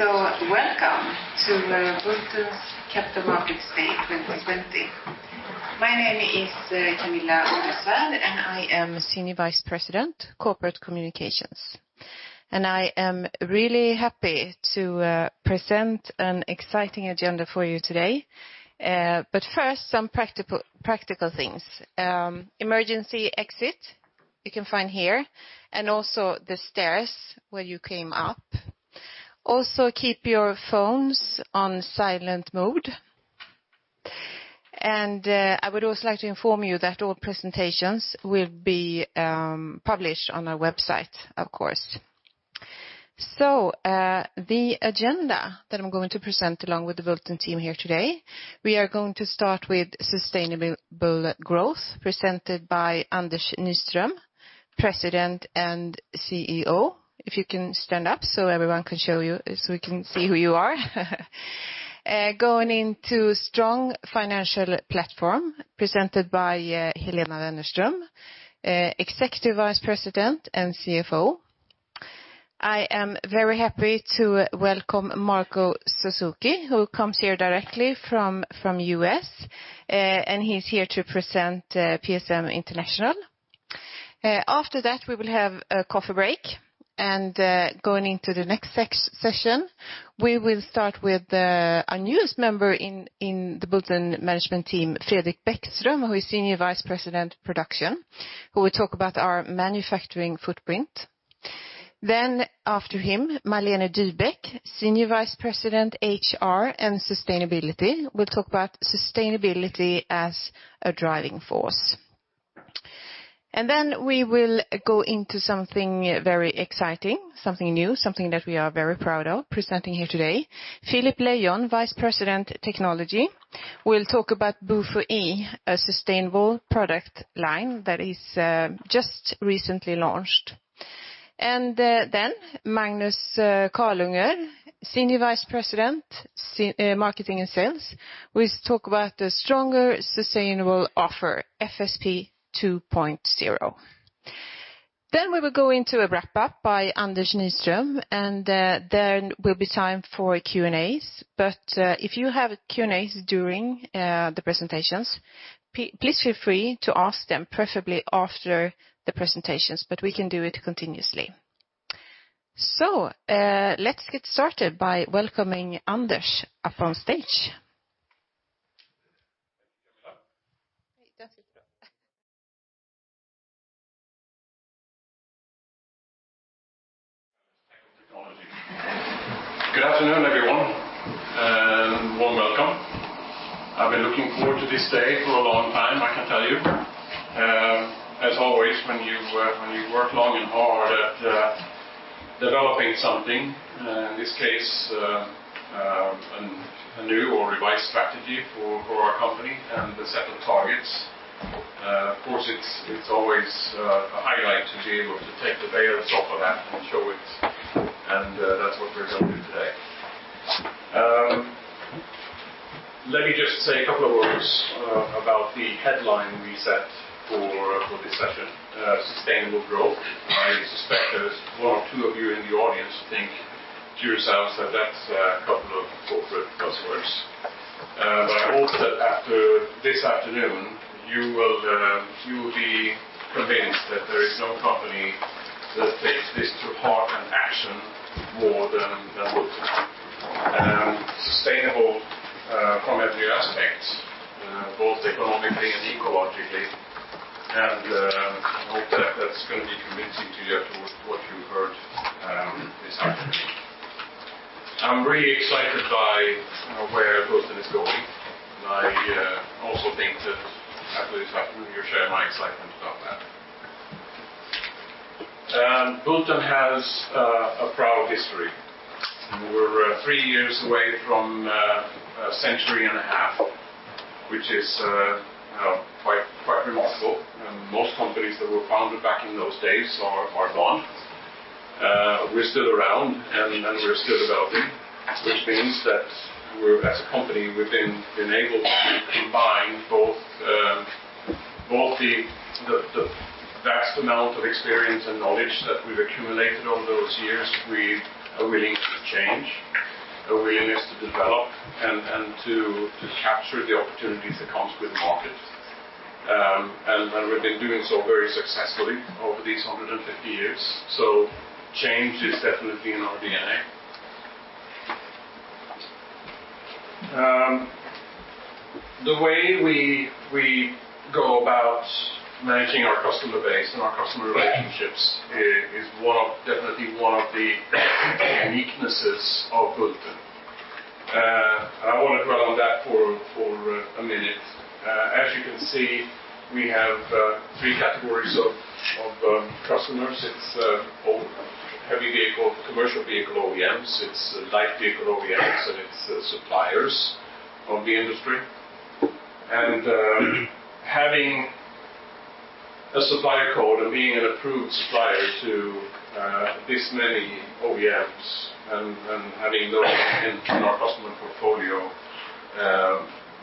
Welcome to Bulten's Capital Markets Day 2020. My name is Kamilla Oresvärd, and I am Senior Vice President, Corporate Communications. I am really happy to present an exciting agenda for you today. First, some practical things. Emergency exit, you can find here, and also the stairs where you came up. Also, keep your phones on silent mode. I would also like to inform you that all presentations will be published on our website, of course. The agenda that I'm going to present along with the Bulten team here today, we are going to start with sustainable growth presented by Anders Nyström, President and CEO. If you can stand up so we can see who you are. Going into strong financial platform presented by Helena Wennerström, Executive Vice President and CFO. I am very happy to welcome Marco Suzuki, who comes here directly from U.S., he's here to present PSM International. After that, we will have a coffee break, going into the next session, we will start with our newest member in the Bulten management team, Fredrik Bäckström, who is Senior Vice President, Production, who will talk about our manufacturing footprint. After him, Marlene Dybeck, Senior Vice President, HR and Sustainability, will talk about sustainability as a driving force. We will go into something very exciting, something new, something that we are very proud of presenting here today. Philip Lejon, Vice President, Technology, will talk about BUFOe, a sustainable product line that is just recently launched. Magnus Carlunger, Senior Vice President, Marketing and Sales, will talk about the stronger sustainable offer, FSP 2.0. We will go into a wrap-up by Anders Nyström, and then will be time for Q&As. If you have Q&As during the presentations, please feel free to ask them, preferably after the presentations, but we can do it continuously. Let's get started by welcoming Anders up on stage. Thank you, Kamilla. Hey, that's it. Technology. Good afternoon, everyone, and warm welcome. I've been looking forward to this day for a long time, I can tell you. As always, when you work long and hard at developing something, in this case, a new or revised strategy for our company and the set of targets, of course, it's always a highlight to be able to take the veils off of that and show it, and that's what we're going to do today. Let me just say a couple of words about the headline we set for this session, sustainable growth. I suspect there's one or two of you in the audience who think to yourselves that that's a couple of corporate buzzwords. I hope that after this afternoon, you will be convinced that there is no company that takes this to heart and action more than Bulten. Sustainable from every aspect, both economically and ecologically. I hope that that's going to be convincing to you after what you heard this afternoon. I'm really excited by where Bulten is going. I also think that after this afternoon, you'll share my excitement about that. Bulten has a proud history. We're three years away from a century and a half, which is quite remarkable. Most companies that were founded back in those days are gone. We're still around, and we're still developing, which means that as a company, we've been able to combine both the vast amount of experience and knowledge that we've accumulated over those years with a willingness to change, a willingness to develop, and to capture the opportunities that comes with market. We've been doing so very successfully over these 150 years. Change is definitely in our DNA. The way we go about managing our customer base and our customer relationships is definitely one of the uniquenesses of Bulten. I want to dwell on that for a minute. As you can see, we have 3 categories of customers. It's heavy vehicle, commercial vehicle OEMs, it's light vehicle OEMs, and it's suppliers of the industry. Having a supplier code and being an approved supplier to this many OEMs and having those in our customer portfolio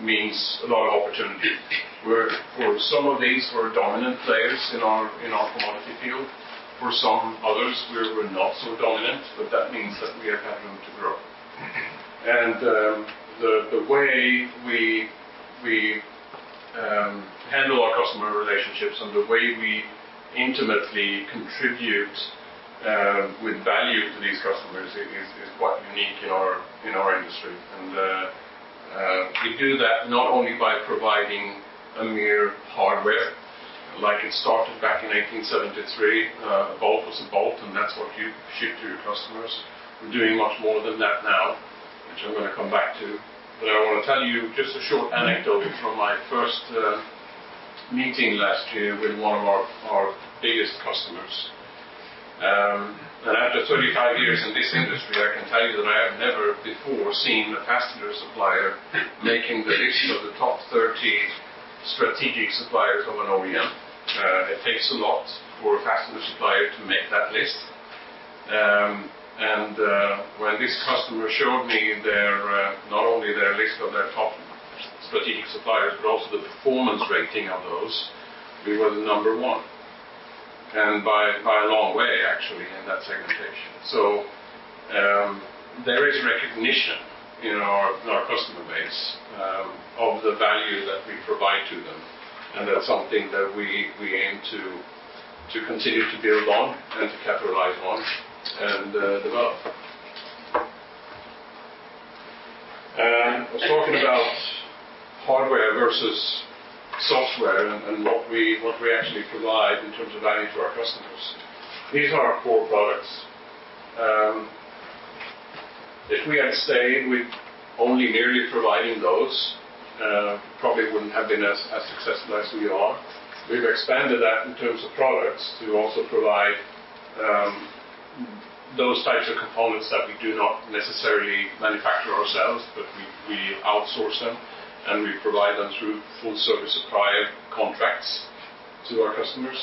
means a lot of opportunity. Where some of these were dominant players in our commodity field, for some others, we're not so dominant, but that means that we are having room to grow. The way we handle our customer relationships and the way we intimately contribute with value to these customers is quite unique in our industry. We do that not only by providing a mere hardware, like it started back in 1873. A bolt was a bolt, and that's what you ship to your customers. We're doing much more than that now, which I'm going to come back to. I want to tell you just a short anecdote from my first meeting last year with one of our biggest customers. After 35 years in this industry, I can tell you that I have never before seen a fastener supplier making the list of the top 30 strategic suppliers of an OEM. It takes a lot for a fastener supplier to make that list. When this customer showed me, not only their list of their top strategic suppliers, but also the performance rating of those, we were the number one, and by a long way, actually, in that segmentation. There is recognition in our customer base of the value that we provide to them, and that's something that we aim to continue to build on and to capitalize on and develop. I was talking about hardware versus software and what we actually provide in terms of value to our customers. These are our core products. If we had stayed with only merely providing those, probably wouldn't have been as successful as we are. We've expanded that in terms of products to also provide those types of components that we do not necessarily manufacture ourselves, but we outsource them, and we provide them through full service supply contracts to our customers.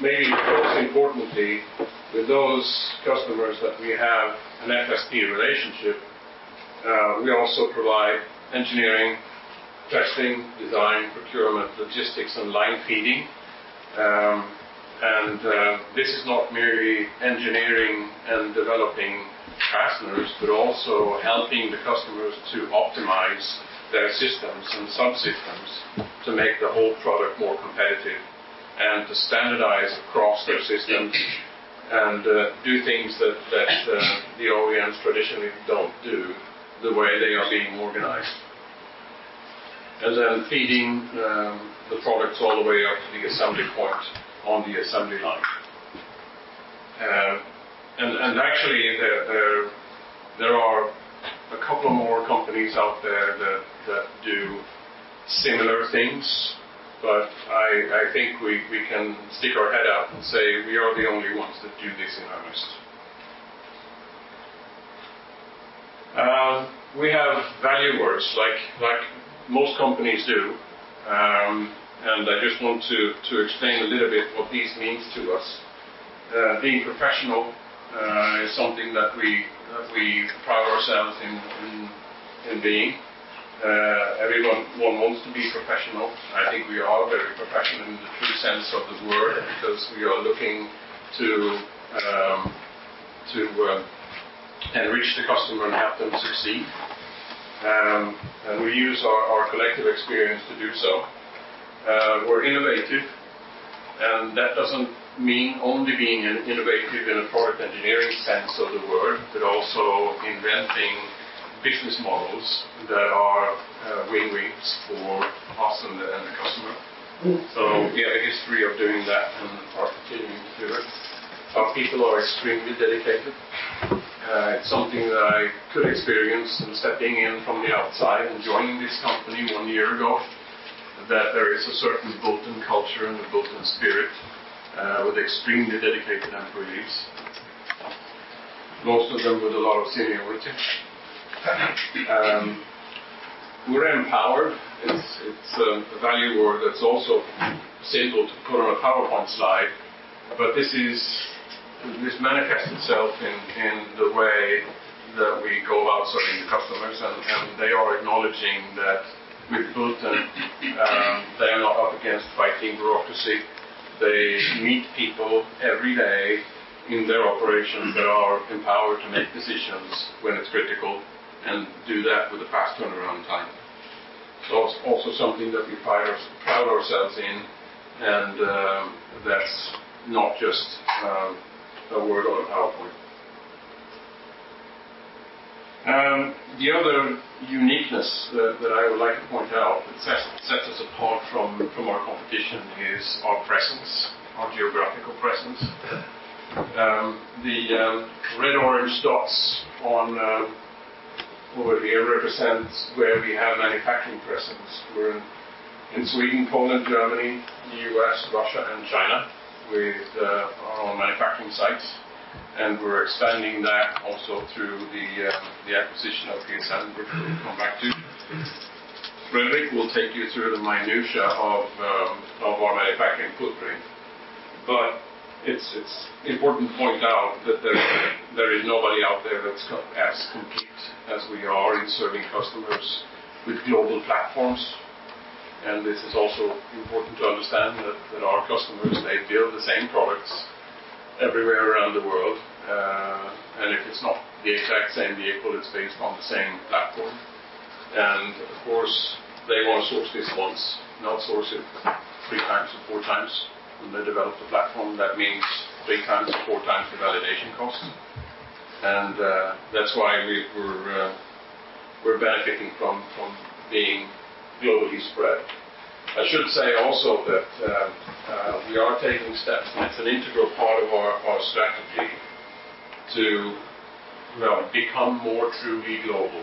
Maybe most importantly, with those customers that we have an FSP relationship, we also provide engineering, testing, design, procurement, logistics, and line feeding. This is not merely engineering and developing fasteners, but also helping the customers to optimize their systems and subsystems to make the whole product more competitive and to standardize across their systems and do things that the OEMs traditionally don't do the way they are being organized. Feeding the products all the way up to the assembly point on the assembly line. Actually, there are a couple of more companies out there that do similar things. I think we can stick our head up and say we are the only ones that do this in earnest. We have value words, like most companies do. I just want to explain a little bit what this means to us. Being professional is something that we pride ourselves in being. Everyone wants to be professional. I think we are very professional in the true sense of the word because we are looking to enrich the customer and help them succeed, and we use our collective experience to do so. We're innovative, and that doesn't mean only being innovative in a product engineering sense of the word, but also inventing business models that are win-wins for us and the customer. We have a history of doing that and are continuing to do it. Our people are extremely dedicated. It's something that I could experience in stepping in from the outside and joining this company one year ago, that there is a certain Bulten culture and a Bulten spirit, with extremely dedicated employees, most of them with a lot of seniority. We're empowered. It's a value word that's also simple to put on a PowerPoint slide, but this manifests itself in the way that we go about serving customers, and they are acknowledging that with Bulten, they are not up against fighting bureaucracy. They meet people every day in their operations that are empowered to make decisions when it's critical and do that with a fast turnaround time. It's also something that we pride ourselves in, and that's not just a word on a PowerPoint. The other uniqueness that I would like to point out that sets us apart from our competition is our presence, our geographical presence. The red-orange dots over here represents where we have manufacturing presence. We're in Sweden, Poland, Germany, U.S., Russia, and China, with our manufacturing sites, and we're expanding that also through the acquisition of PSM, which we'll come back to. Fredrik will take you through the minutia of our manufacturing footprint. It's important to point out that there is nobody out there that's as complete as we are in serving customers with global platforms. This is also important to understand that our customers, they build the same products everywhere around the world. If it's not the exact same vehicle, it's based on the same platform. Of course, they want to source this once, not source it three times or four times when they develop the platform. That means three times or four times the validation cost. That's why we're benefiting from being globally spread. I should say also that we are taking steps, and it's an integral part of our strategy, to become more truly global.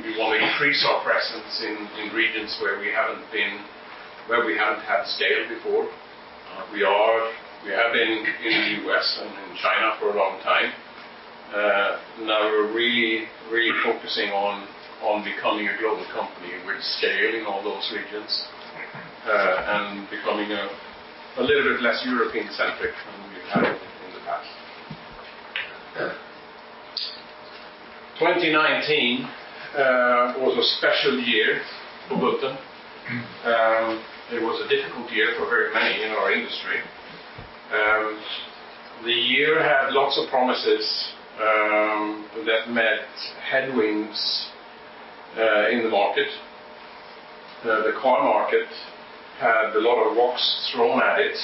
We want to increase our presence in regions where we haven't had scale before. We have been in the U.S. and in China for a long time. We're really focusing on becoming a global company with scale in all those regions, and becoming a little bit less European-centric than we have in the past. 2019 was a special year for Bulten. It was a difficult year for very many in our industry. The year had lots of promises that met headwinds in the market. The car market had a lot of rocks thrown at it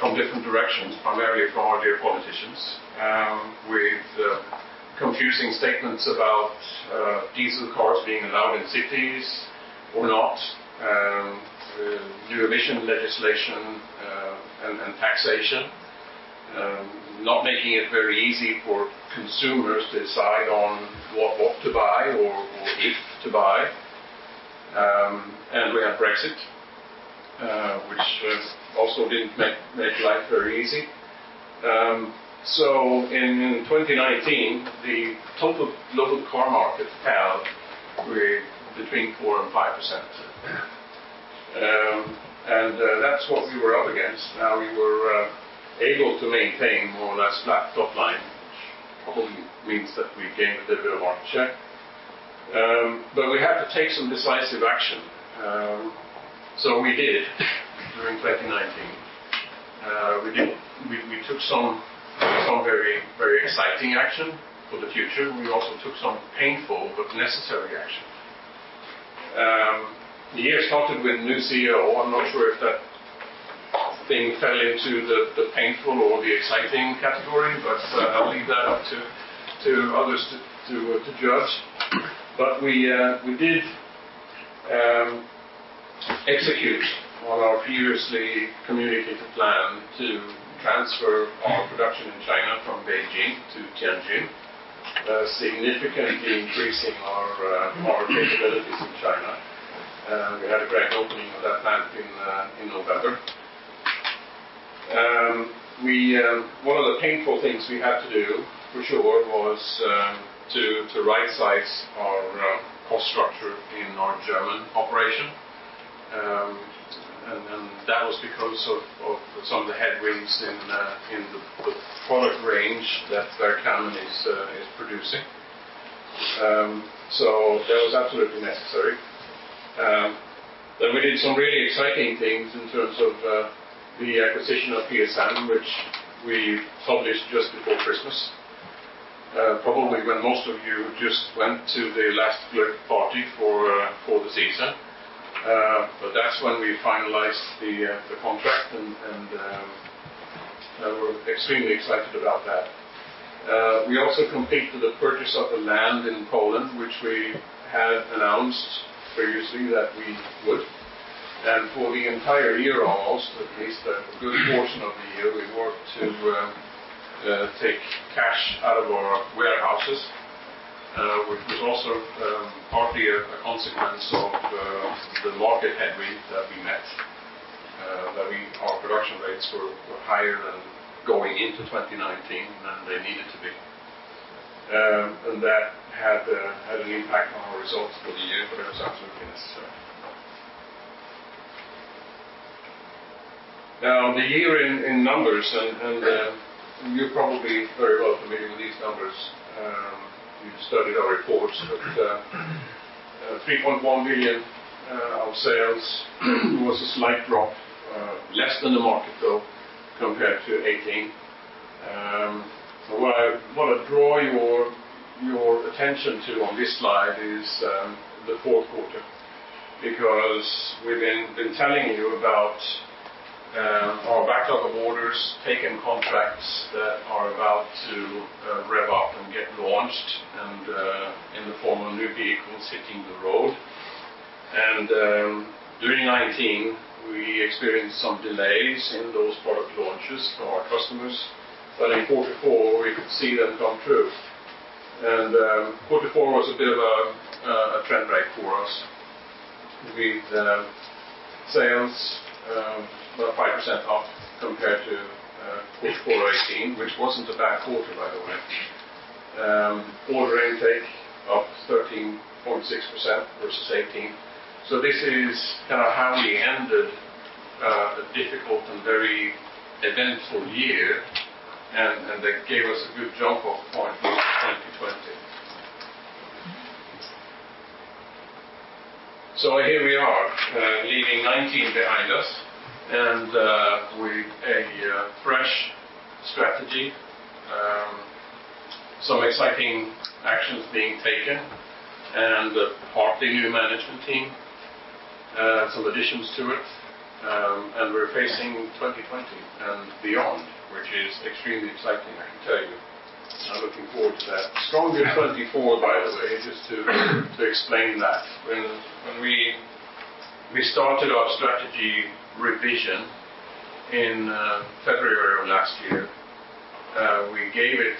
from different directions, primarily from our dear politicians, with confusing statements about diesel cars being allowed in cities or not, new emission legislation and taxation, not making it very easy for consumers to decide on what to buy or if to buy. We had Brexit, which also didn't make life very easy. In 2019, the total global car market fell between 4% and 5%. That's what we were up against. We were able to maintain more or less flat top line, which probably means that we came a little bit of our check. We had to take some decisive action. We did during 2019. We took some very exciting action for the future, and we also took some painful but necessary action. The year started with a new CEO, I'm not sure if that thing fell into the painful or the exciting category, but I'll leave that up to others to judge. We did execute on our previously communicated plan to transfer our production in China from Beijing to Tianjin, significantly increasing our capabilities in China. We had a grand opening of that plant in November. One of the painful things we had to do, for sure, was to rightsize our cost structure in our German operation. That was because of some of the headwinds in the product range that Bergkamen is producing. That was absolutely necessary. We did some really exciting things in terms of the acquisition of PSM, which we published just before Christmas. Probably when most of you just went to the last party for the season. That's when we finalized the contract, and we're extremely excited about that. We also completed the purchase of the land in Poland, which we had announced previously that we would. For the entire year, almost, at least a good portion of the year, we worked to take cash out of our warehouses, which was also partly a consequence of the market headwind that we met, that our production rates were higher going into 2019 than they needed to be. That had an impact on our results for the year, but it was absolutely necessary. Now, the year in numbers, and you're probably very well familiar with these numbers. You've studied our reports, but 3.1 billion of sales was a slight drop, less than the market though, compared to 2018. What I want to draw your attention to on this slide is the fourth quarter, because we've been telling you about our backlog of orders, taken contracts that are about to rev up and get launched and in the form of new vehicles hitting the road. During 2019, we experienced some delays in those product launches for our customers. In quarter four, we could see them come through. Quarter four was a bit of a trend break for us, with sales 5% up compared to (quarter four 2018), which wasn't a bad quarter, by the way. Order intake up 13.6% versus 2018. This is how we ended a difficult and very eventful year, and that gave us a good jump-off point for 2020. Here we are, leaving 2019 behind us, with a fresh strategy, some exciting actions being taken, a partly new management team, some additions to it, we're facing 2020 and beyond, which is extremely exciting, I can tell you. I'm looking forward to that. Stronger 24, by the way, just to explain that. When we started our strategy revision in February of last year, we gave it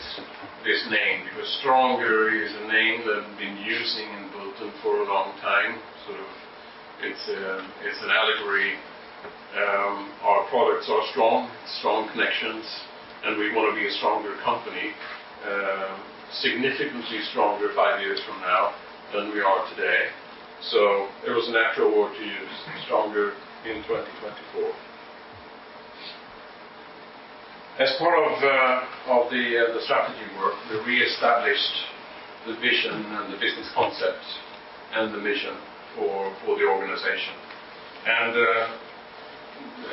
this name because Stronger is a name that we've been using in Bulten for a long time. It's an allegory. Our products are strong connections, and we want to be a stronger company, significantly stronger five years from now than we are today. It was a natural word to use, Stronger in 2024. As part of the strategy work, we re-established the vision and the business concept and the mission for the organization.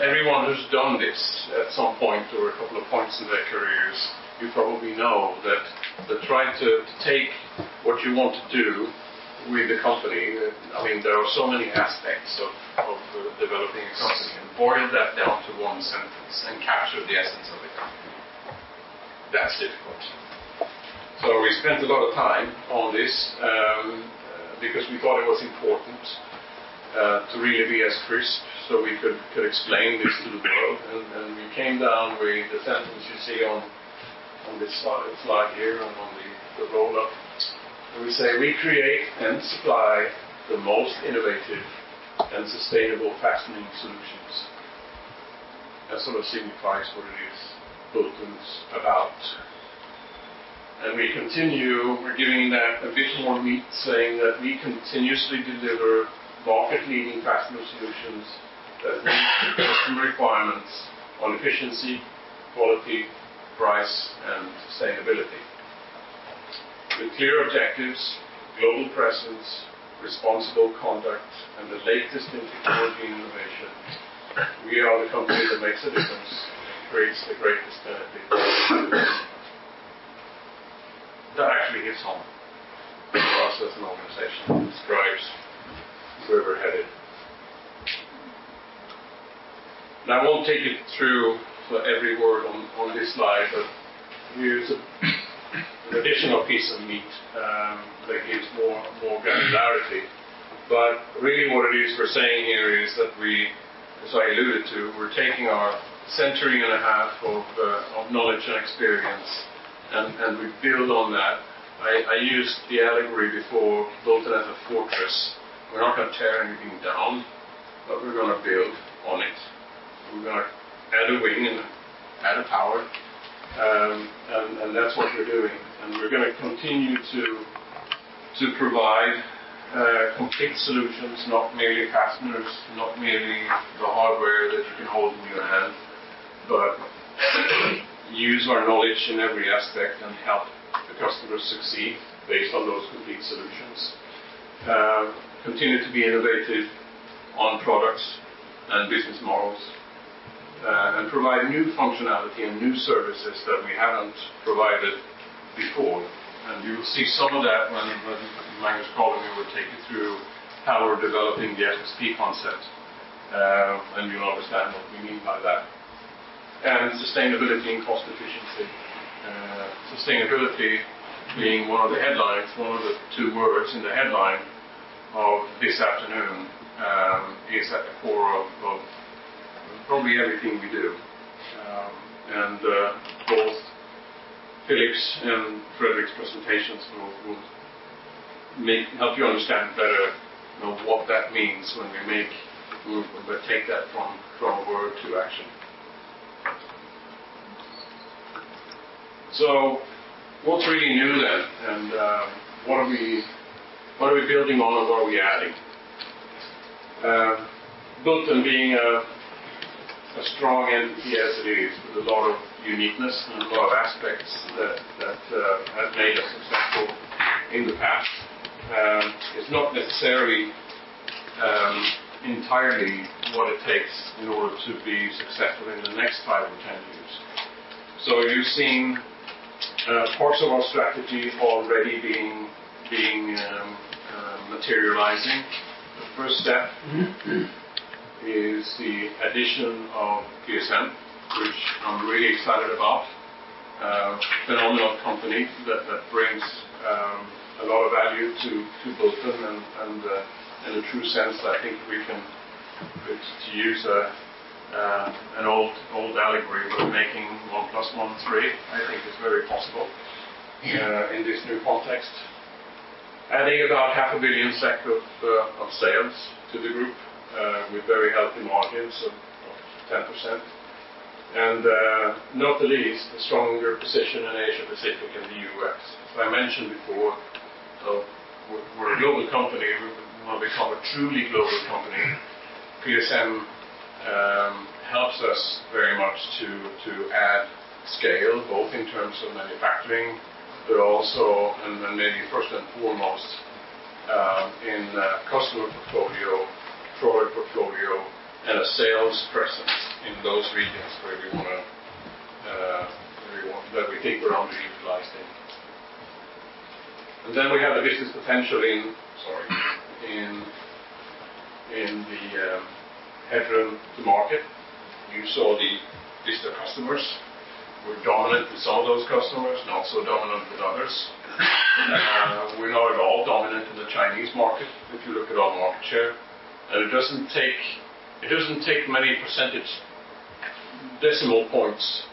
Everyone who's done this at some point or a couple of points in their careers, you probably know that to try to take what you want to do with the company, there are so many aspects of developing a company, and boil that down to one sentence and capture the essence of the company. That's difficult. We spent a lot of time on this, because we thought it was important, to really be as crisp so we could explain this to the world. We came down with the sentence you see on this slide here and on the roll-up. We say, "We create and supply the most innovative and sustainable fastening solutions." That sort of signifies what it is Bulten's about. We continue, we're giving that a bit more meat saying that, "We continuously deliver market-leading fastener solutions that meet customer requirements on efficiency, quality, price, and sustainability. With clear objectives, global presence, responsible conduct, and the latest in technology innovation, we are the company that makes a difference and creates the greatest value for our customers." That actually hits home for us as an organization and describes where we're headed. Now, I won't take you through every word on this slide, but here's an additional piece of meat, that gives more granularity. Really what it is we're saying here is that we, as I alluded to, we're taking our century and a half of knowledge and experience, and we build on that. I used the allegory before, Bulten as a fortress. We're not going to tear anything down, but we're going to build on it. We're going to add a wing and add a tower, and that's what we're doing. We're going to continue to provide complete solutions, not merely fasteners, not merely the hardware that you can hold in your hand, but use our knowledge in every aspect and help the customer succeed based on those complete solutions. Continue to be innovative on products and business models, and provide new functionality and new services that we haven't provided before. You will see some of that when Magnus Carlunger will take you through how we're developing the FSP concept, and you'll understand what we mean by that. Sustainability and cost efficiency. Sustainability being one of the headlines, one of the two words in the headline of this afternoon, is at the core of probably everything we do. Both Philip Lejon and Fredrik's presentations will help you understand better what that means when we take that from word to action. What's really new then, and what are we building on and what are we adding? Bulten being a strong entity as it is, with a lot of uniqueness and a lot of aspects that have made us successful in the past. It's not necessarily entirely what it takes in order to be successful in the next five or 10 years. You're seeing parts of our strategy already materializing. The first step is the addition of PSM, which I'm really excited about. Phenomenal company that brings a lot of value to Bulten, and in a true sense, I think we can, to use an old allegory, we're making one plus one three. I think it's very possible in this new context. Adding about half a billion SEK of sales to the group with very healthy margins of 10%. Not the least, a stronger position in Asia-Pacific and the U.S. As I mentioned before, we're a global company. We want to become a truly global company. PSM helps us very much to add scale, both in terms of manufacturing, but also, and maybe first and foremost, in customer portfolio, product portfolio, and a sales presence in those regions where we think we're underutilized in. We have the business potential in the headroom to market. You saw the list of customers. We're dominant with some of those customers, not so dominant with others. We're not at all dominant in the Chinese market if you look at our market share, and it doesn't take many percentage decimal points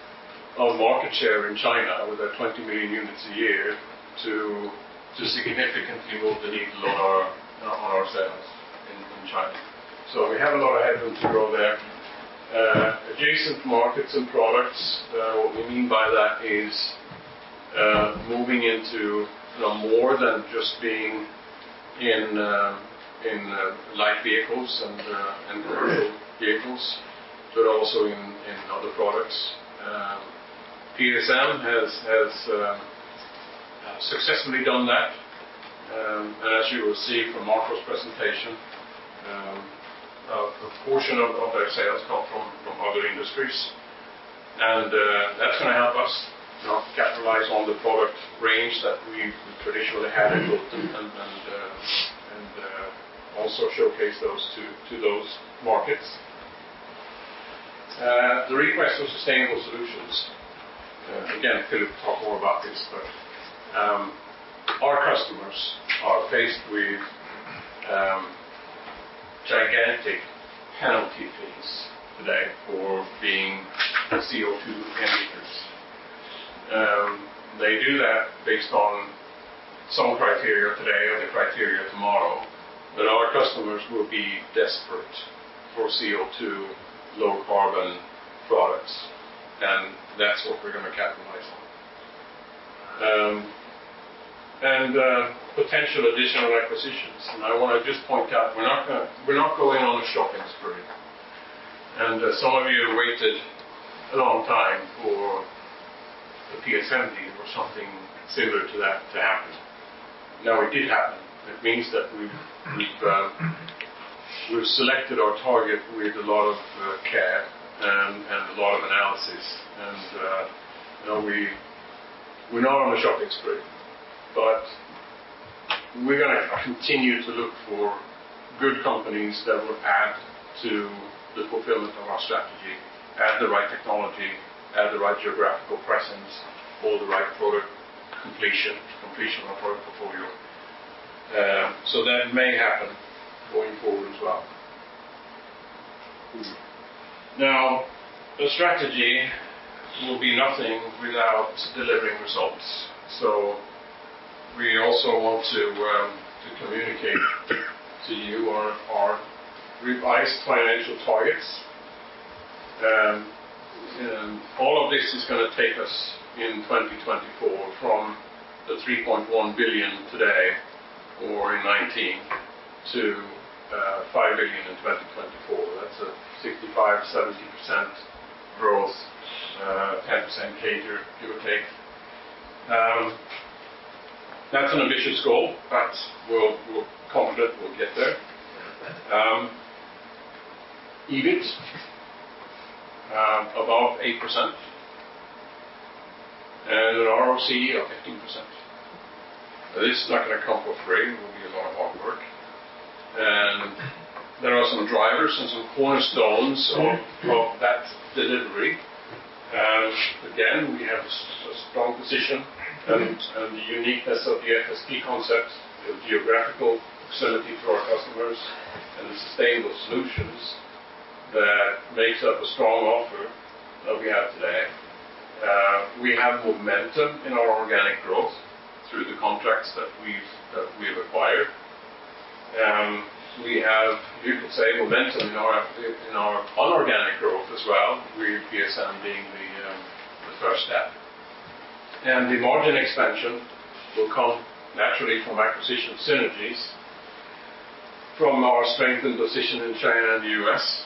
of market share in China with their 20 million units a year to significantly move the needle on our sales in China. We have a lot of headroom to grow there. Adjacent markets and products, what we mean by that is moving into more than just being in light vehicles and commercial vehicles, but also in other products. PSM has successfully done that. As you will see from Marco's presentation, a portion of their sales come from other industries. That's going to help us capitalize on the product range that we traditionally had in Bulten and also showcase those to those markets. The request for sustainable solutions, again, Philip will talk more about this, but our customers are faced with gigantic penalty fees today for being CO2 emitters. They do that based on some criteria today, other criteria tomorrow, but our customers will be desperate for CO2 low-carbon products, and that's what we're going to capitalize on. Potential additional acquisitions, and I want to just point out, we're not going on a shopping spree. Some of you waited a long time for the PSM deal or something similar to that to happen. Now it did happen. It means that we've selected our target with a lot of care and a lot of analysis, and we're not on a shopping spree. We are going to continue to look for good companies that will add to the fulfillment of our strategy, add the right technology, add the right geographical presence, or the right product completion of our portfolio. That may happen going forward as well. The strategy will be nothing without delivering results. We also want to communicate to you our revised financial targets. All of this is going to take us in 2024 from the 3.1 billion today or in 2019 to 5 billion in 2024. That's a 65%-70% growth, 10% CAGR, give or take. That's an ambitious goal, but we're confident we'll get there. EBIT, above 8%, and an ROCE of 15%. This is not going to come for free. It will be a lot of hard work. There are some drivers and some cornerstones of that delivery. Again, we have a strong position and the uniqueness of the FSP concept, the geographical proximity to our customers, and the sustainable solutions that makes up a strong offer that we have today. We have momentum in our organic growth through the contracts that we have acquired. We have, you could say, momentum in our un-organic growth as well, with PSM being the first step. The margin expansion will come naturally from acquisition synergies, from our strengthened position in China and the U.S.,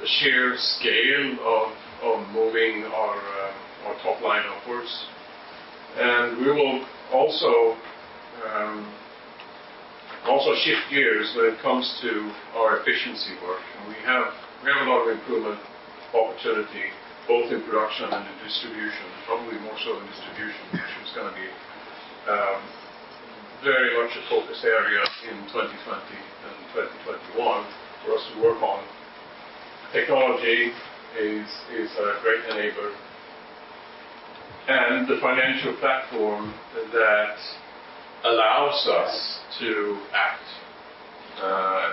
the sheer scale of moving our top line upwards. We will also shift gears when it comes to our efficiency work. We have a lot of improvement opportunity, both in production and in distribution, probably more so in distribution, which is going to be very much a focus area in 2020 and 2021 for us to work on. Technology is a great enabler, and the financial platform that allows us to act.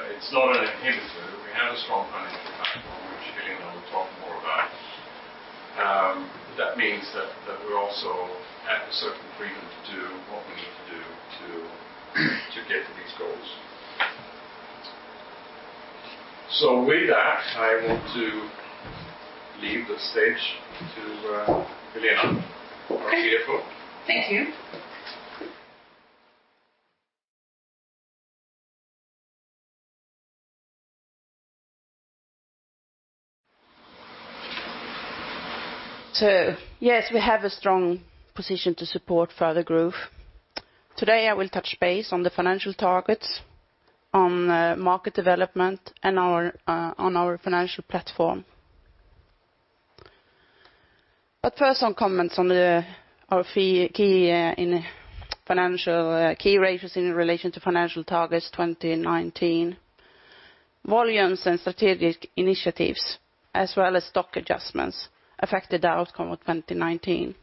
It is not an inhibitor. We have a strong financial platform, which Helena will talk more about. That means that we also have a certain freedom to do what we need to do to get to these goals. With that, I want to leave the stage to Helena, our CFO. Thank you. Yes, we have a strong position to support further growth. Today, I will touch base on the financial targets, on market development, and on our financial platform. First, some comments on our key ratios in relation to financial targets 2019. Volumes and strategic initiatives as well as stock adjustments affected the outcome of 2019.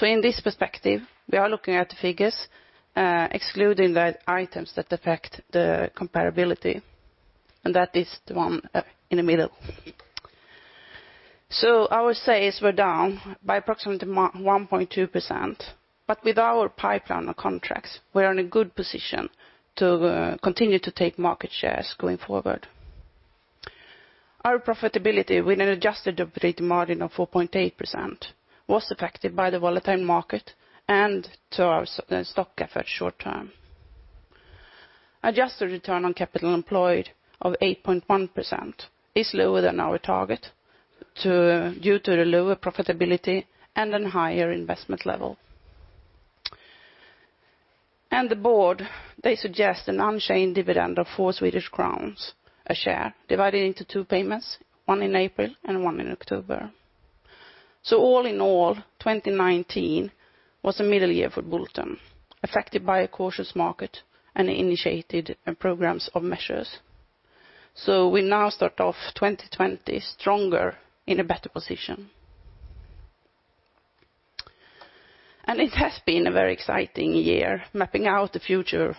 In this perspective, we are looking at the figures, excluding the items that affect the comparability, and that is the one in the middle. Our sales were down by approximately 1.2%, but with our pipeline of contracts, we are in a good position to continue to take market shares going forward. Our profitability with an adjusted operating margin of 4.8% was affected by the volatile market and to our stock efforts short term. Adjusted Return on Capital Employed of 8.1% is lower than our target due to the lower profitability and higher investment level. The board, they suggest an unchanged dividend of 4 Swedish crowns a share, divided into two payments, one in April and one in October. All in all, 2019 was a middle year for Bulten, affected by a cautious market and initiated programs of measures. We now start off 2020 stronger, in a better position. It has been a very exciting year mapping out the future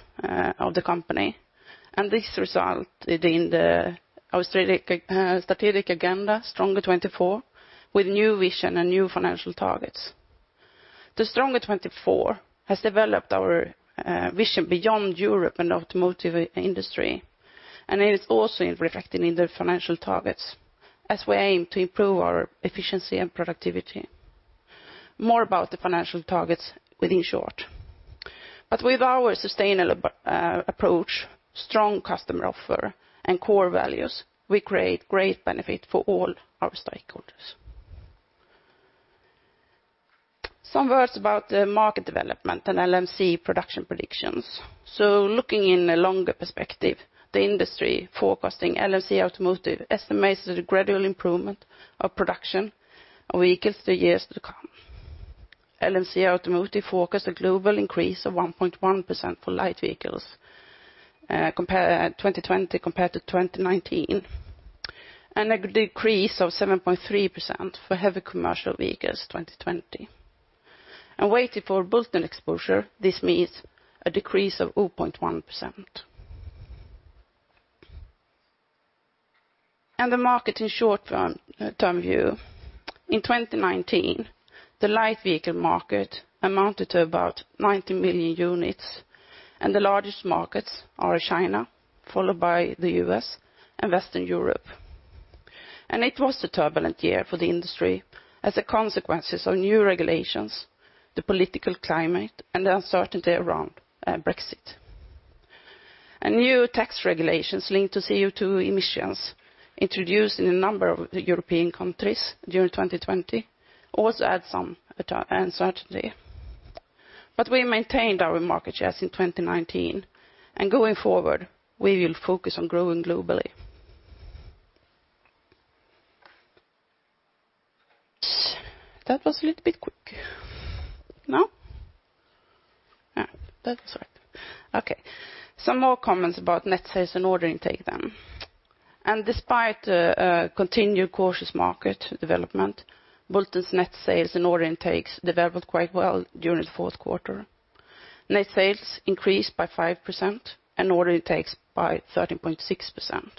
of the company. This resulted in our strategic agenda, Stronger 24, with new vision and new financial targets. The Stronger 24 has developed our vision beyond Europe and automotive industry, and it is also reflected in the financial targets as we aim to improve our efficiency and productivity. More about the financial targets within short. With our sustainable approach, strong customer offer, and core values, we create great benefit for all our stakeholders. Some words about the market development and LMC production predictions. Looking in a longer perspective, the industry forecasting LMC Automotive estimates a gradual improvement of production of vehicles the years to come. LMC Automotive forecasts a global increase of 1.1% for light vehicles 2020 compared to 2019, and a decrease of 7.3% for heavy commercial vehicles 2020. Weighted for Bulten exposure, this means a decrease of 0.1%. The market in short-term view. In 2019, the light vehicle market amounted to about 90 million units, and the largest markets are China, followed by the U.S. and Western Europe. It was a turbulent year for the industry as a consequence of new regulations, the political climate, and the uncertainty around Brexit. New tax regulations linked to CO2 emissions introduced in a number of European countries during 2020 also add some uncertainty. We maintained our market shares in 2019, and going forward, we will focus on growing globally. That was a little bit quick. No? Yeah, that was right. Okay. Some more comments about net sales and order intake then. Despite a continued cautious market development, Bulten's net sales and order intakes developed quite well during the fourth quarter. Net sales increased by 5% and order intakes by 13.6%,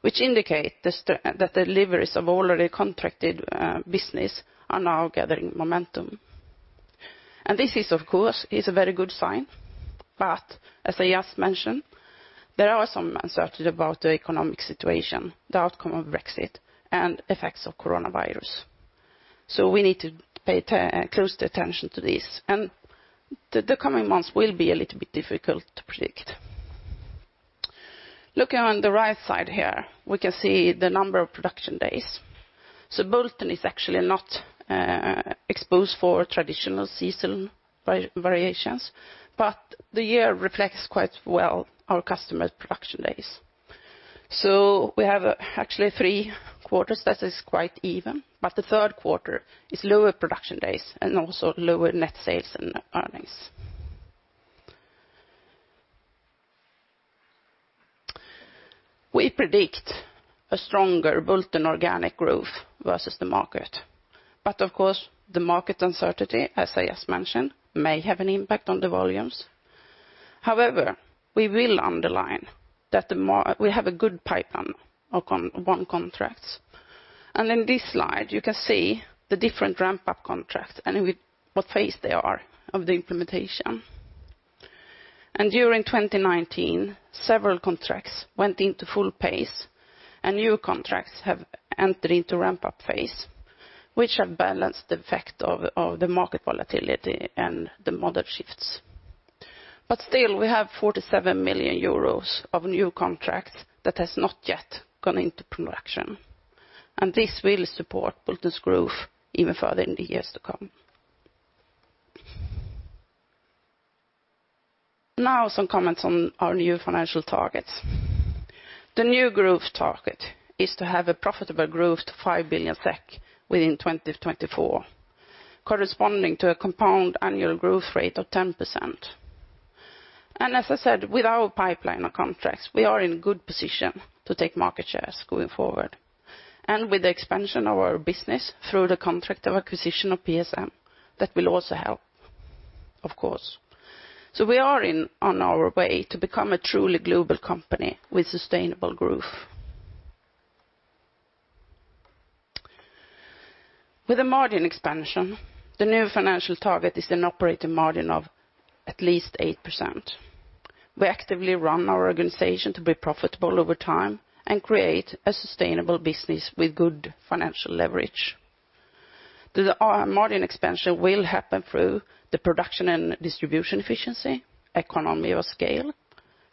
which indicate that deliveries of already contracted business are now gathering momentum. This is, of course, a very good sign. As I just mentioned, there are some uncertainty about the economic situation, the outcome of Brexit, and effects of coronavirus. We need to pay close attention to this. The coming months will be a little bit difficult to predict. Looking on the right side here, we can see the number of production days. Bulten is actually not exposed for traditional seasonal variations, but the year reflects quite well our customer production days. We have actually three quarters that is quite even, but the third quarter is lower production days and also lower net sales and earnings. We predict a stronger Bulten organic growth versus the market. Of course, the market uncertainty, as I just mentioned, may have an impact on the volumes. However, we will underline that we have a good pipeline of won contracts. In this slide, you can see the different ramp-up contracts and what phase they are of the implementation. During 2019, several contracts went into full pace and new contracts have entered into ramp-up phase, which have balanced the effect of the market volatility and the model shifts. Still, we have 47 million euros of new contracts that has not yet gone into production. This will support Bulten's growth even further in the years to come. Now some comments on our new financial targets. The new growth target is to have a profitable growth to 5 billion SEK within 2024, corresponding to a compound annual growth rate of 10%. As I said, with our pipeline of contracts, we are in good position to take market shares going forward. With the expansion of our business through the contract of acquisition of PSM, that will also help, of course. We are on our way to become a truly global company with sustainable growth. With a margin expansion, the new financial target is an operating margin of at least 8%. We actively run our organization to be profitable over time and create a sustainable business with good financial leverage. The margin expansion will happen through the production and distribution efficiency, economy of scale,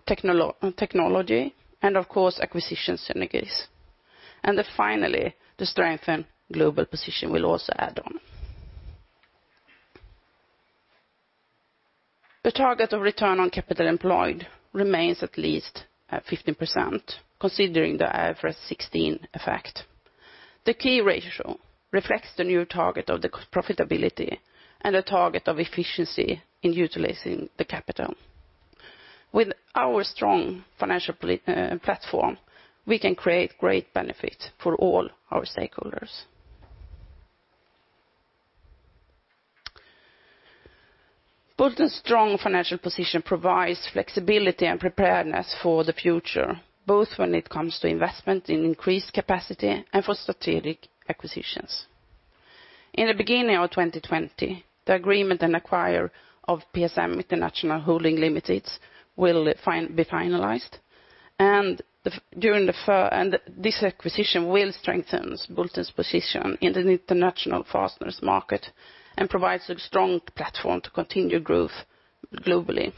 technology, and of course, acquisition synergies. Finally, the strengthened global position will also add on. The target of return on capital employed remains at least at 15%, considering the IFRS 16 effect. The key ratio reflects the new target of the profitability and the target of efficiency in utilizing the capital. With our strong financial platform, we can create great benefit for all our stakeholders. Bulten's strong financial position provides flexibility and preparedness for the future, both when it comes to investment in increased capacity and for strategic acquisitions. In the beginning of 2020, the agreement and acquire of PSM International Holdings Limited will be finalized. This acquisition will strengthen Bulten's position in the international fasteners market and provides a strong platform to continue growth globally.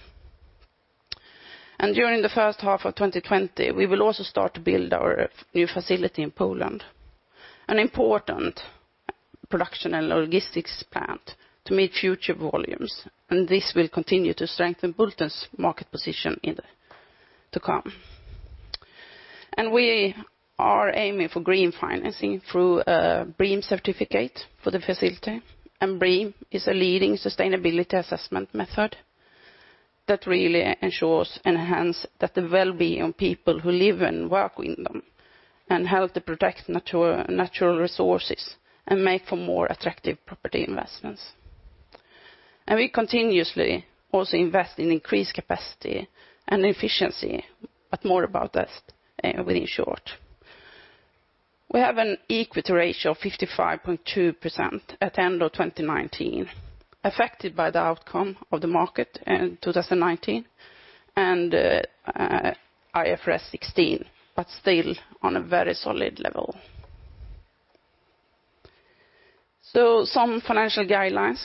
During the first half of 2020, we will also start to build our new facility in Poland, an important production and logistics plant to meet future volumes, and this will continue to strengthen Bulten's market position to come. We are aiming for green financing through a BREEAM certificate for the facility. BREEAM is a leading sustainability assessment method that really ensures and enhance that the wellbeing of people who live and work in them, and help to protect natural resources and make for more attractive property investments. We continuously also invest in increased capacity and efficiency, but more about that within short. We have an equity ratio of 55.2% at the end of 2019, affected by the outcome of the market in 2019 and IFRS 16, still on a very solid level. Some financial guidelines.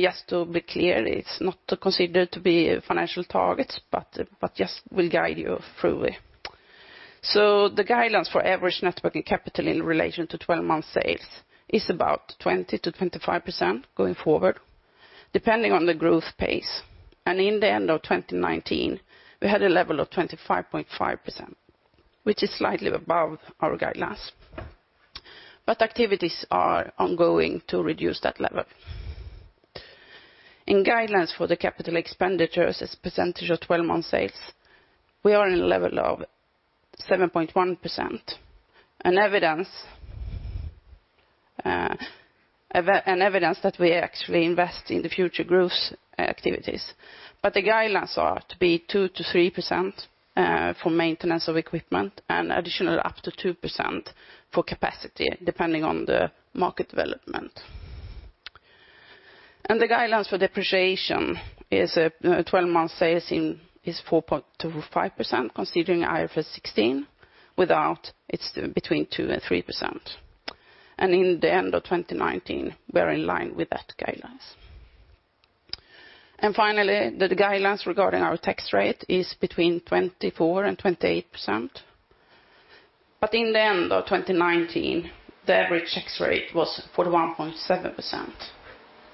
Just to be clear, it's not considered to be a financial target, just will guide you through it. The guidelines for average net working capital in relation to 12-month sales is about 20%-25% going forward, depending on the growth pace. In the end of 2019, we had a level of 25.5%, which is slightly above our guidelines. Activities are ongoing to reduce that level. In guidelines for the capital expenditures as percentage of 12-month sales, we are in a level of 7.1%, evidence that we actually invest in the future growth activities. The guidelines are to be 2%-3% for maintenance of equipment, and additional up to 2% for capacity depending on the market development. The guidelines for depreciation is a 12-month sales is 4.25%, considering IFRS 16. Without, it's between 2% and 3%. In the end of 2019, we're in line with that guidelines. Finally, the guidelines regarding our tax rate is between 24% and 28%. In the end of 2019, the average tax rate was 41.7%,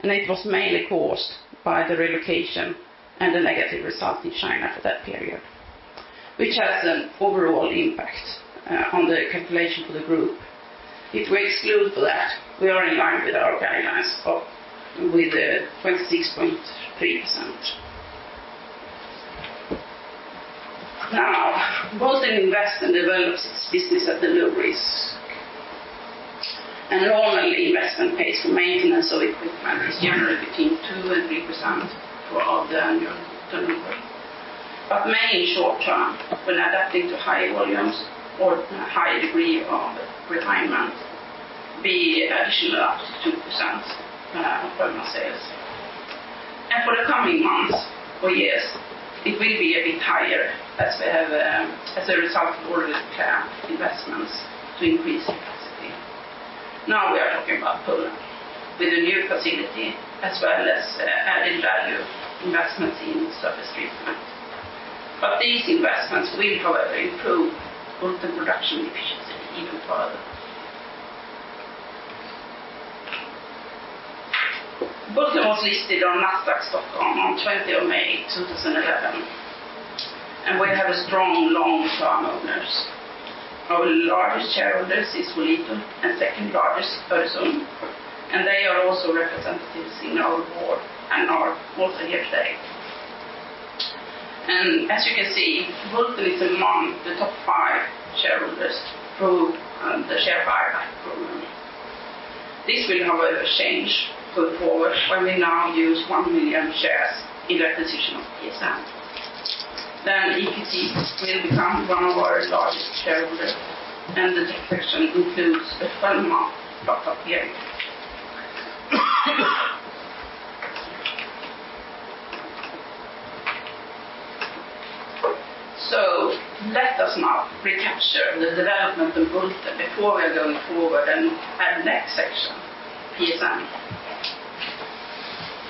and it was mainly caused by the relocation and the negative result in China for that period, which has an overall impact on the calculation for the group. If we exclude that, we are in line with our guidelines of with 26.3%. Now, Bulten invest and develops its business at a low risk. Normally, investment pays for maintenance of equipment is generally between 2% and 3% of the annual turnover. May, in short term, when adapting to higher volumes or higher degree of refinement, be additionally up to 2% of volume sales. For the coming months or years, it will be a bit higher as a result of already planned investments to increase capacity. Now we are talking about Poland, with a new facility as well as added-value investments in surface treatment. These investments will, however, improve Bulten production efficiency even further. Bulten was listed on Nasdaq Stockholm on 20th of May 2011. We have strong long-term owners. Our largest shareholder is Volito, and second largest, Öresund, and they are also representatives in our board and are also here today. As you can see, Bulten is among the top five shareholders through the share buyback program. This will change going forward when we now use 1 million shares in the acquisition of PSM. EPT will become one of our largest shareholders, and the detection includes the 12-month platform period. Let us now recapture the development in Bulten before we are going forward and the next section, PSM.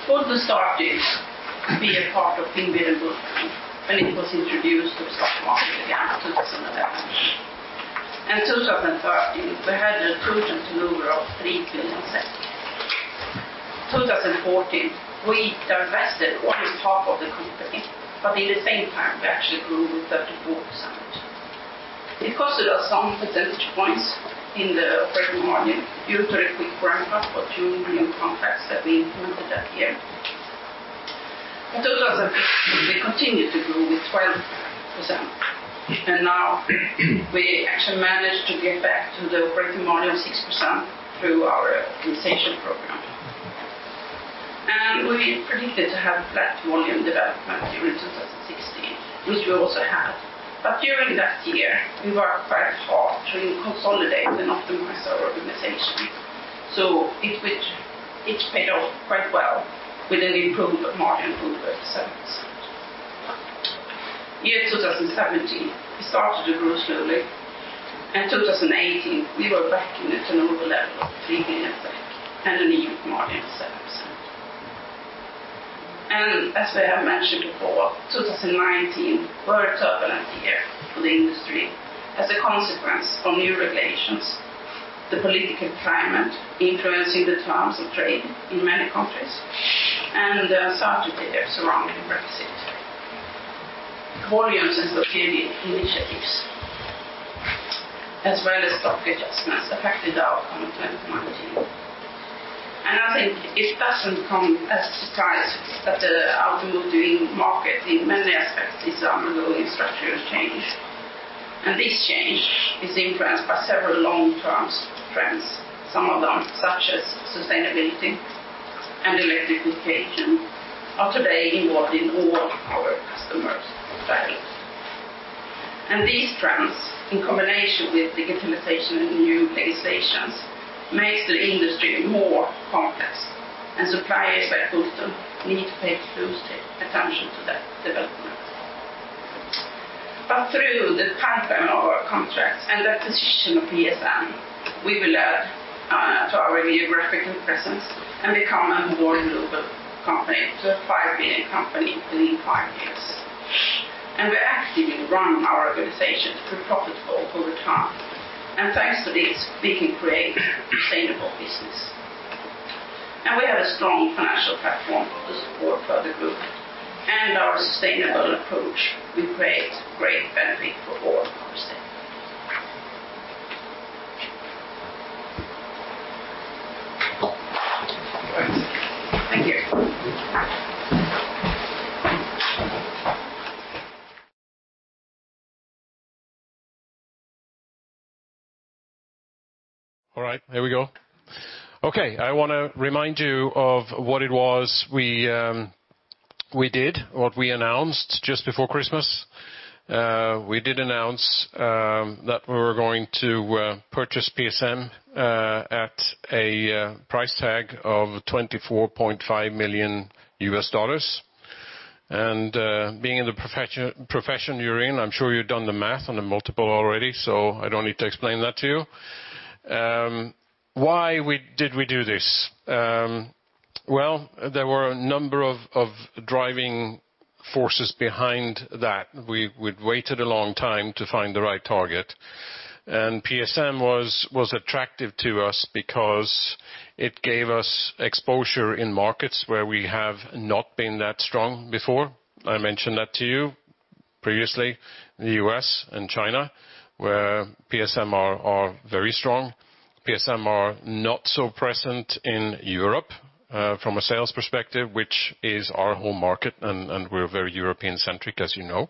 Bulten started to be a part of (indutrade Bulten), and it was introduced to the stock market again in 2011. In 2013, we had a turnover of SEK 3 trillion. 2014, we divested one half of the company, but in the same time, we actually grew with 34%. It costed us some percentage points in the operating margin due to the quick ramp-up of two new contracts that we implemented that year. In 2015, we continued to grow with 12%. Now we actually managed to get back to the operating margin 6% through our optimization program. We predicted to have flat volume development during 2016, which we also had. During that year, we worked quite hard to consolidate and optimize our organization. It paid off quite well with an improved margin over 7%. Year 2017, we started to grow slowly. In 2018, we were back in the turnover level of 3 billion and a new margin of 7%. As I have mentioned before, 2019 was a turbulent year for the industry as a consequence of new regulations, the political climate influencing the terms of trade in many countries, and the uncertainty surrounding Brexit. Volumes and strategic initiatives, as well as stock adjustments, affected the outcome of 2019. I think it doesn't come as surprise that the automotive market, in many aspects, is undergoing structural change. This change is influenced by several long-term trends. Some of them, such as sustainability and electrification, are today involved in all our customers' values. These trends, in combination with digitalization and new legislations, makes the industry more complex, and suppliers like Bulten need to pay close attention to that development. Through the pattern of our contracts and acquisition of PSM, we will add to our geographical presence and become a more global company, to a 5 billion company within five years. We actively run our organization through profitable growth time. Thanks to this, we can create sustainable business. We have a strong financial platform to support further growth, and our sustainable approach will create great benefit for all our stakeholders. Thank you. All right, here we go. Okay, I want to remind you of what it was we did, what we announced just before Christmas. We did announce that we were going to purchase PSM at a price tag of $24.5 million. Being in the profession you're in, I'm sure you've done the math on the multiple already, so I don't need to explain that to you. Why did we do this? Well, there were a number of driving forces behind that. We'd waited a long time to find the right target. PSM was attractive to us because it gave us exposure in markets where we have not been that strong before. I mentioned that to you previously, the U.S. and China, where PSM are very strong. PSM are not so present in Europe from a sales perspective, which is our home market, and we're very European-centric, as you know.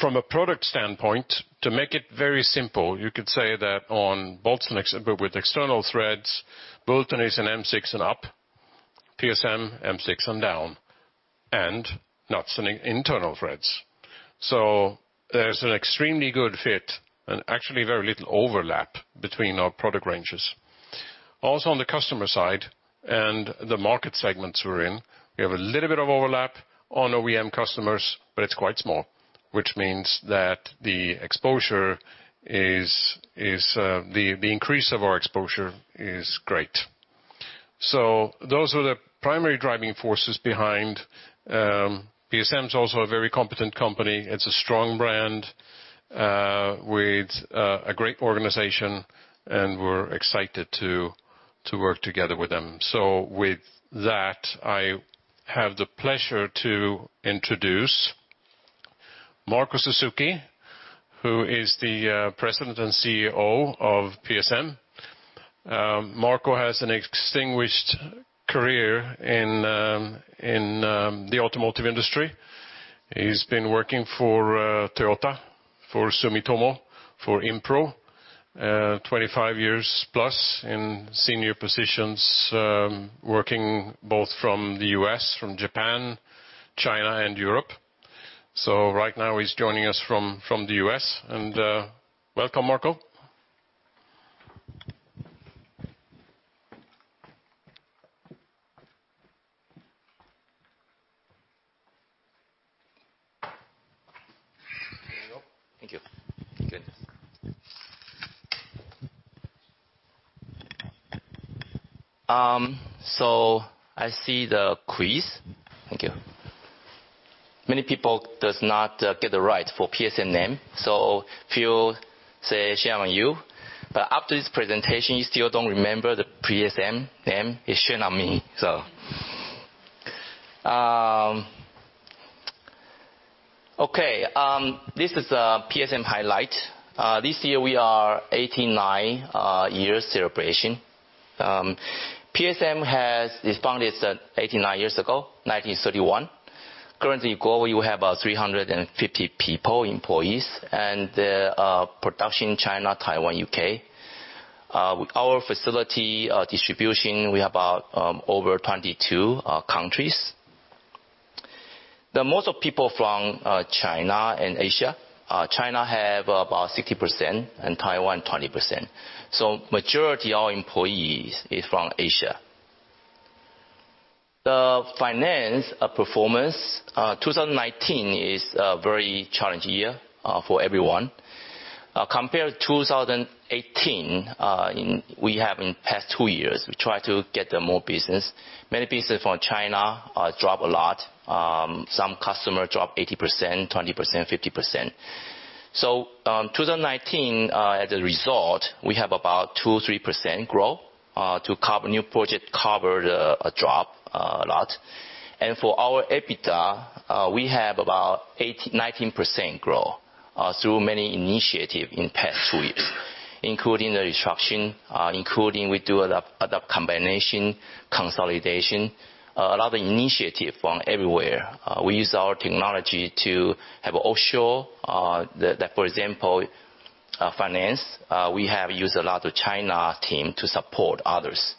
From a product standpoint, to make it very simple, you could say that on bolts with external threads, Bulten is an M6 and up, PSM, M6 and down, and nuts in internal threads. There's an extremely good fit and actually very little overlap between our product ranges. Also, on the customer side and the market segments we're in, we have a little bit of overlap on OEM customers, but it's quite small, which means that the increase of our exposure is great. Those are the primary driving forces behind PSM is also a very competent company. It's a strong brand with a great organization, and we're excited to work together with them. With that, I have the pleasure to introduce Marco Suzuki, who is the president and CEO of PSM. Marco has a distinguished career in the automotive industry. He's been working for Toyota, for Sumitomo, for Impro, 25 years plus in senior positions, working both from the U.S., from Japan, China, and Europe. Right now, he's joining us from the U.S. Welcome, Marco. Here you go. Thank you. Good. I see the quiz. Thank you. Many people does not get the right for PSM name, so if you say shame on you. After this presentation, you still don't remember the PSM name, it's shame on me. Okay. This is a PSM highlight. This year, we are 89 years celebration. PSM was founded 89 years ago, 1931. Currently, globally, we have about 350 people, employees. The production in China, Taiwan, U.K. Our facility distribution, we have about over 22 countries. The most of people from China and Asia. China have about 60% and Taiwan 20%. Majority of our employees is from Asia. The finance performance, 2019 is a very challenging year for everyone. Compared to 2018, we have in past two years, we try to get the more business. Many business from China drop a lot. Some customer drop 80%, 20%, 50%. 2019, as a result, we have about 2%, 3% growth, to cover new project, cover the drop a lot. For our EBITDA, we have about 18%, 19% growth through many initiative in past two years, including the restructuring, including we do adopt commonalization, consolidation, a lot of initiative from everywhere. We use our technology to have offshore, for example, finance. We have used a lot of China team to support others,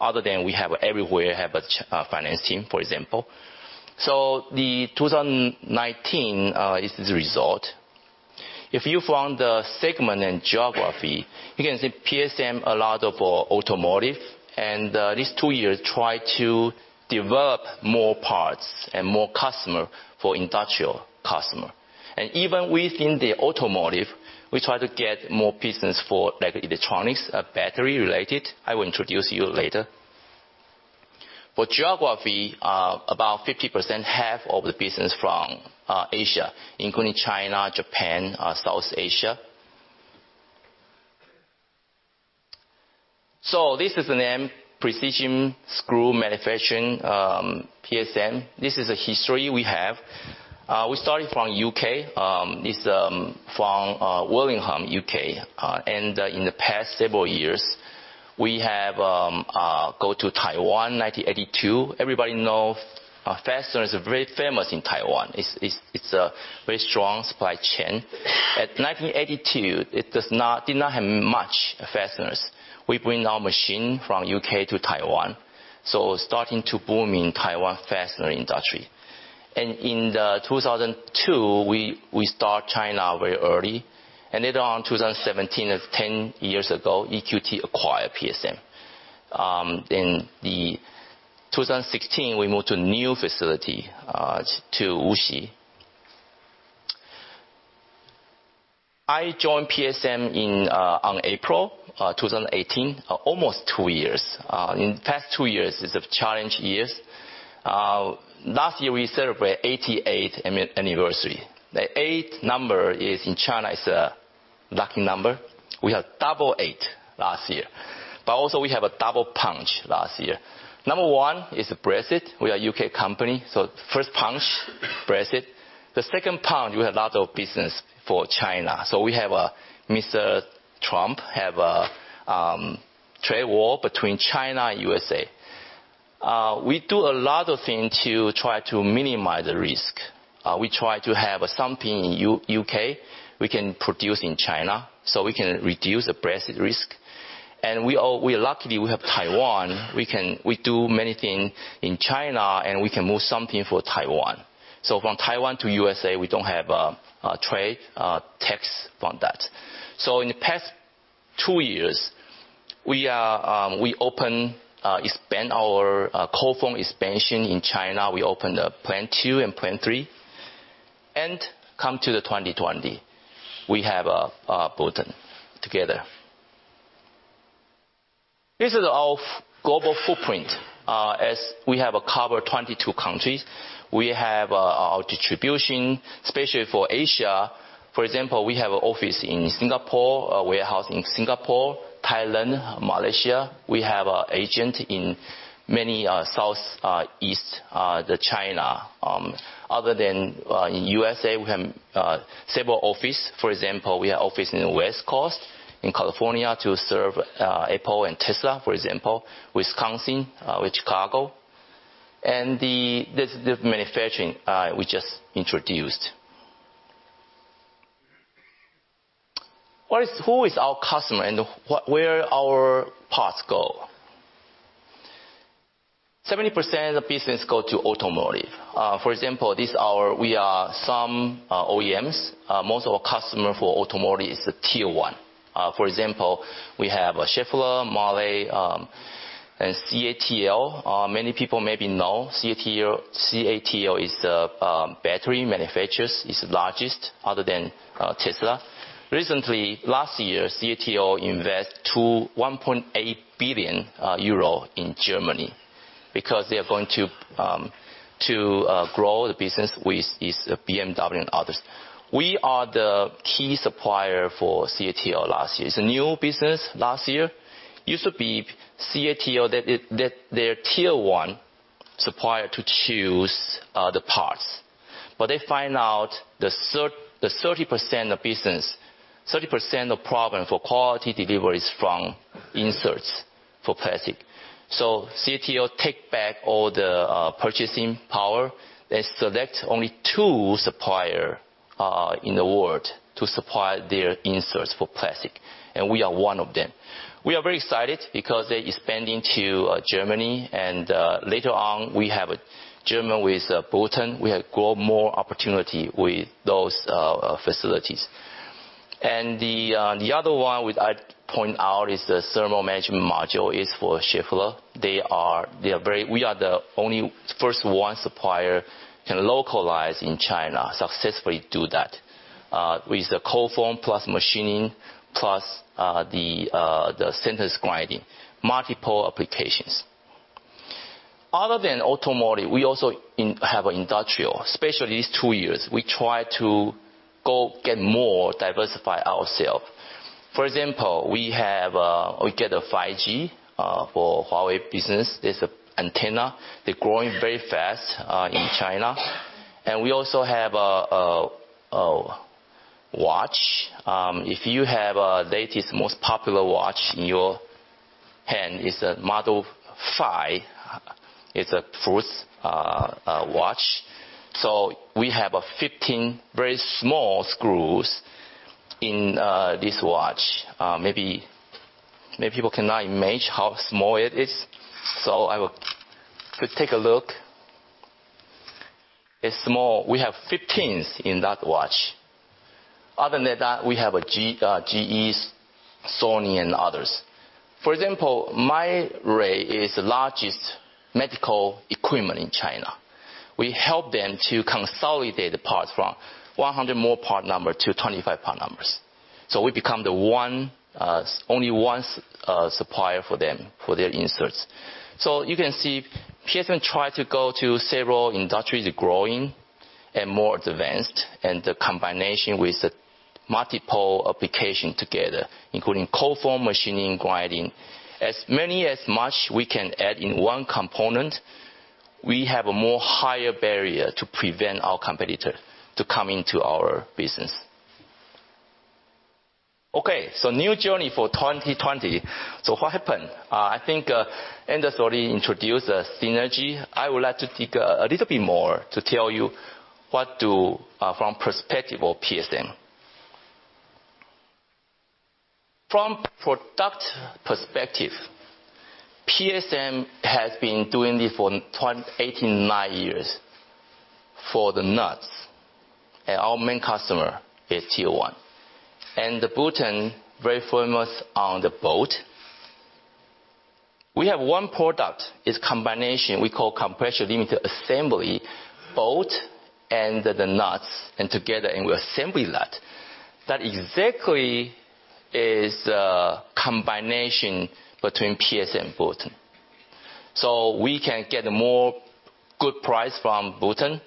other than we have everywhere a finance team, for example. The 2019 is this result. If you follow the segment in geography, you can see PSM a lot of automotive, and these two years try to develop more parts and more customer for industrial customer. Even within the automotive, we try to get more business for like electronics, battery related. I will introduce you later. For geography, about 50%, half of the business from Asia, including China, Japan, South Asia. This is the name, Precision Screw Manufacturing, PSM. This is a history we have. We started from U.K. This from Willenhall, U.K. In the past several years, we have go to Taiwan, 1982. Everybody know fastener is very famous in Taiwan. It's a very strong supply chain. At 1982, it did not have much fasteners. We bring our machine from U.K. to Taiwan. Starting to boom in Taiwan fastener industry. In the 2002, we start China very early. Later on 2017, that's 10 years ago, EQT acquired PSM. In the 2016, we moved to a new facility, to Wuxi. I joined PSM on April 2018, almost two years. In past two years is a challenge years. Last year, we celebrate 88 anniversary. The eight number in China is a lucky number, we had double eight last year. We have a double punch last year. Number one is Brexit, we are a U.K. company, first punch, Brexit. The second punch, we have a lot of business for China. We have Mr. Trump have a trade war between China and U.S.A. We do a lot of things to try to minimize the risk. We try to have something in U.K. we can produce in China, we can reduce the Brexit risk, luckily we have Taiwan. We do many things in China, we can move some things for Taiwan. From Taiwan to U.S.A., we don't have trade tax from that. In the past two years, we expand our cold form expansion in China. We opened plant 2 and plant 3, come to the 2020, we have Bulten together. This is our global footprint. We have covered 22 countries. We have our distribution, especially for Asia. For example, we have an office in Singapore, a warehouse in Singapore, Thailand, Malaysia. We have an agent in many Southeast Asia. Other than in USA, we have several offices. For example, we have office in the West Coast, in California to serve Apple and Tesla, for example, Wisconsin with Chicago, and the manufacturing we just introduced. Who is our customer and where our parts go? 70% of the business go to automotive. For example, we are some OEMs. Most of our customer for automotive is Tier 1. For example, we have Schaeffler, Mahle, and CATL. Many people maybe know CATL is a battery manufacturer, is the largest other than Tesla. Recently, last year, CATL invest to 1.8 billion euro in Germany, because they are going to grow the business with these BMW and others. We are the key supplier for CATL last year. It's a new business last year. Used to be CATL let their Tier 1 supplier to choose the parts. They find out the 30% of problem for quality delivery is from inserts for plastic. CATL take back all the purchasing power. They select only two supplier in the world to supply their inserts for plastic, and we are one of them. We are very excited because they expanding to Germany, and later on we have German with Bulten. We have grown more opportunity with those facilities. The other one which I'd point out is the thermal management module is for Schaeffler. We are the only Tier 1 supplier can localize in China, successfully do that, with the cold form plus machining, plus the center grinding. Multiple applications. Other than automotive, we also have industrial, especially these two years. We try to go get more diversify ourself. For example, we get a 5G for Huawei business. It's a antenna. They're growing very fast in China, and we also have a watch. If you have latest, most popular watch in your hand, it's a Fruitz. It's a Fruitz watch. We have 15 very small screws in this watch. Maybe people cannot imagine how small it is, I will If we take a look, it's small. We have 15 in that watch. Other than that, we have GE, Sony, and others. For example, Mindray is the largest medical equipment in China. We help them to consolidate parts from 100 more part number to 25 part numbers. We become the only one supplier for them, for their inserts. You can see, PSM try to go to several industries growing and more advanced, and the combination with multiple application together, including cold form, machining, grinding. As much we can add in one component, we have a more higher barrier to prevent our competitor to come into our business. New journey for 2020. What happened? I think industry introduce a synergy. I would like to dig a little bit more to tell you from perspective of PSM. From product perspective, PSM has been doing this for 18, 19 years for the nuts, and our main customer is Tier 1. Bulten, very famous on the bolt. We have one product, is combination, we call compression limiter assembly, bolt and the nuts, and together we assemble that. That exactly is a combination between PSM and Bulten. We can get more good price from Bulten,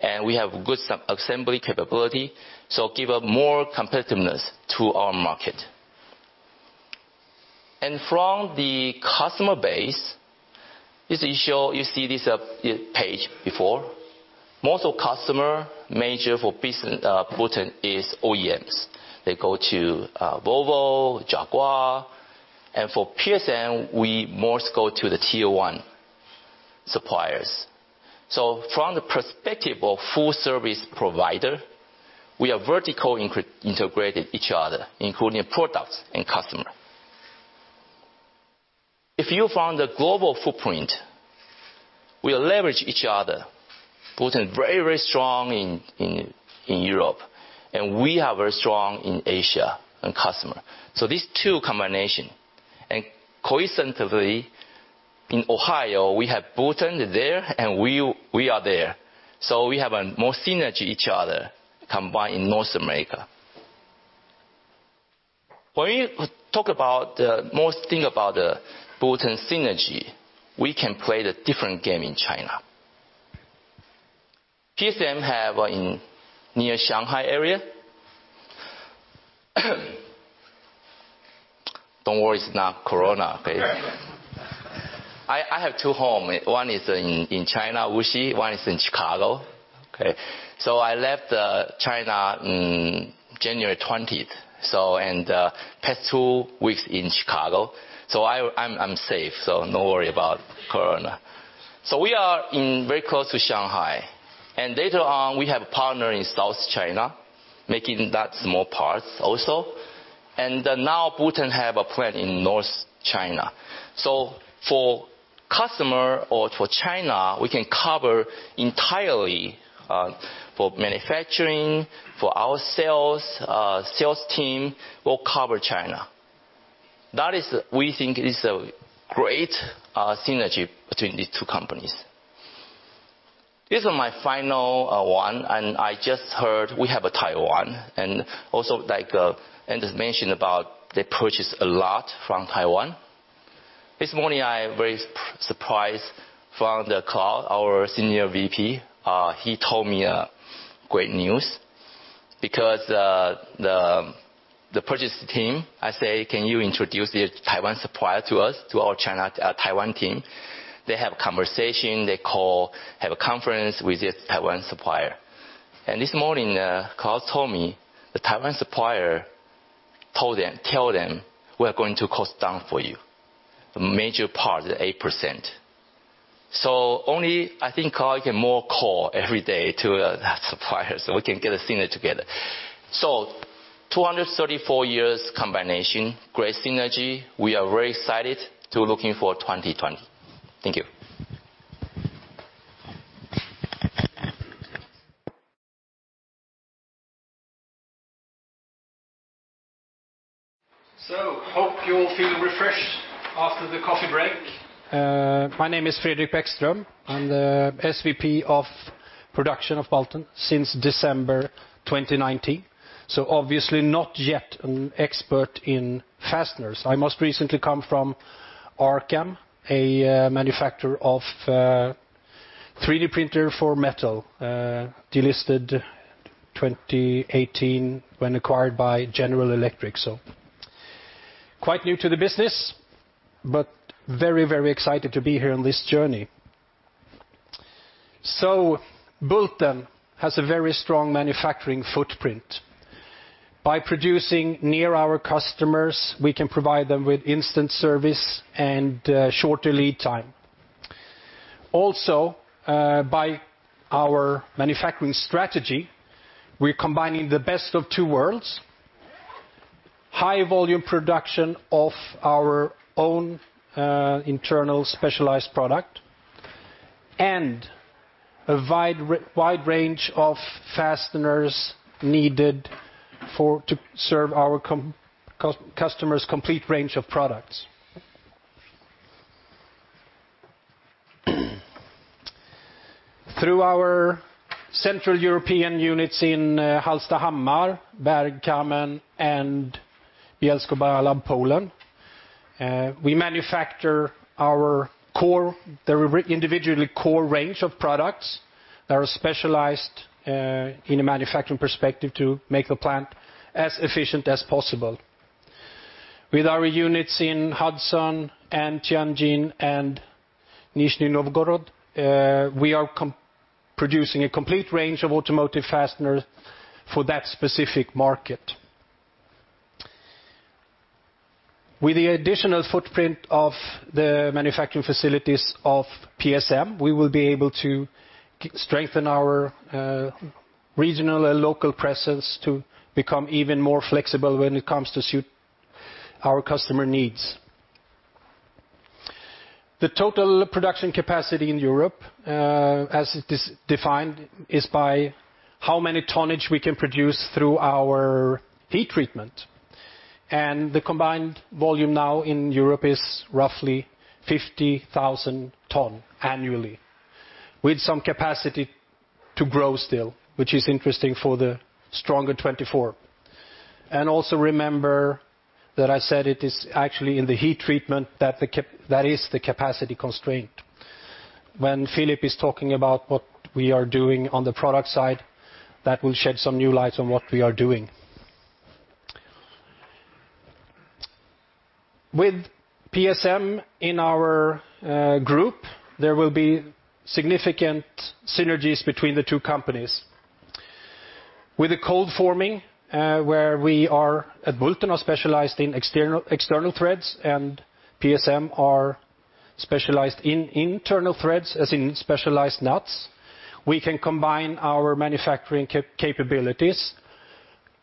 and we have good assembly capability, give more competitiveness to our market. From the customer base, you see this page before. Most customer major for business Bulten is OEMs. They go to Volvo, Jaguar, and for PSM, we most go to the Tier 1 suppliers. From the perspective of Full Service Provider, we are vertically integrated each other, including products and customer. If you found a global footprint, we leverage each other. Bulten very strong in Europe, and we are very strong in Asia on customer. These two combination, and coincidentally, in Ohio, we have Bulten there, and we are there. We have more synergy each other combined in North America. When we talk about the most thing about the Bulten synergy, we can play the different game in China. PSM have in near Shanghai area. Don't worry, it's not corona, okay? I have two home, one is in China, Wuxi, one is in Chicago. Okay. I left China in January 20th, and past two weeks in Chicago, so I'm safe, so no worry about corona. We are in very close to Shanghai, and later on we have a partner in South China making that small parts also. Now Bulten have a plant in North China. For customer or for China, we can cover entirely, for manufacturing, for our sales team will cover China. That is, we think, is a great synergy between these two companies. This is my final one. I just heard we have Taiwan, also like Anders mentioned about they purchase a lot from Taiwan. This morning, I very surprised from the call, our senior VP, he told me great news because the purchase team, I say, "Can you introduce the Taiwan supplier to us, to our China, Taiwan team?" They have conversation, they call, have a conference with the Taiwan supplier. This morning, Carl told me the Taiwan supplier tell them, "We're going to cost down for you a major part, 8%." Only, I think, Carl can more call every day to that supplier so we can get a synergy together. 234 years combination, great synergy. We are very excited to looking for 2020. Thank you. Hope you all feel refreshed after the coffee break. My name is Fredrik Bäckström. I'm the SVP of Production of Bulten since December 2019, obviously not yet an expert in fasteners. I most recently come from Arcam, a manufacturer of 3D printer for metal, delisted 2018 when acquired by General Electric. Quite new to the business, but very excited to be here on this journey. Bulten has a very strong manufacturing footprint. By producing near our customers, we can provide them with instant service and shorter lead time. By our manufacturing strategy, we're combining the best of two worlds, high volume production of our own internal specialized product, and a wide range of fasteners needed to serve our customer's complete range of products. Through our central European units in Hallstahammar, Bergkamen, and Bielsko-Biała, Poland, we manufacture our core, the individually core range of products that are specialized, in a manufacturing perspective, to make the plant as efficient as possible. With our units in Hudson and Tianjin and Nizhny Novgorod, we are producing a complete range of automotive fasteners for that specific market. With the additional footprint of the manufacturing facilities of PSM, we will be able to strengthen our regional and local presence to become even more flexible when it comes to suit our customer needs. The total production capacity in Europe, as it is defined, is by how many tonnage we can produce through our heat treatment, and the combined volume now in Europe is roughly 50,000 tons annually, with some capacity to grow still, which is interesting for the Stronger 24. Also remember that I said it is actually in the heat treatment that is the capacity constraint. When Philip is talking about what we are doing on the product side, that will shed some new light on what we are doing. With PSM in our group, there will be significant synergies between the two companies. With the cold forming, where we at Bulten are specialized in external threads, and PSM are specialized in internal threads, as in specialized nuts. We can combine our manufacturing capabilities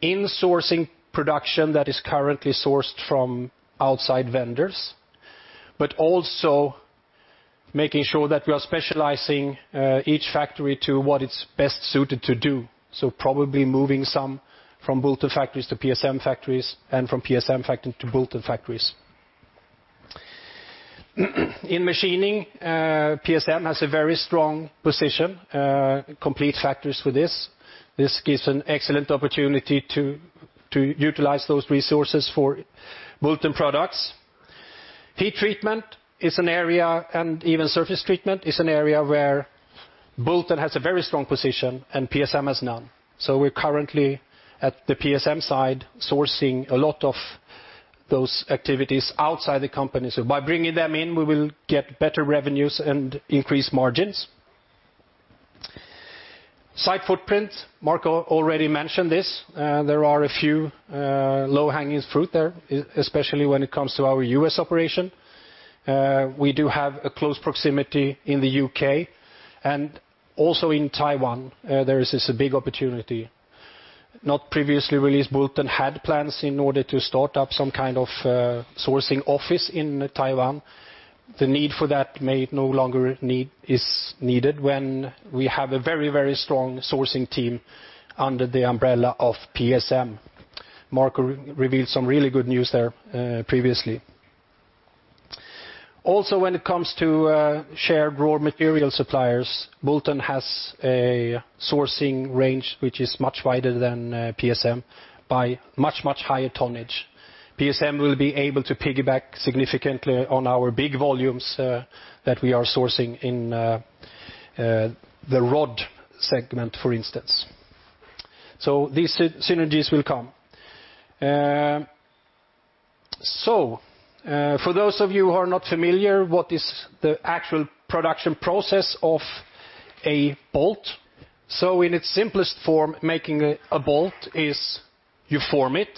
in sourcing production that is currently sourced from outside vendors, but also making sure that we are specializing each factory to what it's best suited to do. Probably moving some from Bulten factories to PSM factories, and from PSM factories to Bulten factories. In machining, PSM has a very strong position, complete factories for this. This gives an excellent opportunity to utilize those resources for Bulten products. Heat treatment is an area, and even surface treatment, is an area where Bulten has a very strong position and PSM has none. We're currently, at the PSM side, sourcing a lot of those activities outside the company. By bringing them in, we will get better revenues and increase margins. Site footprint, Marco already mentioned this. There are a few low-hanging fruit there, especially when it comes to our U.S. operation. We do have a close proximity in the U.K., and also in Taiwan, there is this big opportunity. Not previously released, Bulten had plans in order to start up some kind of sourcing office in Taiwan. The need for that may no longer is needed when we have a very strong sourcing team under the umbrella of PSM. Marco revealed some really good news there previously. Also, when it comes to share raw material suppliers, Bulten has a sourcing range which is much wider than PSM by much higher tonnage. PSM will be able to piggyback significantly on our big volumes that we are sourcing in the rod segment, for instance. These synergies will come. For those of you who are not familiar, what is the actual production process of a bolt? In its simplest form, making a bolt is you form it,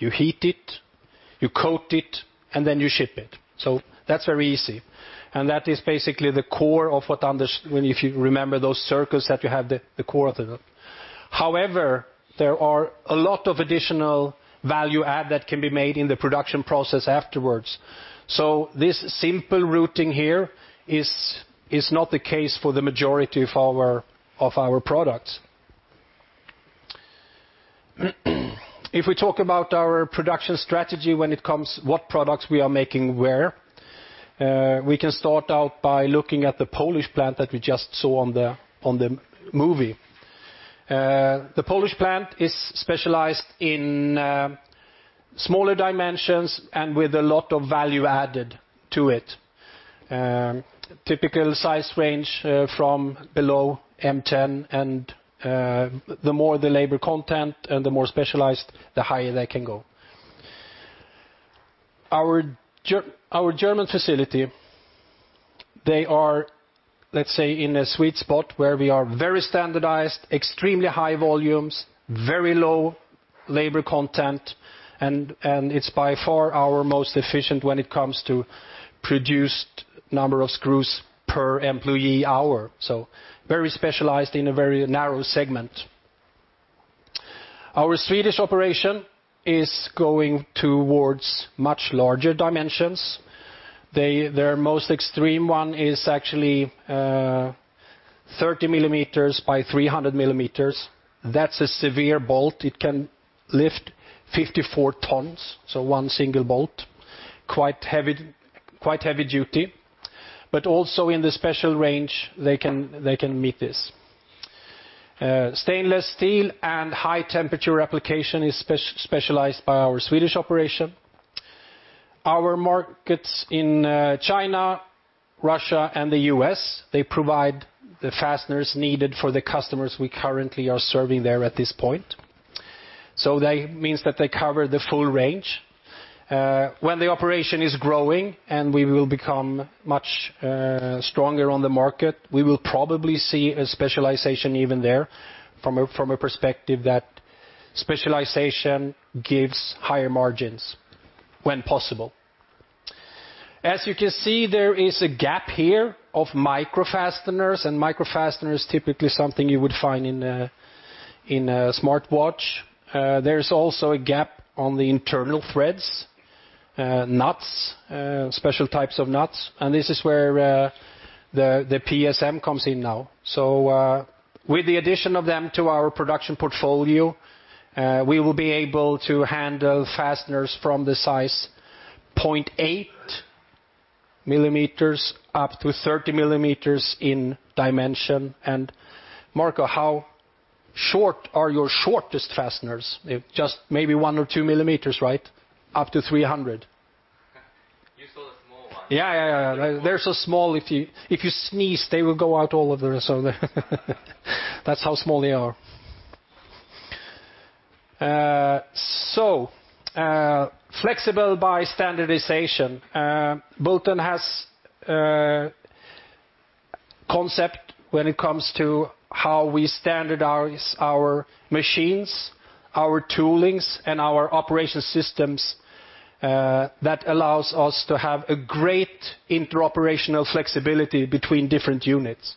you heat it, you coat it, and then you ship it. That's very easy, and that is basically the core of what If you remember those circles that you have the core of it. However, there are a lot of additional value add that can be made in the production process afterwards. This simple routing here is not the case for the majority of our products. If we talk about our production strategy when it comes what products we are making where, we can start out by looking at the Polish plant that we just saw on the movie. The Polish plant is specialized in smaller dimensions and with a lot of value added to it. Typical size range from below M10, and the more the labor content and the more specialized, the higher they can go. Our German facility, they are, let's say, in a sweet spot where we are very standardized, extremely high volumes, very low labor content, and it's by far our most efficient when it comes to produced number of screws per employee hour. Very specialized in a very narrow segment. Our Swedish operation is going towards much larger dimensions. Their most extreme one is actually 30 mm by 300 mm. That's a severe bolt. It can lift 54 tons, one single bolt, quite heavy duty, but also in the special range, they can meet this. Stainless steel and high-temperature application is specialized by our Swedish operation. Our markets in China, Russia, and the U.S., they provide the fasteners needed for the customers we currently are serving there at this point. That means that they cover the full range. When the operation is growing, and we will become much stronger on the market, we will probably see a specialization even there, from a perspective that specialization gives higher margins when possible. As you can see, there is a gap here of micro fasteners, micro fasteners, typically something you would find in a smartwatch. There's also a gap on the internal threads, nuts, special types of nuts, and this is where the PSM comes in now. With the addition of them to our production portfolio, we will be able to handle fasteners from the size 0.8 mm up to 30 mm in dimension. Marco, how short are your shortest fasteners? If just maybe 1 or 2 mm, right? Up to 300 mm. You saw the small one. Yeah. They're so small, if you sneeze, they will go out all over the place. That's how small they are. Flexible by standardization. Bulten has a concept when it comes to how we standardize our machines, our toolings, and our operation systems that allows us to have a great inter-operational flexibility between different units.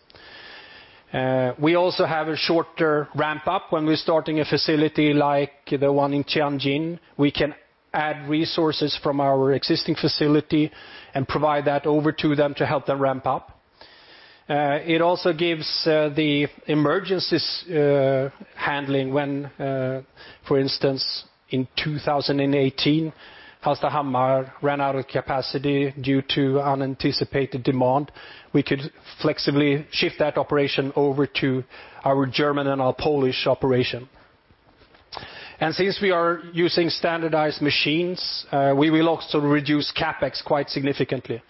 We also have a shorter ramp-up when we're starting a facility like the one in Tianjin. We can add resources from our existing facility and provide that over to them to help them ramp up. It also gives the emergencies handling when, for instance, in 2018, Hallstahammar ran out of capacity due to unanticipated demand. We could flexibly shift that operation over to our German and our Polish operation. Since we are using standardized machines, we will also reduce CapEx quite significantly,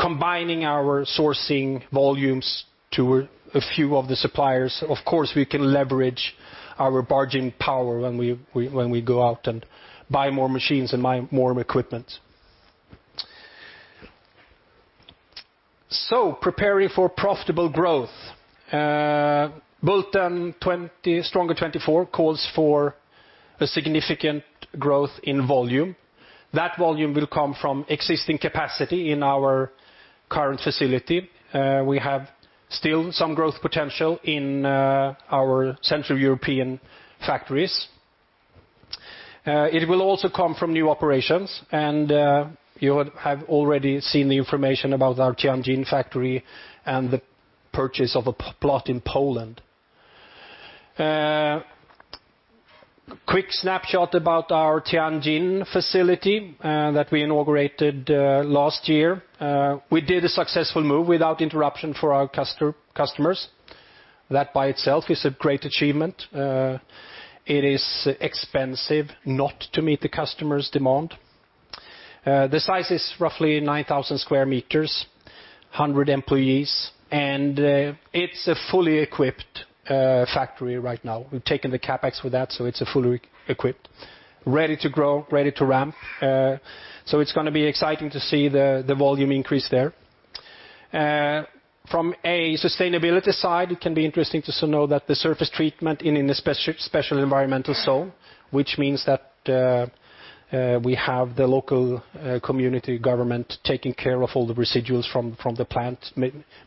combining our sourcing volumes to a few of the suppliers. Of course, we can leverage our bargaining power when we go out and buy more machines and buy more equipment. Preparing for profitable growth. Bulten Stronger 24 calls for a significant growth in volume. That volume will come from existing capacity in our current facility. We have still some growth potential in our central European factories. It will also come from new operations, and you have already seen the information about our Tianjin factory and the purchase of a plot in Poland. A quick snapshot about our Tianjin facility that we inaugurated last year. We did a successful move without interruption for our customers. That, by itself, is a great achievement. It is expensive not to meet the customers' demand. The size is roughly 9,000 square meters, 100 employees, and it's a fully equipped factory right now. We've taken the CapEx for that. It's fully equipped, ready to grow, ready to ramp. It's going to be exciting to see the volume increase there. From a sustainability side, it can be interesting to know that the surface treatment is in a special environmental zone, which means that we have the local community government taking care of all the residuals from the plant,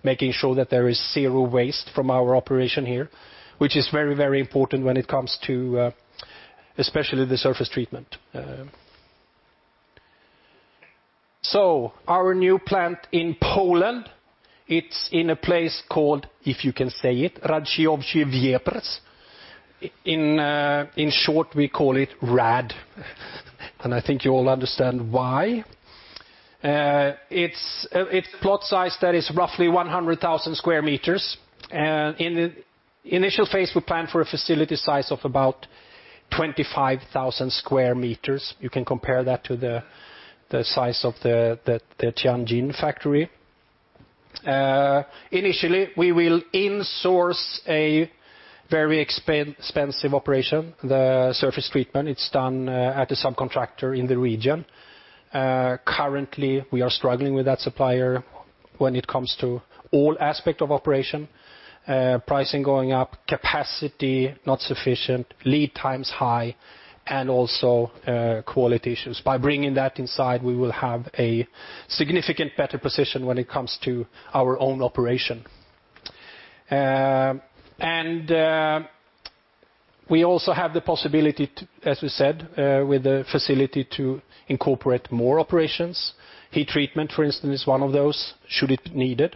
making sure that there is zero waste from our operation here, which is very, very important when it comes to especially the surface treatment. Our new plant in Poland, it's in a place called, if you can say it, Radziechowy-Wieprz. In short, we call it Rad, and I think you all understand why. Its plot size, that is roughly 100,000 sq m. In the initial phase, we plan for a facility size of about 25,000 sq m. You can compare that to the size of the Tianjin factory. Initially, we will in-source a very expensive operation, the surface treatment. It's done at a subcontractor in the region. Currently, we are struggling with that supplier when it comes to all aspect of operation, pricing going up, capacity not sufficient, lead times high, and also quality issues. By bringing that inside, we will have a significant better position when it comes to our own operation. We also have the possibility, as we said, with the facility to incorporate more operations. Heat treatment, for instance, is one of those, should it be needed.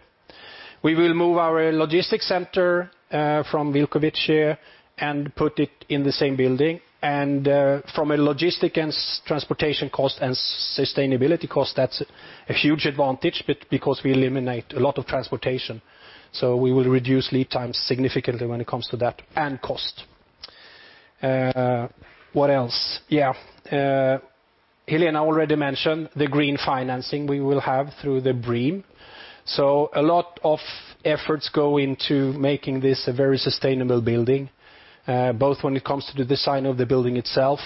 We will move our logistics center from Wilkowice and put it in the same building. From a logistic and transportation cost and sustainability cost, that's a huge advantage because we eliminate a lot of transportation, so we will reduce lead times significantly when it comes to that, and cost. What else? Helena already mentioned the green financing we will have through the BREEAM. A lot of efforts go into making this a very sustainable building, both when it comes to the design of the building itself,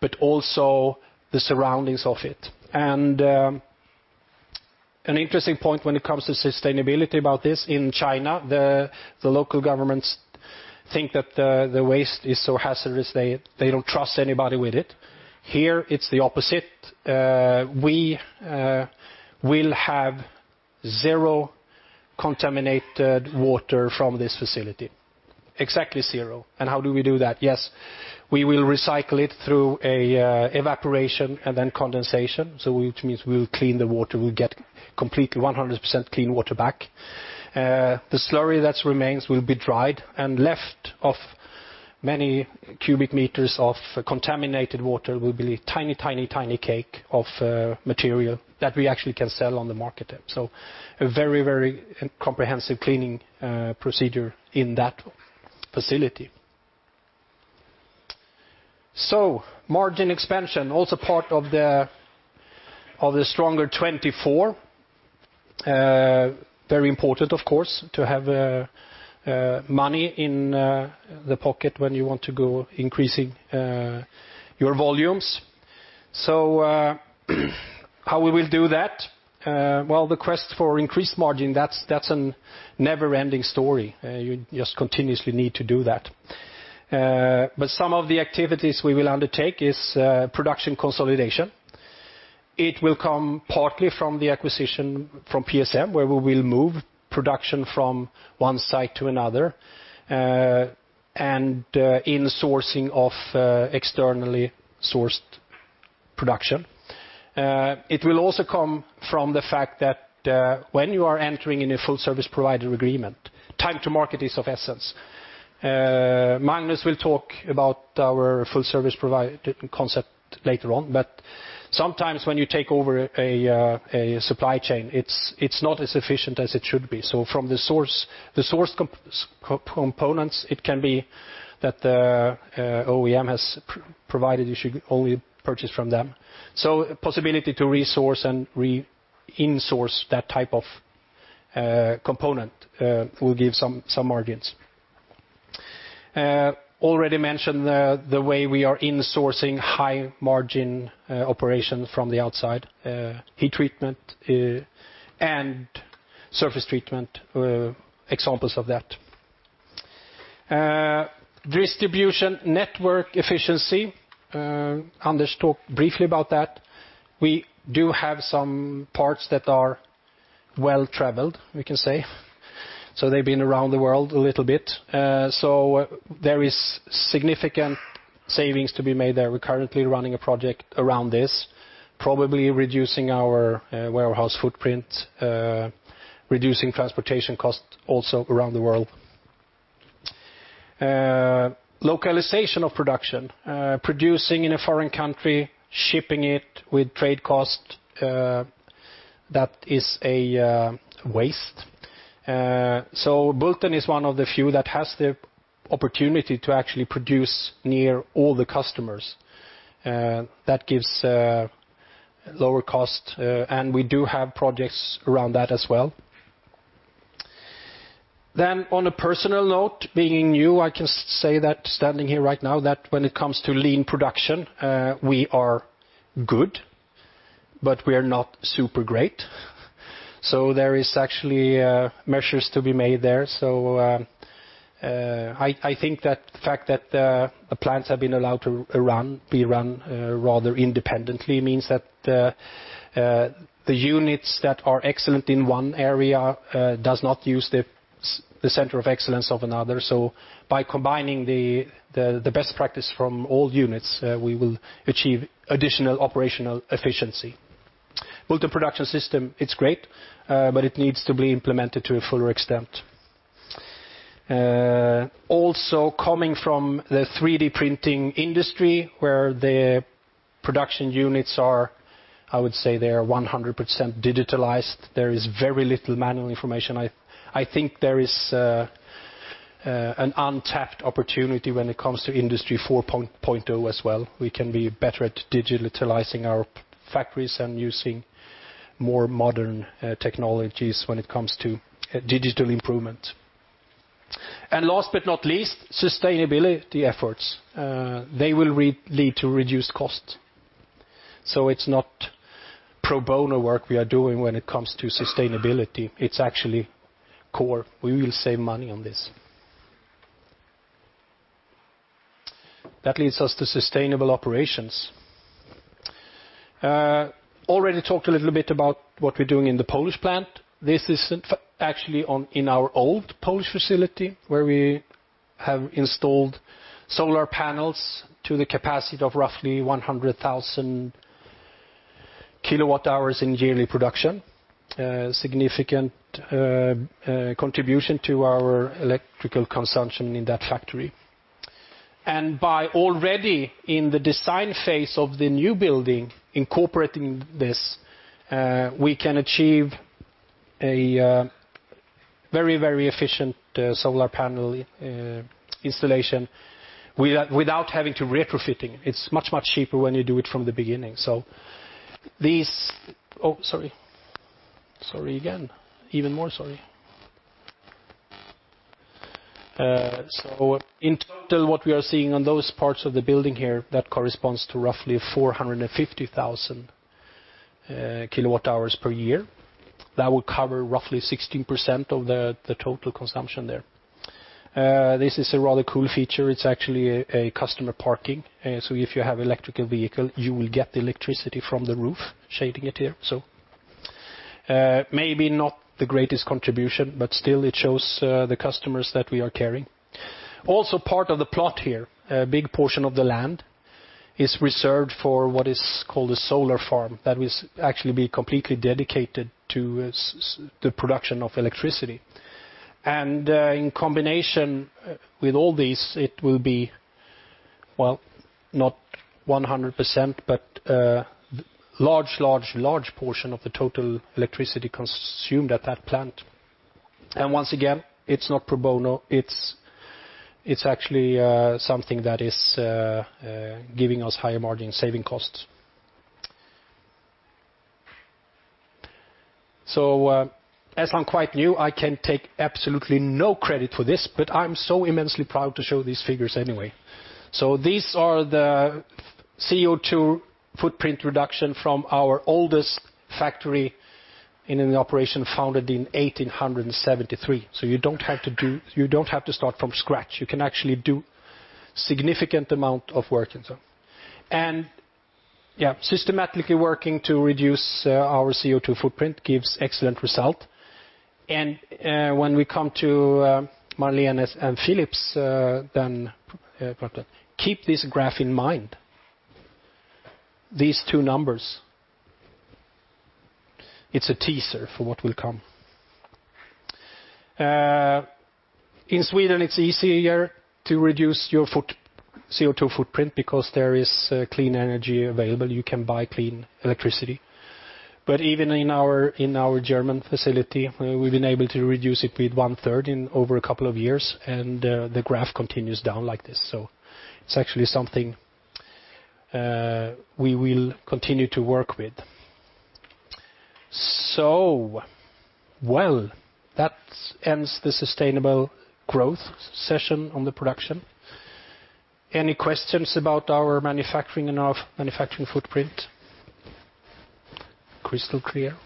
but also the surroundings of it. An interesting point when it comes to sustainability about this, in China, the local governments think that the waste is so hazardous, they don't trust anybody with it. Here, it's the opposite. We will have zero contaminated water from this facility. Exactly zero. How do we do that? Yes, we will recycle it through evaporation and then condensation, which means we will clean the water. We get completely 100% clean water back. The slurry that remains will be dried, and left of many cubic meters of contaminated water will be a tiny cake of material that we actually can sell on the market. A very comprehensive cleaning procedure in that facility. Margin expansion, also part of the Stronger 24. Very important, of course, to have money in the pocket when you want to go increasing your volumes. How we will do that? The quest for increased margin, that's a never-ending story, you just continuously need to do that. Some of the activities we will undertake is production consolidation. It will come partly from the acquisition from PSM, where we will move production from one site to another, and in-sourcing of externally sourced production. It will also come from the fact that when you are entering in a Full Service Provider agreement, time to market is of the essence. Magnus will talk about our Full Service Provider concept later on. Sometimes when you take over a supply chain, it's not as efficient as it should be. From the source components, it can be that the OEM has provided you should only purchase from them. Possibility to resource and re-in-source that type of component will give some margins. Already mentioned the way we are in-sourcing high margin operation from the outside, heat treatment and surface treatment are examples of that. Distribution network efficiency. Anders talked briefly about that. We do have some parts that are well traveled, we can say. They've been around the world a little bit. There is significant savings to be made there. We're currently running a project around this, probably reducing our warehouse footprint, reducing transportation costs also around the world. Localization of production. Producing in a foreign country, shipping it with trade cost, that is a waste. Bulten is one of the few that has the opportunity to actually produce near all the customers. That gives lower cost, and we do have projects around that as well. On a personal note, being new, I can say that standing here right now that when it comes to lean production, we are good, but we are not super great. There is actually measures to be made there. I think that the fact that the plants have been allowed to be run rather independently means that the units that are excellent in one area does not use the center of excellence of another. By combining the best practice from all units, we will achieve additional operational efficiency. Bulten Production System, it's great, but it needs to be implemented to a fuller extent. Coming from the 3D printing industry where the production units are, I would say they are 100% digitalized. There is very little manual information. I think there is an untapped opportunity when it comes to Industry 4.0 as well. We can be better at digitalizing our factories and using more modern technologies when it comes to digital improvement. Last but not least, sustainability efforts. They will lead to reduced cost. It's not pro bono work we are doing when it comes to sustainability. It's actually core. We will save money on this. That leads us to sustainable operations. I already talked a little bit about what we're doing in the Polish plant. This is actually in our old Polish facility where we have installed solar panels to the capacity of roughly 100,000 kilowatt hours in yearly production. A significant contribution to our electrical consumption in that factory. By already in the design phase of the new building incorporating this, we can achieve a very efficient solar panel installation without having to retrofitting. It's much cheaper when you do it from the beginning. In total, what we are seeing on those parts of the building here, that corresponds to roughly 450,000 kilowatt hours per year. That will cover roughly 16% of the total consumption there. This is a rather cool feature. It's actually a customer parking. If you have electrical vehicle, you will get the electricity from the roof shading it here. Maybe not the greatest contribution, but still it shows the customers that we are caring. Part of the plot here, a big portion of the land is reserved for what is called a solar farm that will actually be completely dedicated to the production of electricity. In combination with all these, it will be, well, not 100%, but a large portion of the total electricity consumed at that plant. Once again, it's not pro bono. It's actually something that is giving us higher margin, saving costs. As I'm quite new, I can take absolutely no credit for this, but I'm so immensely proud to show these figures anyway. These are the CO2 footprint reduction from our oldest factory in an operation founded in 1873. You don't have to start from scratch. You can actually do significant amount of work. Yeah, systematically working to reduce our CO2 footprint gives excellent result. When we come to Marlene and Philip, keep this graph in mind. These two numbers. It's a teaser for what will come. In Sweden, it's easier to reduce your CO2 footprint because there is clean energy available. You can buy clean electricity. Even in our German facility, we've been able to reduce it with one-third in over a couple of years, and the graph continues down like this. It's actually something we will continue to work with. Well, that ends the sustainable growth session on the production. Any questions about our manufacturing and our manufacturing footprint? Crystal clear,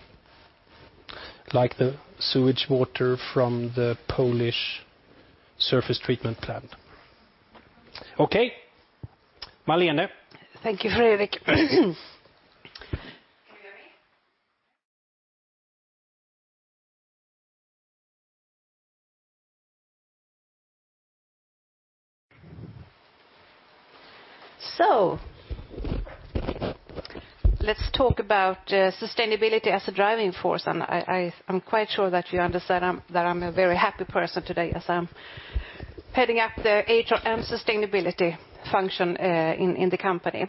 like the sewage water from the Polish surface treatment plant. Okay, Marlene. Thank you, Fredrik. Let's talk about sustainability as a driving force, and I'm quite sure that you understand that I'm a very happy person today as I'm heading up the HR and sustainability function in the company.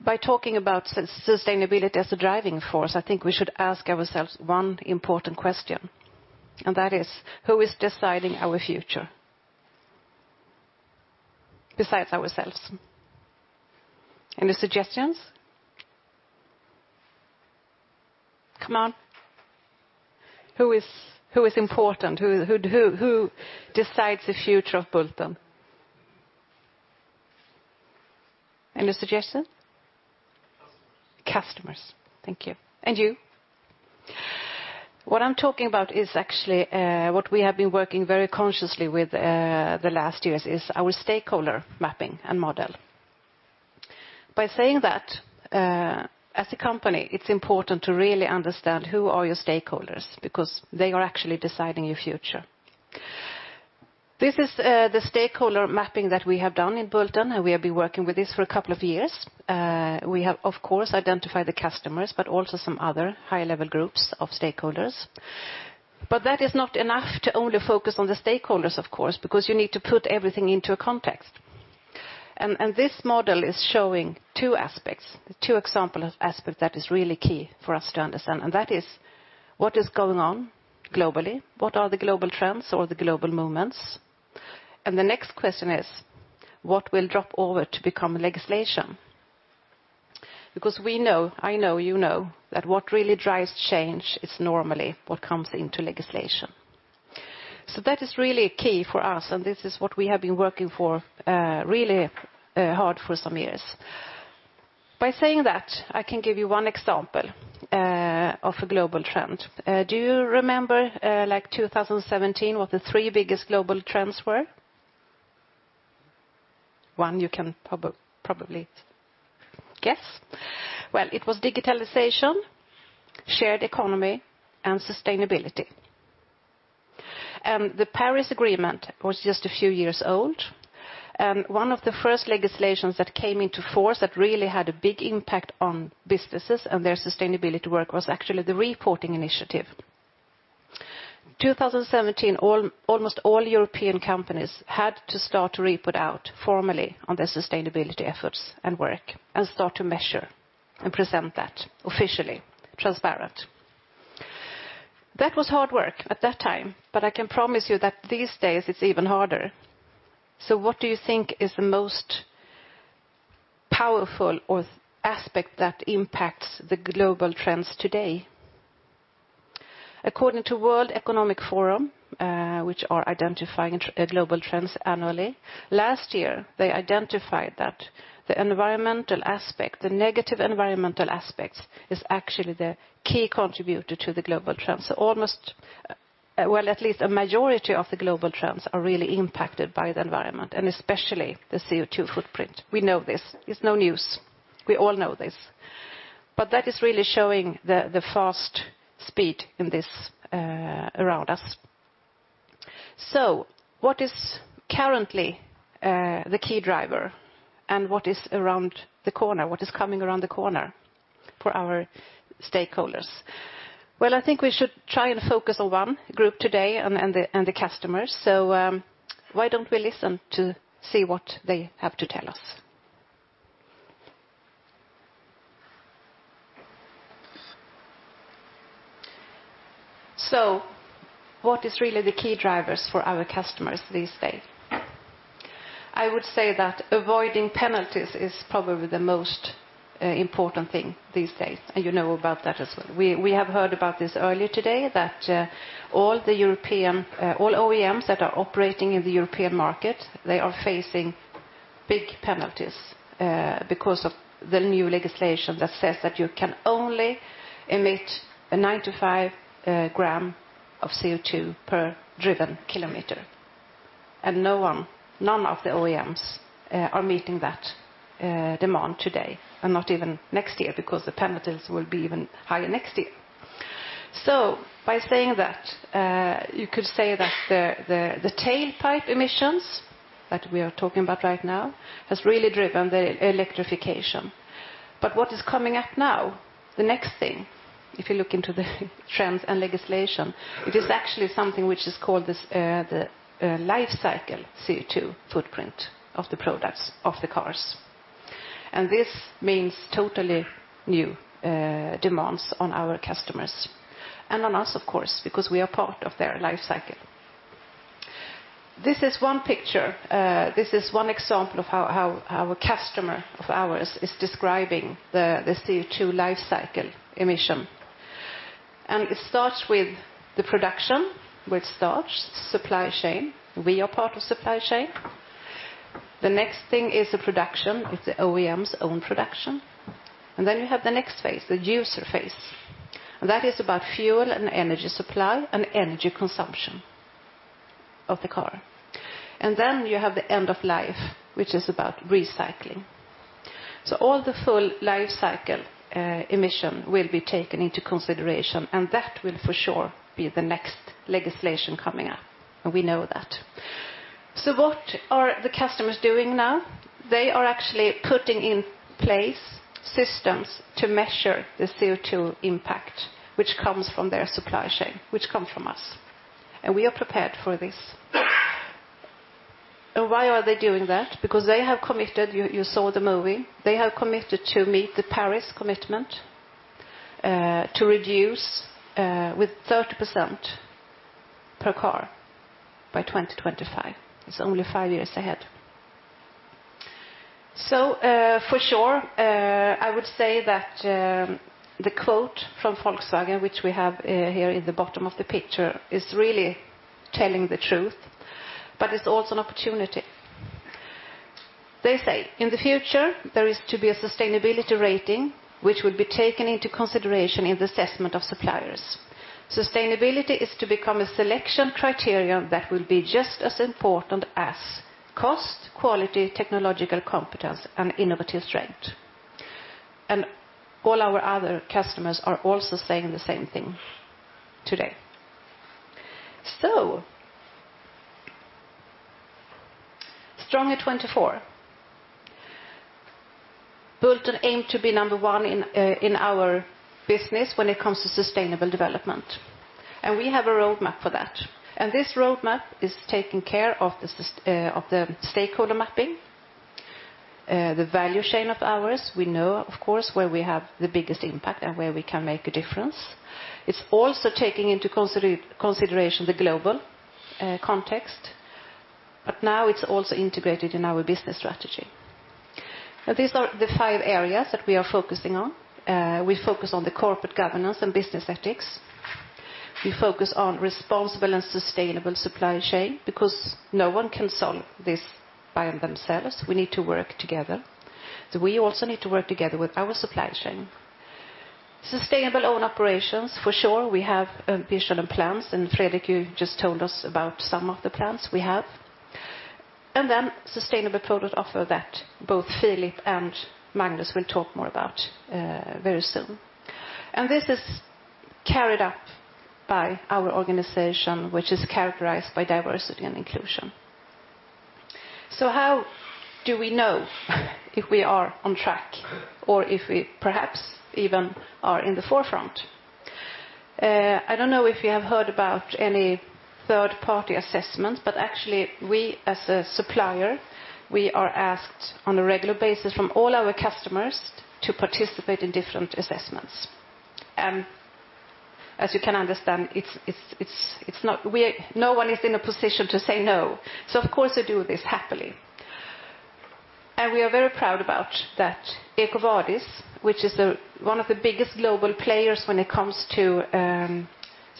By talking about sustainability as a driving force, I think we should ask ourselves one important question, and that is, who is deciding our future, besides ourselves? Any suggestions? Come on. Who is important? Who decides the future of Bulten? Any suggestion? Customers. Thank you. You? What I'm talking about is actually what we have been working very consciously with the last years, is our stakeholder mapping and model. By saying that, as a company, it's important to really understand who are your stakeholders, because they are actually deciding your future. This is the stakeholder mapping that we have done in Bulten, and we have been working with this for a couple of years. We have, of course, identified the customers, but also some other high-level groups of stakeholders. That is not enough to only focus on the stakeholders, of course, because you need to put everything into a context. This model is showing two aspects, two example aspects that is really key for us to understand, and that is, what is going on globally, what are the global trends or the global movements? The next question is, what will drop over to become legislation? We know, I know, you know, that what really drives change is normally what comes into legislation. That is really key for us, and this is what we have been working for really hard for some years. By saying that, I can give you one example of a global trend. Do you remember, like 2017, what the three biggest global trends were? One you can probably guess. Well, it was digitalization, shared economy, and sustainability. The Paris Agreement was just a few years old. One of the first legislations that came into force that really had a big impact on businesses and their sustainability work was actually the reporting initiative. 2017, almost all European companies had to start to report out formally on their sustainability efforts and work and start to measure and present that officially, transparent. That was hard work at that time, I can promise you that these days it's even harder. What do you think is the most powerful aspect that impacts the global trends today? According to World Economic Forum, which are identifying global trends annually, last year, they identified that the environmental aspect, the negative environmental aspects, is actually the key contributor to the global trends. Well, at least a majority of the global trends are really impacted by the environment, and especially the CO2 footprint. We know this. It's no news. We all know this. That is really showing the fast speed in this around us. What is currently the key driver, and what is around the corner? What is coming around the corner for our stakeholders? Well, I think we should try and focus on one group today and the customers. Why don't we listen to see what they have to tell us? What is really the key drivers for our customers these days? I would say that avoiding penalties is probably the most important thing these days, and you know about that as well. We have heard about this earlier today, that all OEMs that are operating in the European market, they are facing big penalties because of the new legislation that says that you can only emit a 95 gram of CO2 per driven kilometer. None of the OEMs are meeting that demand today, and not even next year, because the penalties will be even higher next year. So by saying that, you could say that the tailpipe emissions that we are talking about right now has really driven the electrification. What is coming up now? The next thing, if you look into the trends and legislation, it is actually something which is called the life cycle CO2 footprint of the products, of the cars. This means totally new demands on our customers and on us, of course, because we are part of their life cycle. This is one picture. This is one example of how a customer of ours is describing the CO2 life cycle emission. It starts with the production, which starts supply chain, we are part of supply chain. The next thing is the production. It's the OEM's own production. You have the next phase, the user phase. That is about fuel and energy supply and energy consumption of the car, and then you have the end of life, which is about recycling. All the full life cycle emission will be taken into consideration, and that will for sure be the next legislation coming up, and we know that. What are the customers doing now? They are actually putting in place systems to measure the CO2 impact, which comes from their supply chain, which come from us and we are prepared for this. Why are they doing that? Because they have committed, you saw the movie. They have committed to meet the Paris Agreement, to reduce with 30% per car by 2025. It's only five years ahead. For sure, I would say that the quote from Volkswagen, which we have here in the bottom of the picture, is really telling the truth, but it's also an opportunity. They say, "In the future, there is to be a sustainability rating, which will be taken into consideration in the assessment of suppliers. Sustainability is to become a selection criterion that will be just as important as cost, quality, technological competence, and innovative strength." All our other customers are also saying the same thing today. Stronger 24. Bulten aim to be number one in our business when it comes to sustainable development, and we have a roadmap for that. This roadmap is taking care of the stakeholder mapping, the value chain of ours. We know, of course, where we have the biggest impact and where we can make a difference. It's also taking into consideration the global context, but now it's also integrated in our business strategy. These are the five areas that we are focusing on. We focus on the corporate governance and business ethics. We focus on responsible and sustainable supply chain because no one can solve this by themselves. We need to work together. We also need to work together with our supply chain. Sustainable own operations, for sure, we have a vision and plans, and Fredrik, you just told us about some of the plans we have. Sustainable product offer that both Philip and Magnus will talk more about very soon. This is carried up by our organization, which is characterized by diversity and inclusion. How do we know if we are on track or if we perhaps even are in the forefront? I don't know if you have heard about any third-party assessments, but actually, we, as a supplier, we are asked on a regular basis from all our customers to participate in different assessments. As you can understand, no one is in a position to say no. Of course, we do this happily. We are very proud about that EcoVadis, which is one of the biggest global players when it comes to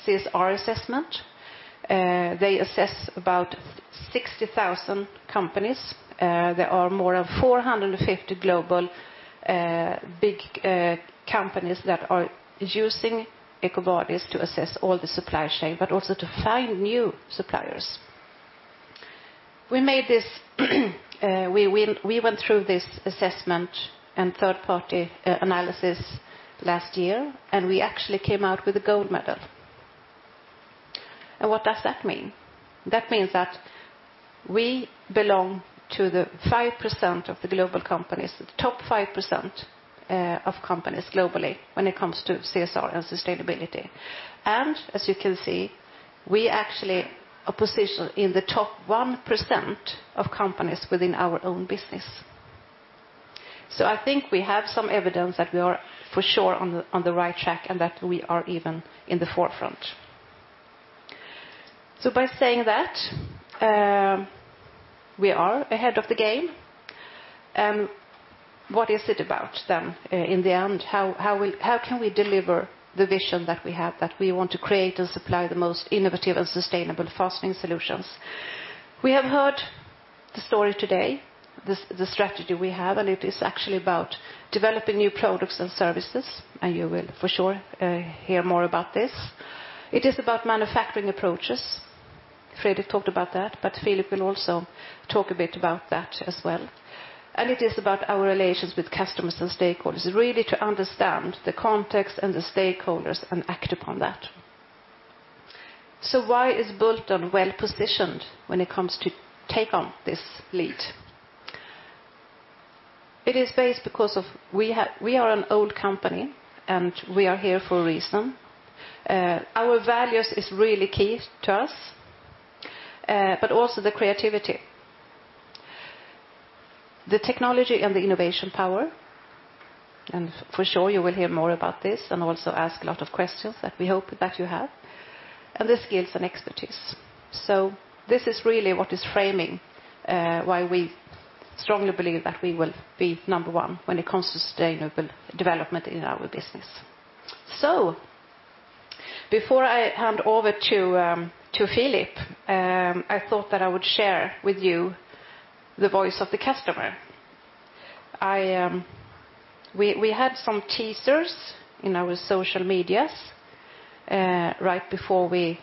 CSR assessment, they assess about 60,000 companies. There are more than 450 global big companies that are using EcoVadis to assess all the supply chain, but also to find new suppliers. We went through this assessment and third-party analysis last year, and we actually came out with a gold medal. What does that mean? That means that we belong to the 5% of the global companies, top 5% of companies globally when it comes to CSR and sustainability. As you can see, we actually are positioned in the top 1% of companies within our own business. I think we have some evidence that we are for sure on the right track, and that we are even in the forefront. By saying that, we are ahead of the game. What is it about then in the end? How can we deliver the vision that we have, that we want to create and supply the most innovative and sustainable fastening solutions? It is actually about developing new products and services, and you will for sure hear more about this. It is about manufacturing approaches. Fredrik talked about that, Philip will also talk a bit about that as well. It is about our relations with customers and stakeholders, really to understand the context and the stakeholders and act upon that. Why is Bulten well-positioned when it comes to take on this lead? It is based because we are an old company, and we are here for a reason. Our values is really key to us, but also the creativity, the technology, and the innovation power. For sure, you will hear more about this and also ask a lot of questions that we hope that you have. The skills and expertise. This is really what is framing why we strongly believe that we will be number one when it comes to sustainable development in our business. Before I hand over to Philip, I thought that I would share with you the voice of the customer. We had some teasers in our social medias, right before we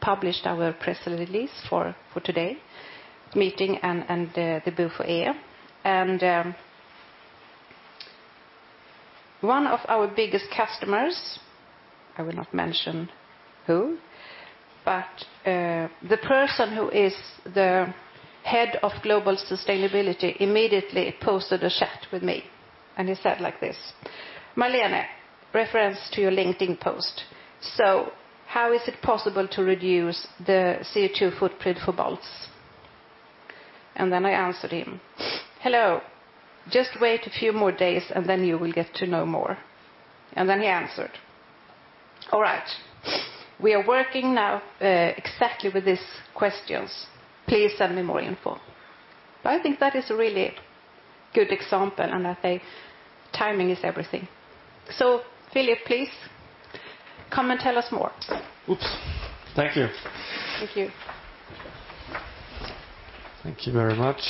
published our press release for today meeting and the BUFOe. One of our biggest customers, I will not mention who, but the person who is the head of global sustainability immediately posted a chat with me, and he said it like this: "Marlene, reference to your LinkedIn post. How is it possible to reduce the CO2 footprint for bolts?" I answered him, "Hello. Just wait a few more days, and then you will get to know more." He answered, "All right. We are working now, exactly with these questions. Please send me more info." I think that is a really good example, and I think timing is everything. Philip, please, come and tell us more. Oops. Thank you. Thank you. Thank you very much.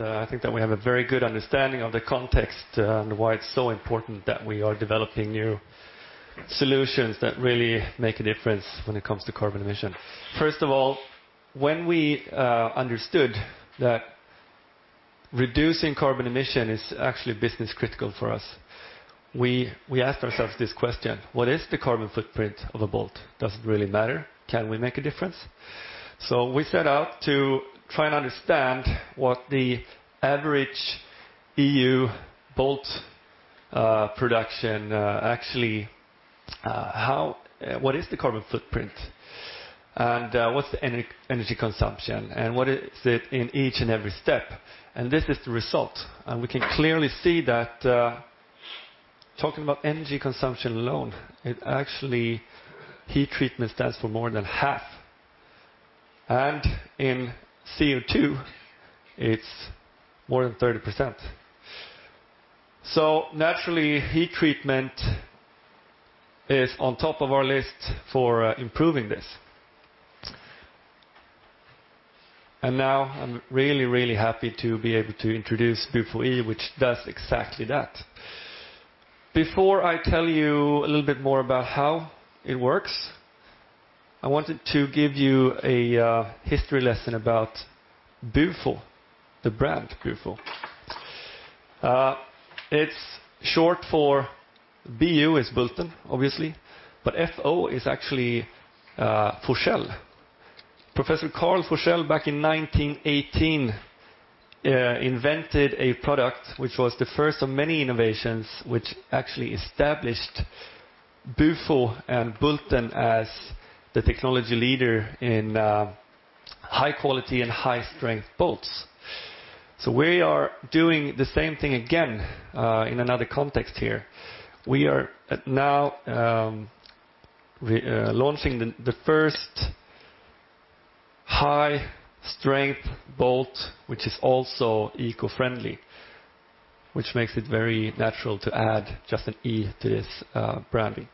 I think that we have a very good understanding of the context and why it's so important that we are developing new solutions that really make a difference when it comes to carbon emission. First of all, when we understood that reducing carbon emission is actually business critical for us, we asked ourselves this question: what is the carbon footprint of a bolt? Does it really matter? Can we make a difference? We set out to try and understand what the average EU bolt production, actually, what is the carbon footprint? What's the energy consumption, and what is it in each and every step? This is the result. We can clearly see that, talking about energy consumption alone, it actually, heat treatment stands for more than half. In CO2, it's more than 30%. Naturally, heat treatment is on top of our list for improving this. Now I'm really happy to be able to introduce BUFOe, which does exactly that. Before I tell you a little bit more about how it works, I wanted to give you a history lesson about BUFO, the brand BUFO. It's short for, BU is Bulten, obviously, but FO is actually Forsell. Professor Karl Forssell, back in 1918, invented a product which was the first of many innovations, which actually established BUFO and Bulten as the technology leader in high quality and high strength bolts. We are doing the same thing again, in another context here. We are now launching the first high-strength bolt, which is also eco-friendly, which makes it very natural to add just an e to this branding.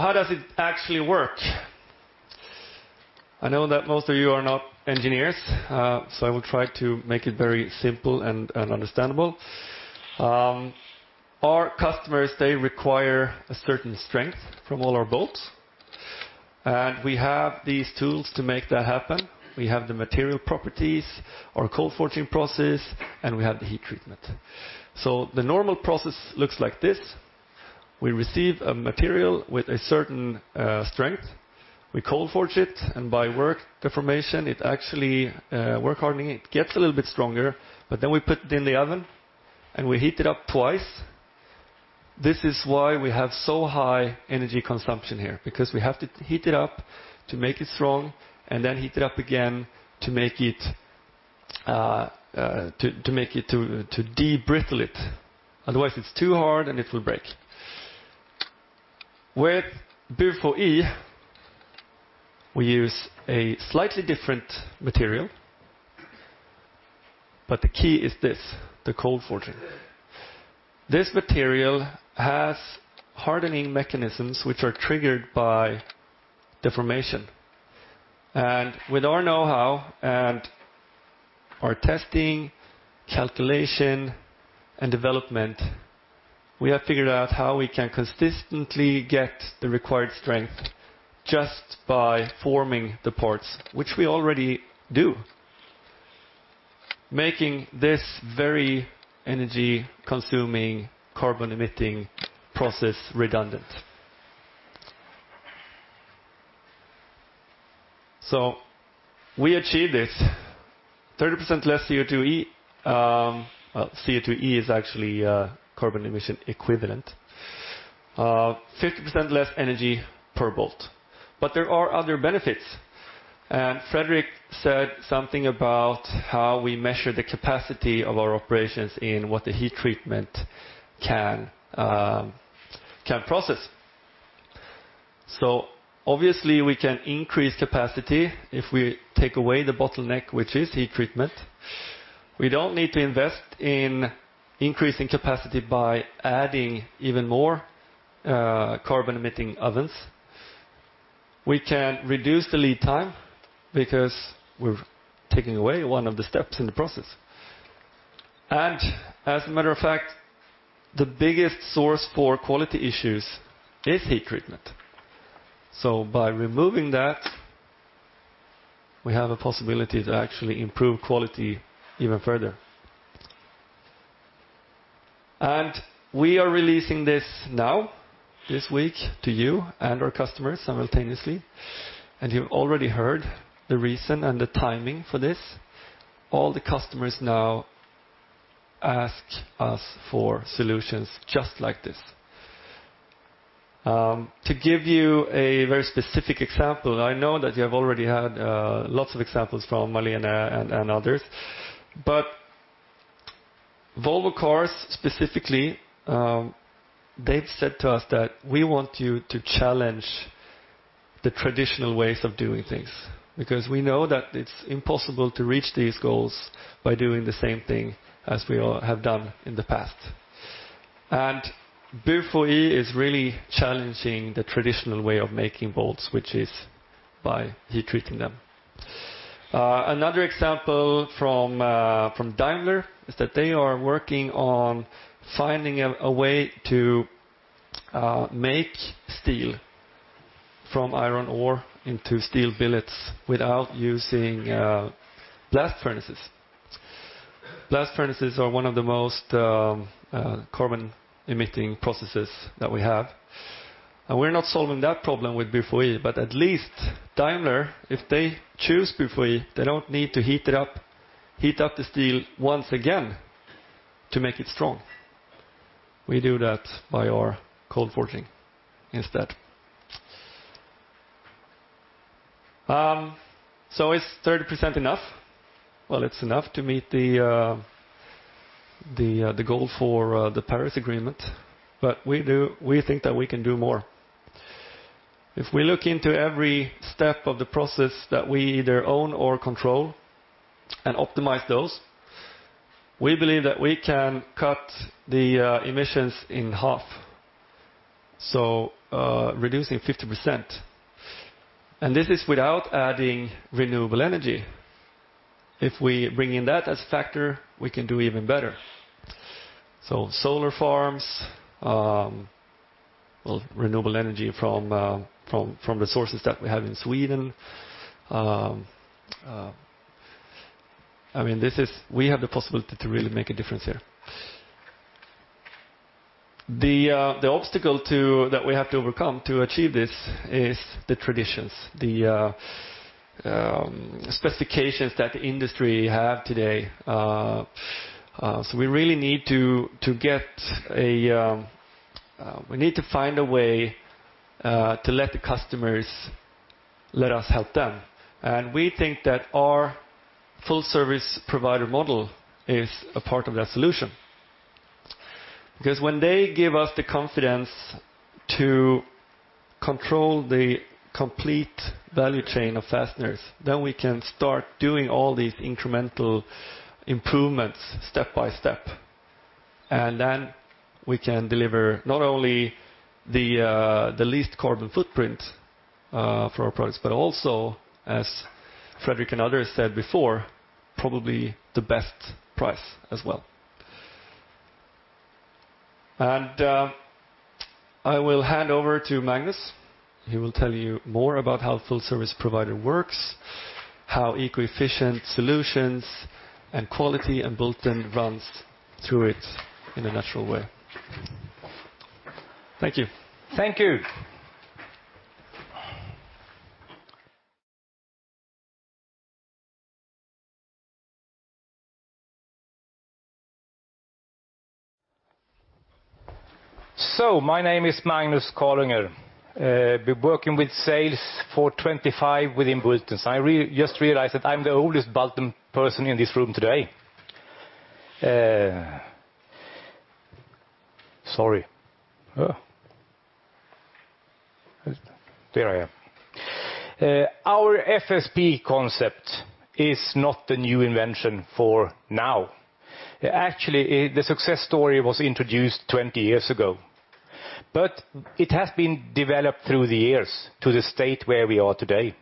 How does it actually work? I know that most of you are not engineers, so I will try to make it very simple and understandable. Our customers, they require a certain strength from all our bolts. We have these tools to make that happen. We have the material properties, our cold forging process, and we have the heat treatment. The normal process looks like this. We receive a material with a certain strength, we cold forge it, and by work deformation, work hardening, it gets a little bit stronger, we put it in the oven, and we heat it up twice. This is why we have so high energy consumption here, because we have to heat it up to make it strong, and then heat it up again to de-brittle it. Otherwise, it's too hard, and it will break. With BUFOe, we use a slightly different material, but the key is this, the cold forging. This material has hardening mechanisms which are triggered by deformation. With our know-how and our testing, calculation, and development, we have figured out how we can consistently get the required strength just by forming the parts, which we already do, making this very energy-consuming, carbon-emitting process redundant. We achieve this: 30% less CO2e. CO2e is actually carbon emission equivalent. 50% less energy per bolt. There are other benefits. Fredrik said something about how we measure the capacity of our operations in what the heat treatment can process. Obviously, we can increase capacity if we take away the bottleneck, which is heat treatment. We don't need to invest in increasing capacity by adding even more carbon-emitting ovens. We can reduce the lead time because we're taking away one of the steps in the process. As a matter of fact, the biggest source for quality issues is heat treatment. By removing that, we have a possibility to actually improve quality even further. We are releasing this now, this week, to you and our customers simultaneously, and you've already heard the reason and the timing for this. All the customers now ask us for solutions just like this. To give you a very specific example, I know that you have already had lots of examples from Marlene and others. Volvo Cars specifically, they've said to us that we want you to challenge the traditional ways of doing things, because we know that it's impossible to reach these goals by doing the same thing as we all have done in the past. BUFOe is really challenging the traditional way of making bolts, which is by heat treating them. Another example from Daimler is that they are working on finding a way to make steel from iron ore into steel billets without using blast furnaces. Blast furnaces are one of the most carbon-emitting processes that we have. We're not solving that problem with BUFOe, but at least Daimler, if they choose BUFOe, they don't need to heat up the steel once again to make it strong. We do that by our cold forging instead. Is 30% enough? It's enough to meet the goal for the Paris Agreement, but we think that we can do more. If we look into every step of the process that we either own or control and optimize those, we believe that we can cut the emissions in half, so reducing 50%. This is without adding renewable energy. If we bring in that as a factor, we can do even better. Solar farms, well, renewable energy from the sources that we have in Sweden. We have the possibility to really make a difference here. The obstacle that we have to overcome to achieve this is the traditions, the specifications that the industry have today. We need to find a way to let the customers let us help them. We think that our Full Service Provider model is a part of that solution. Because when they give us the confidence to control the complete value chain of fasteners, then we can start doing all these incremental improvements step by step. We can deliver not only the least carbon footprint for our products, but also, as Fredrik and others said before, probably the best price as well. I will hand over to Magnus. He will tell you more about how Full Service Provider works, how eco-efficient solutions and quality and Bulten runs through it in a natural way. Thank you. Thank you. My name is Magnus Carlunger. Been working with sales for 25 within Bulten. I just realized that I'm the oldest Bulten person in this room today. Sorry, there I am. Our FSP concept is not a new invention for now. Actually, the success story was introduced 20 years ago, but it has been developed through the years to the state where we are today.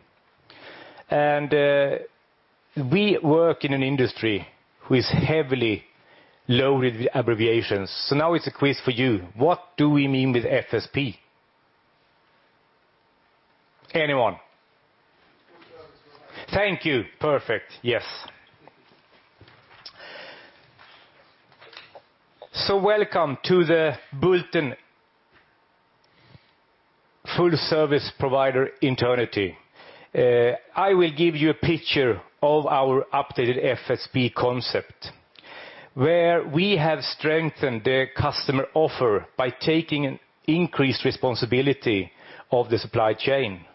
We work in an industry who is heavily loaded with abbreviations. Now it's a quiz for you. What do we mean with FSP? Anyone? Thank you. Perfect, yes. Welcome to the Bulten Full Service Provider eternity. I will give you a picture of our updated FSP concept, where we have strengthened the customer offer by taking increased responsibility of the supply chain,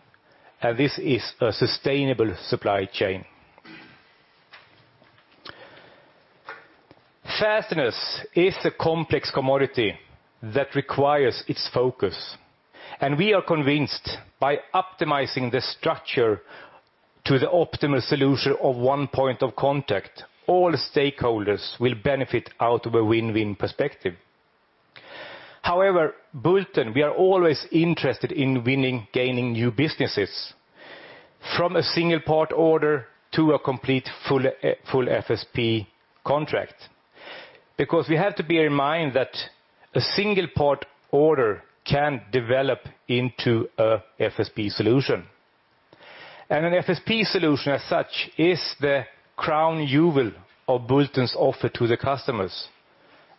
and this is a sustainable supply chain. Fasteners is a complex commodity that requires its focus, and we are convinced by optimizing the structure to the optimal solution of one point of contact, all stakeholders will benefit out of a win-win perspective. However, Bulten, we are always interested in winning, gaining new businesses from a single part order to a complete full FSP contract. Because we have to bear in mind that a single part order can develop into an FSP solution. An FSP solution, as such, is the crown jewel of Bulten's offer to the customers,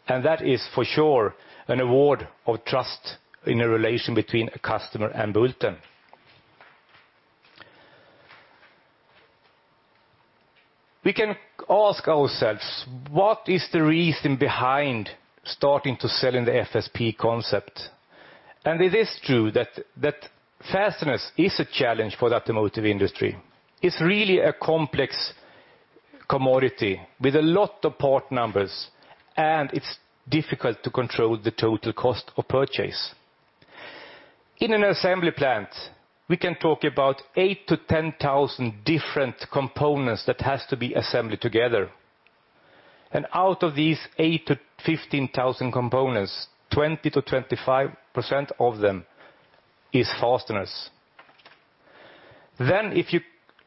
and that is for sure an award of trust in a relation between a customer and Bulten. We can ask ourselves, what is the reason behind starting to sell in the FSP concept? It is true that fasteners is a challenge for the automotive industry. It's really a complex commodity with a lot of part numbers, it's difficult to control the total cost of purchase. In an assembly plant, we can talk about 8,000-10,000 different components that has to be assembled together. Out of these 8,000-15,000 components, 20%-25% of them is fasteners. If you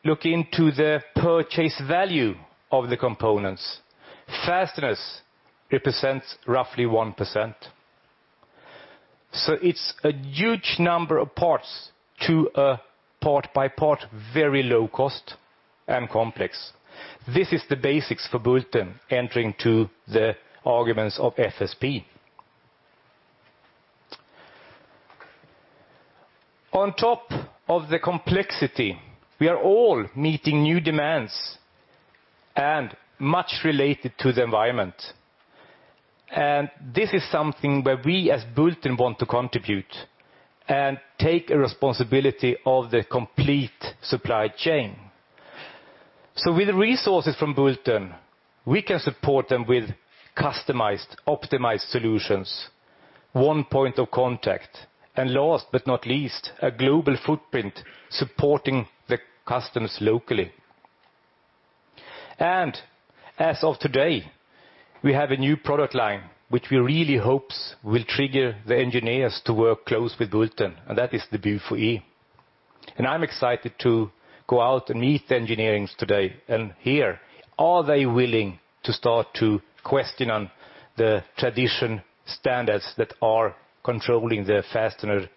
look into the purchase value of the components, fasteners represents roughly 1%. It's a huge number of parts to a part by part, very low cost and complex. This is the basics for Bulten entering to the arguments of FSP. On top of the complexity, we are all meeting new demands and much related to the environment. This is something where we as Bulten want to contribute and take a responsibility of the complete supply chain. With resources from Bulten, we can support them with customized, optimized solutions, one point of contact, and last but not least, a global footprint supporting the customers locally. As of today, we have a new product line, which we really hopes will trigger the engineers to work close with Bulten, and that is the BUFOe. I'm excited to go out and meet the engineers today and hear, are they willing to start to question on the traditional standards that are controlling the fastener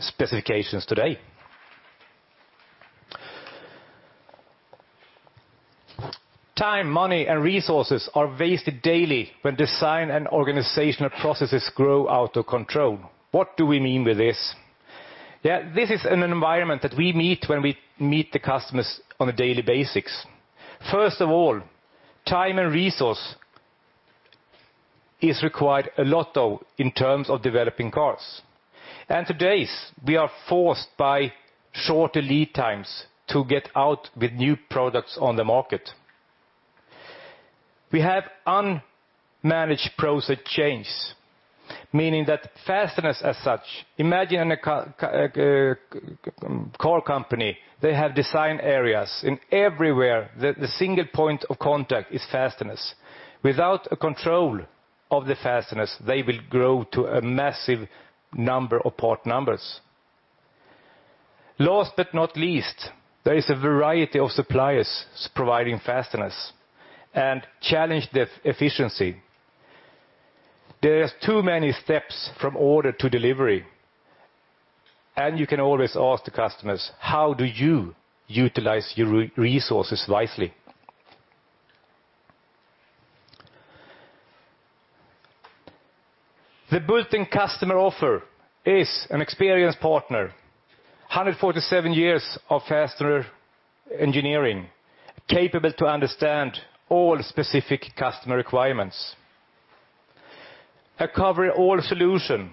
specifications today? Time, money, and resources are wasted daily when design and organizational processes grow out of control. What do we mean with this? This is an environment that we meet when we meet the customers on a daily basis. First of all, time and resource is required a lot of in terms of developing cars. Today, we are forced by shorter lead times to get out with new products on the market. We have unmanaged process chains, meaning that fasteners as such, imagine a car company, they have design areas, and everywhere, the single point of contact is fasteners. Without a control of the fasteners, they will grow to a massive number of part numbers. Last but not least, there is a variety of suppliers providing fasteners and challenge the efficiency. There are too many steps from order to delivery, and you can always ask the customers: How do you utilize your resources wisely? The Bulten customer offer is an experienced partner, 147 years of fastener engineering, capable to understand all specific customer requirements. A cover-all solution.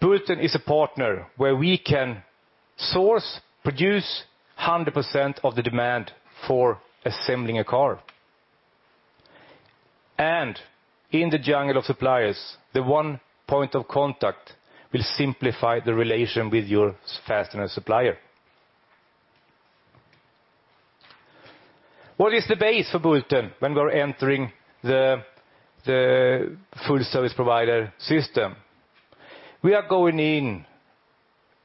Bulten is a partner where we can source, produce 100% of the demand for assembling a car. In the jungle of suppliers, the one point of contact will simplify the relation with your fastener supplier. What is the base for Bulten when we're entering the Full Service Provider system? We are going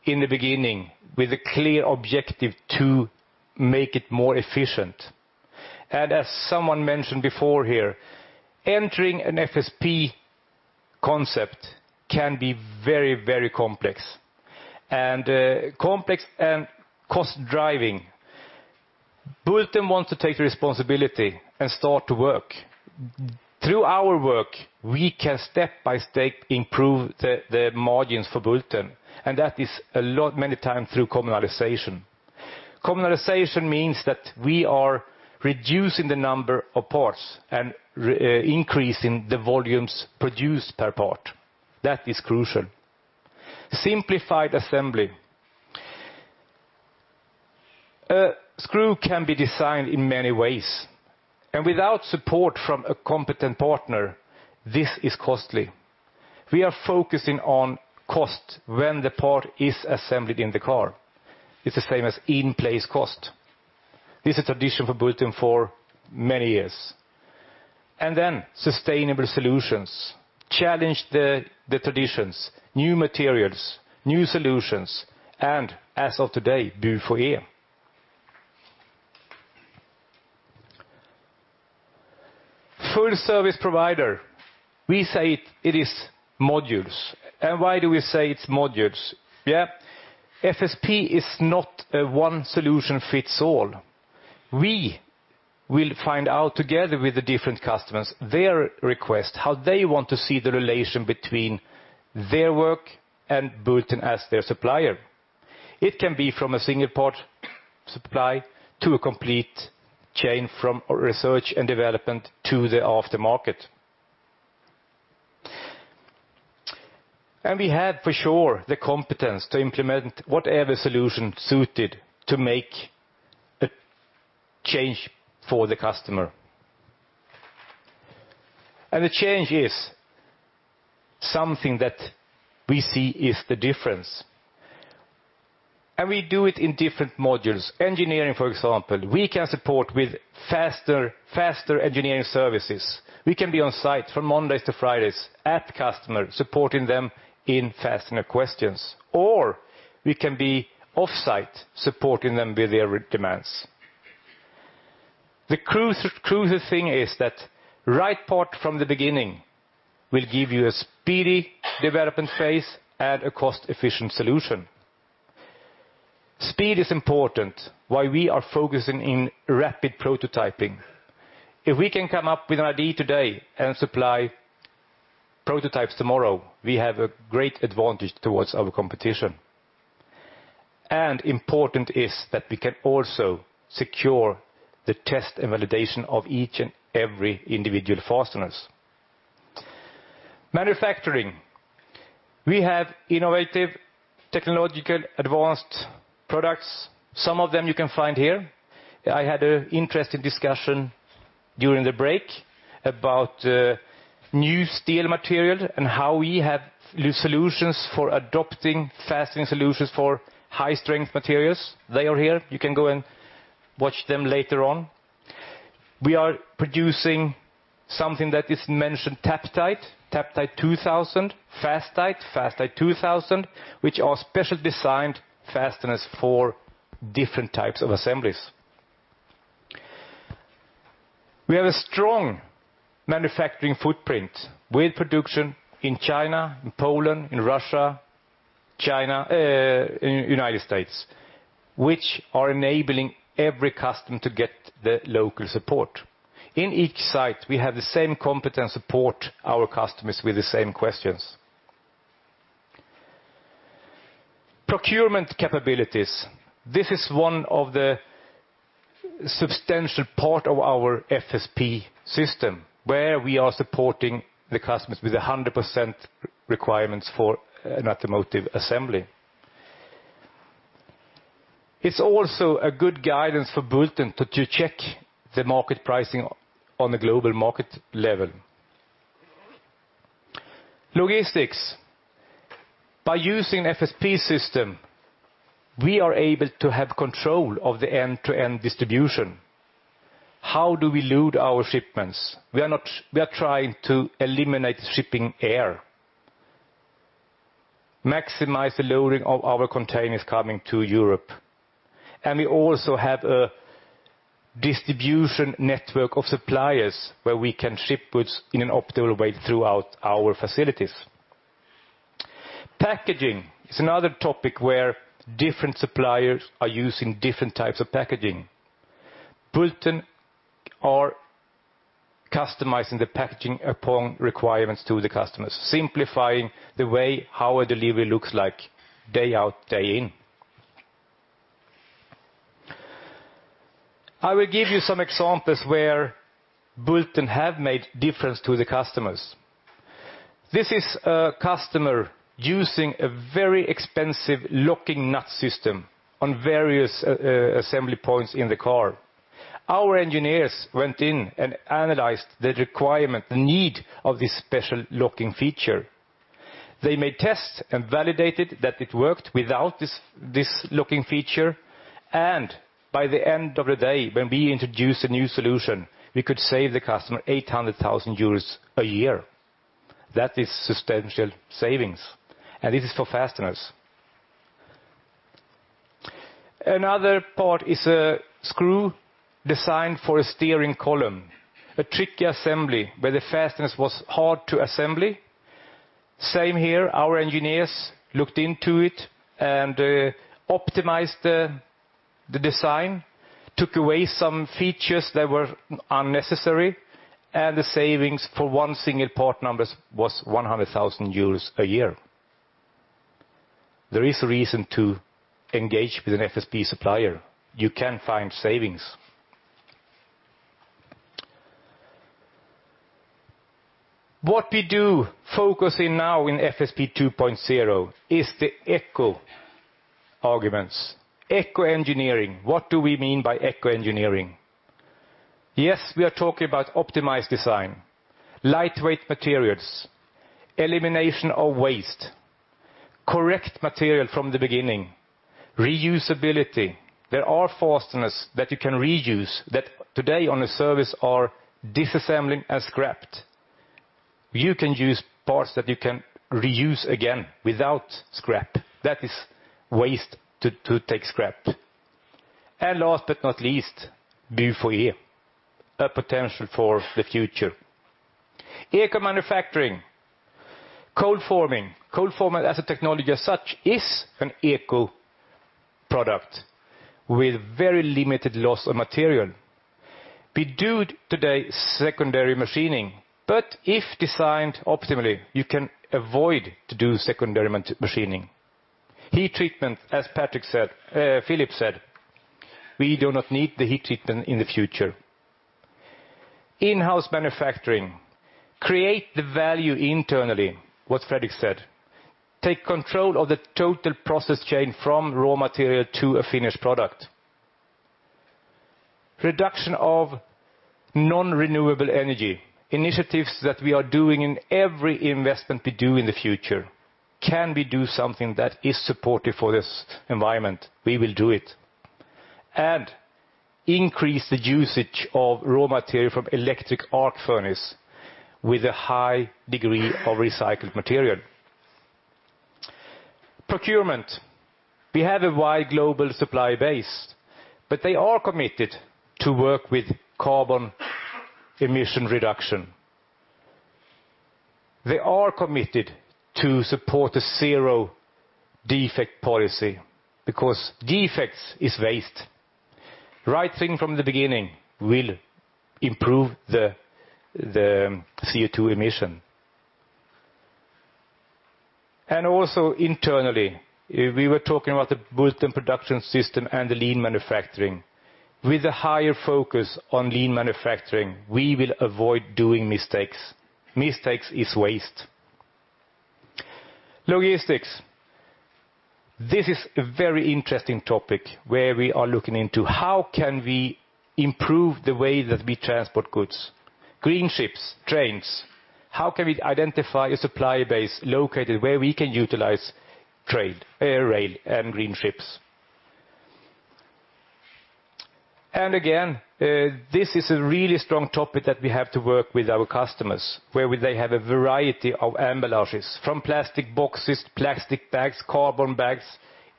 in the beginning, with a clear objective to make it more efficient. As someone mentioned before here, entering an FSP concept can be very complex and cost-driving. Bulten wants to take responsibility and start to work. Through our work, we can step by step improve the margins for Bulten, and that is many times through commonalization. Commonalization means that we are reducing the number of parts and increasing the volumes produced per part. That is crucial. Simplified assembly. A screw can be designed in many ways, and without support from a competent partner, this is costly. We are focusing on cost when the part is assembled in the car. It's the same as in-place cost. This is tradition for Bulten for many years. Sustainable solutions, challenge the traditions, new materials, new solutions, and as of today, BUFOe. Full Service Provider, we say it is modules. Why do we say it's modules? FSP is not a one solution fits all. We will find out together with the different customers, their request, how they want to see the relation between their work and Bulten as their supplier. It can be from a single part supply to a complete chain from research and development to the aftermarket. We have for sure the competence to implement whatever solution suited to make a change for the customer. The change is something that we see is the difference, and we do it in different modules. Engineering, for example, we can support with faster engineering services. We can be on site from Mondays to Fridays at customer, supporting them in fastener questions, or we can be offsite supporting them with their demands. The crucial thing is that right part from the beginning will give you a speedy development phase and a cost-efficient solution. Speed is important, why we are focusing in rapid prototyping. If we can come up with an idea today and supply prototypes tomorrow, we have a great advantage towards our competition. Important is that we can also secure the test and validation of each and every individual fasteners. Manufacturing. We have innovative, technological, advanced products. Some of them you can find here. I had an interesting discussion during the break about new steel material and how we have new solutions for adopting fastening solutions for high-strength materials. They are here. You can go and watch them later on. We are producing something that is mentioned, TAPTITE. TAPTITE 2000, FASTITE, FASTITE 2000, which are special designed fasteners for different types of assemblies. We have a strong manufacturing footprint with production in China, in Poland, in Russia, China, U.S., which are enabling every customer to get the local support. In each site, we have the same competent support our customers with the same questions. Procurement capabilities. This is one of the substantial part of our FSP system, where we are supporting the customers with 100% requirements for an automotive assembly. It's also a good guidance for Bulten to check the market pricing on the global market level. Logistics. By using FSP system, we are able to have control of the end-to-end distribution. How do we load our shipments? We are trying to eliminate shipping air, maximize the loading of our containers coming to Europe. We also have a distribution network of suppliers where we can ship goods in an optimal way throughout our facilities. Packaging is another topic where different suppliers are using different types of packaging. Bulten are customizing the packaging upon requirements to the customers, simplifying the way how a delivery looks like day out, day in. I will give you some examples where Bulten have made difference to the customers. This is a customer using a very expensive locking nut system on various assembly points in the car. Our engineers went in and analyzed the requirement, the need of this special locking feature. They made tests and validated that it worked without this locking feature. By the end of the day, when we introduced a new solution, we could save the customer 800,000 euros a year. That is substantial savings, and this is for fasteners. Another part is a screw designed for a steering column, a tricky assembly where the fasteners was hard to assembly. Same here, our engineers looked into it and optimized the design, took away some features that were unnecessary, and the savings for one single part numbers was 100,000 euros a year. There is a reason to engage with an FSP supplier. You can find savings. What we do focus in now in FSP 2.0 is the eco arguments, eco engineering. What do we mean by eco engineering? Yes, we are talking about optimized design, lightweight materials, elimination of waste, correct material from the beginning, reusability. There are fasteners that you can reuse that today on a service are disassembling and scrapped. You can use parts that you can reuse again without scrap. That is waste to take scrap. Last but not least, BUFOe, a potential for the future. Eco manufacturing. Cold forming. Cold forming as a technology as such is an eco product with very limited loss of material. We do today secondary machining, but if designed optimally, you can avoid to do secondary machining. Heat treatment, as Philip said, we do not need the heat treatment in the future. In-house manufacturing, create the value internally, what Fredrik said. Take control of the total process chain from raw material to a finished product. Reduction of non-renewable energy, initiatives that we are doing in every investment we do in the future. Can we do something that is supportive for this environment? We will do it. Increase the usage of raw material from electric arc furnace with a high degree of recycled material. Procurement. We have a wide global supply base, they are committed to work with carbon emission reduction. They are committed to support a zero-defect policy because defects is waste. Right thing from the beginning will improve the CO2 emission. Also internally, we were talking about the Bulten Production System and the lean manufacturing. With a higher focus on lean manufacturing, we will avoid doing mistakes. Mistakes is waste. Logistics. This is a very interesting topic where we are looking into how can we improve the way that we transport goods. Green ships, trains. How can we identify a supply base located where we can utilize train, air rail, and green ships? Again, this is a really strong topic that we have to work with our customers, where they have a variety of enclosures, from plastic boxes to plastic bags, carbon bags.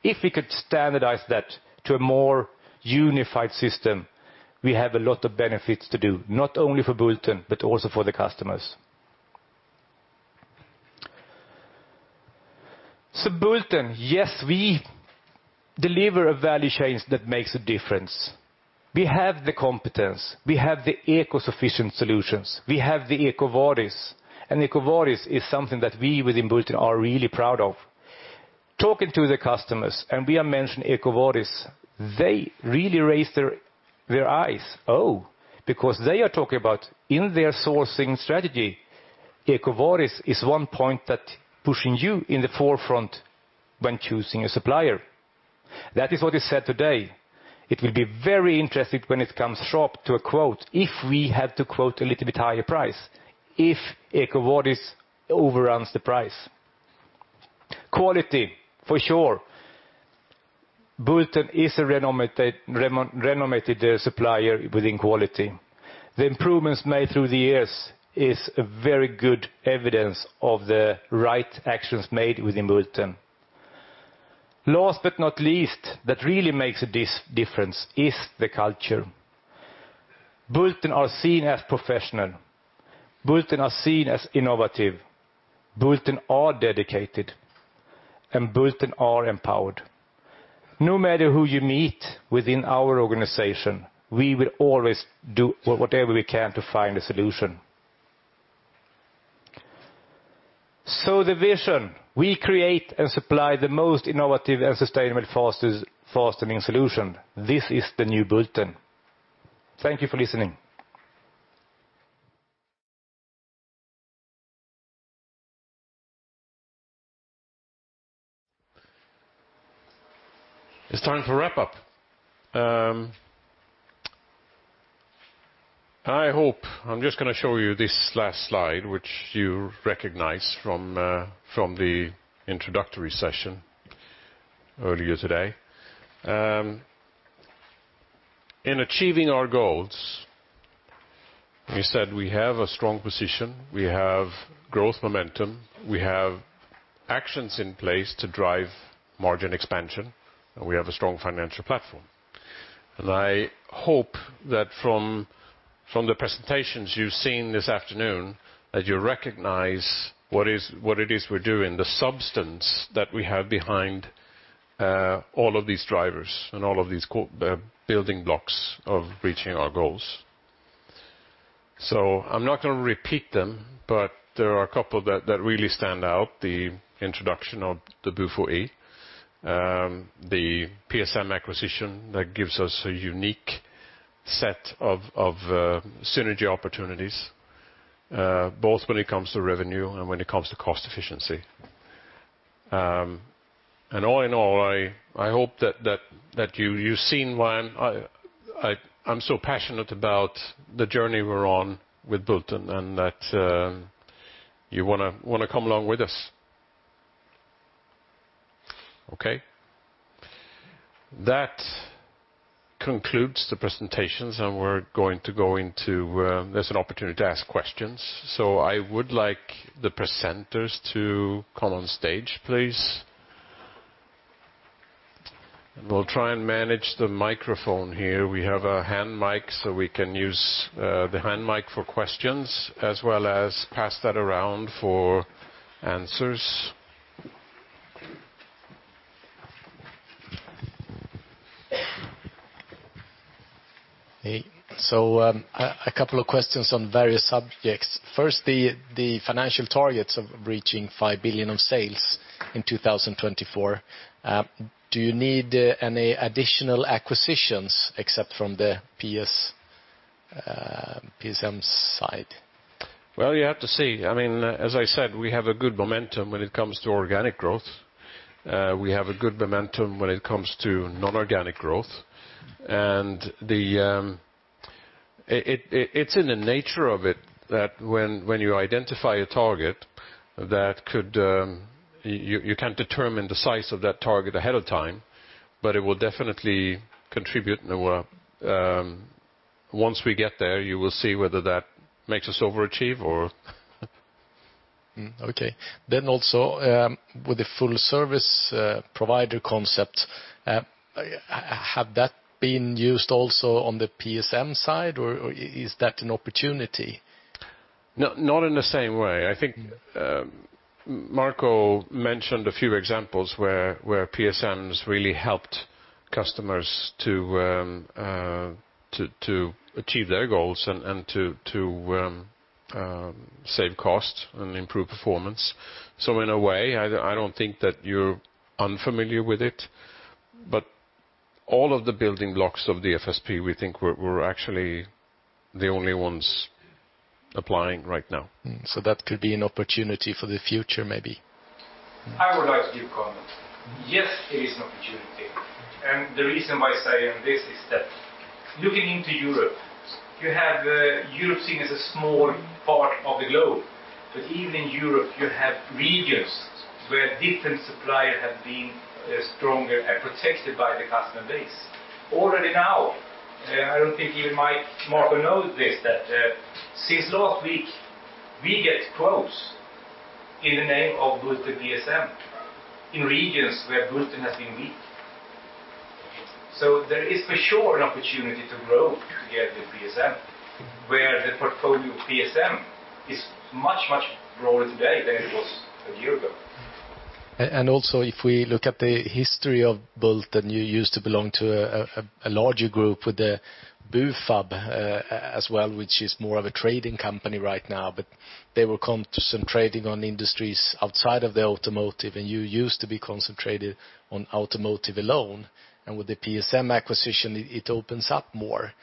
If we could standardize that to a more unified system, we have a lot of benefits to do, not only for Bulten, but also for the customers. Bulten, yes, we deliver a value chain that makes a difference. We have the competence, we have the eco-sufficient solutions, we have the EcoVadis, and EcoVadis is something that we within Bulten are really proud of. Talking to the customers, and we are mentioning EcoVadis, they really raise their eyes, oh, because they are talking about in their sourcing strategy, EcoVadis is one point that pushing you in the forefront when choosing a supplier. That is what is said today. It will be very interesting when it comes up to a quote, if we have to quote a little bit higher price, if EcoVadis overruns the price. Quality, for sure. Bulten is a renowned supplier within quality. The improvements made through the years is a very good evidence of the right actions made within Bulten. Last but not least, that really makes a difference is the culture. Bulten are seen as professional, Bulten are seen as innovative, Bulten are dedicated, and Bulten are empowered. No matter who you meet within our organization, we will always do whatever we can to find a solution. The vision, we create and supply the most innovative and sustainable fastening solution. This is the new Bulten. Thank you for listening. It's time to wrap up. I'm just going to show you this last slide, which you recognize from the introductory session earlier today. In achieving our goals, we said we have a strong position, we have growth momentum, we have actions in place to drive margin expansion, and we have a strong financial platform. I hope that from the presentations you've seen this afternoon, that you recognize what it is we're doing, the substance that we have behind all of these drivers and all of these building blocks of reaching our goals. I'm not going to repeat them, but there are a couple that really stand out. The introduction of the BUFOe, the PSM acquisition that gives us a unique set of synergy opportunities, both when it comes to revenue and when it comes to cost efficiency. All in all, I hope that you've seen why I'm so passionate about the journey we're on with Bulten, and that you want to come along with us. Okay. That concludes the presentations, and there's an opportunity to ask questions. I would like the presenters to come on stage, please. We'll try and manage the microphone here. We have a hand mic, so we can use the hand mic for questions, as well as pass that around for answers. Hey. A couple of questions on various subjects. First, the financial targets of reaching 5 billion on sales in 2024. Do you need any additional acquisitions except from the PSM side? You have to see. As I said, we have a good momentum when it comes to organic growth. We have a good momentum when it comes to non-organic growth. It's in the nature of it that when you identify a target, you can't determine the size of that target ahead of time, but it will definitely contribute, and once we get there, you will see whether that makes us overachieve or. Okay. Also, with the Full Service Provider concept, have that been used also on the PSM side, or is that an opportunity? Not in the same way. I think Marco mentioned a few examples where PSMs really helped customers to achieve their goals and to save costs and improve performance. In a way, I don't think that you're unfamiliar with it, but all of the building blocks of the FSP, we think we're actually the only ones applying right now. That could be an opportunity for the future, maybe. I would like to give comment. Yes, it is an opportunity. The reason why I say this is that looking into Europe, you have Europe seen as a small part of the globe, but even in Europe you have regions where different supplier have been stronger and protected by the customer base. Already now, I don't think even Marco knows this, that since last week, we get close in the name of Bulten PSM in regions where Bulten has been weak. There is for sure an opportunity to grow together with PSM, where the portfolio of PSM is much broader today than it was a year ago. Also, if we look at the history of Bulten, you used to belong to a larger group with the Bufab as well, which is more of a trading company right now, but they will come to some trading on industries outside of the automotive, and you used to be concentrated on automotive alone. With the PSM acquisition, it opens up more.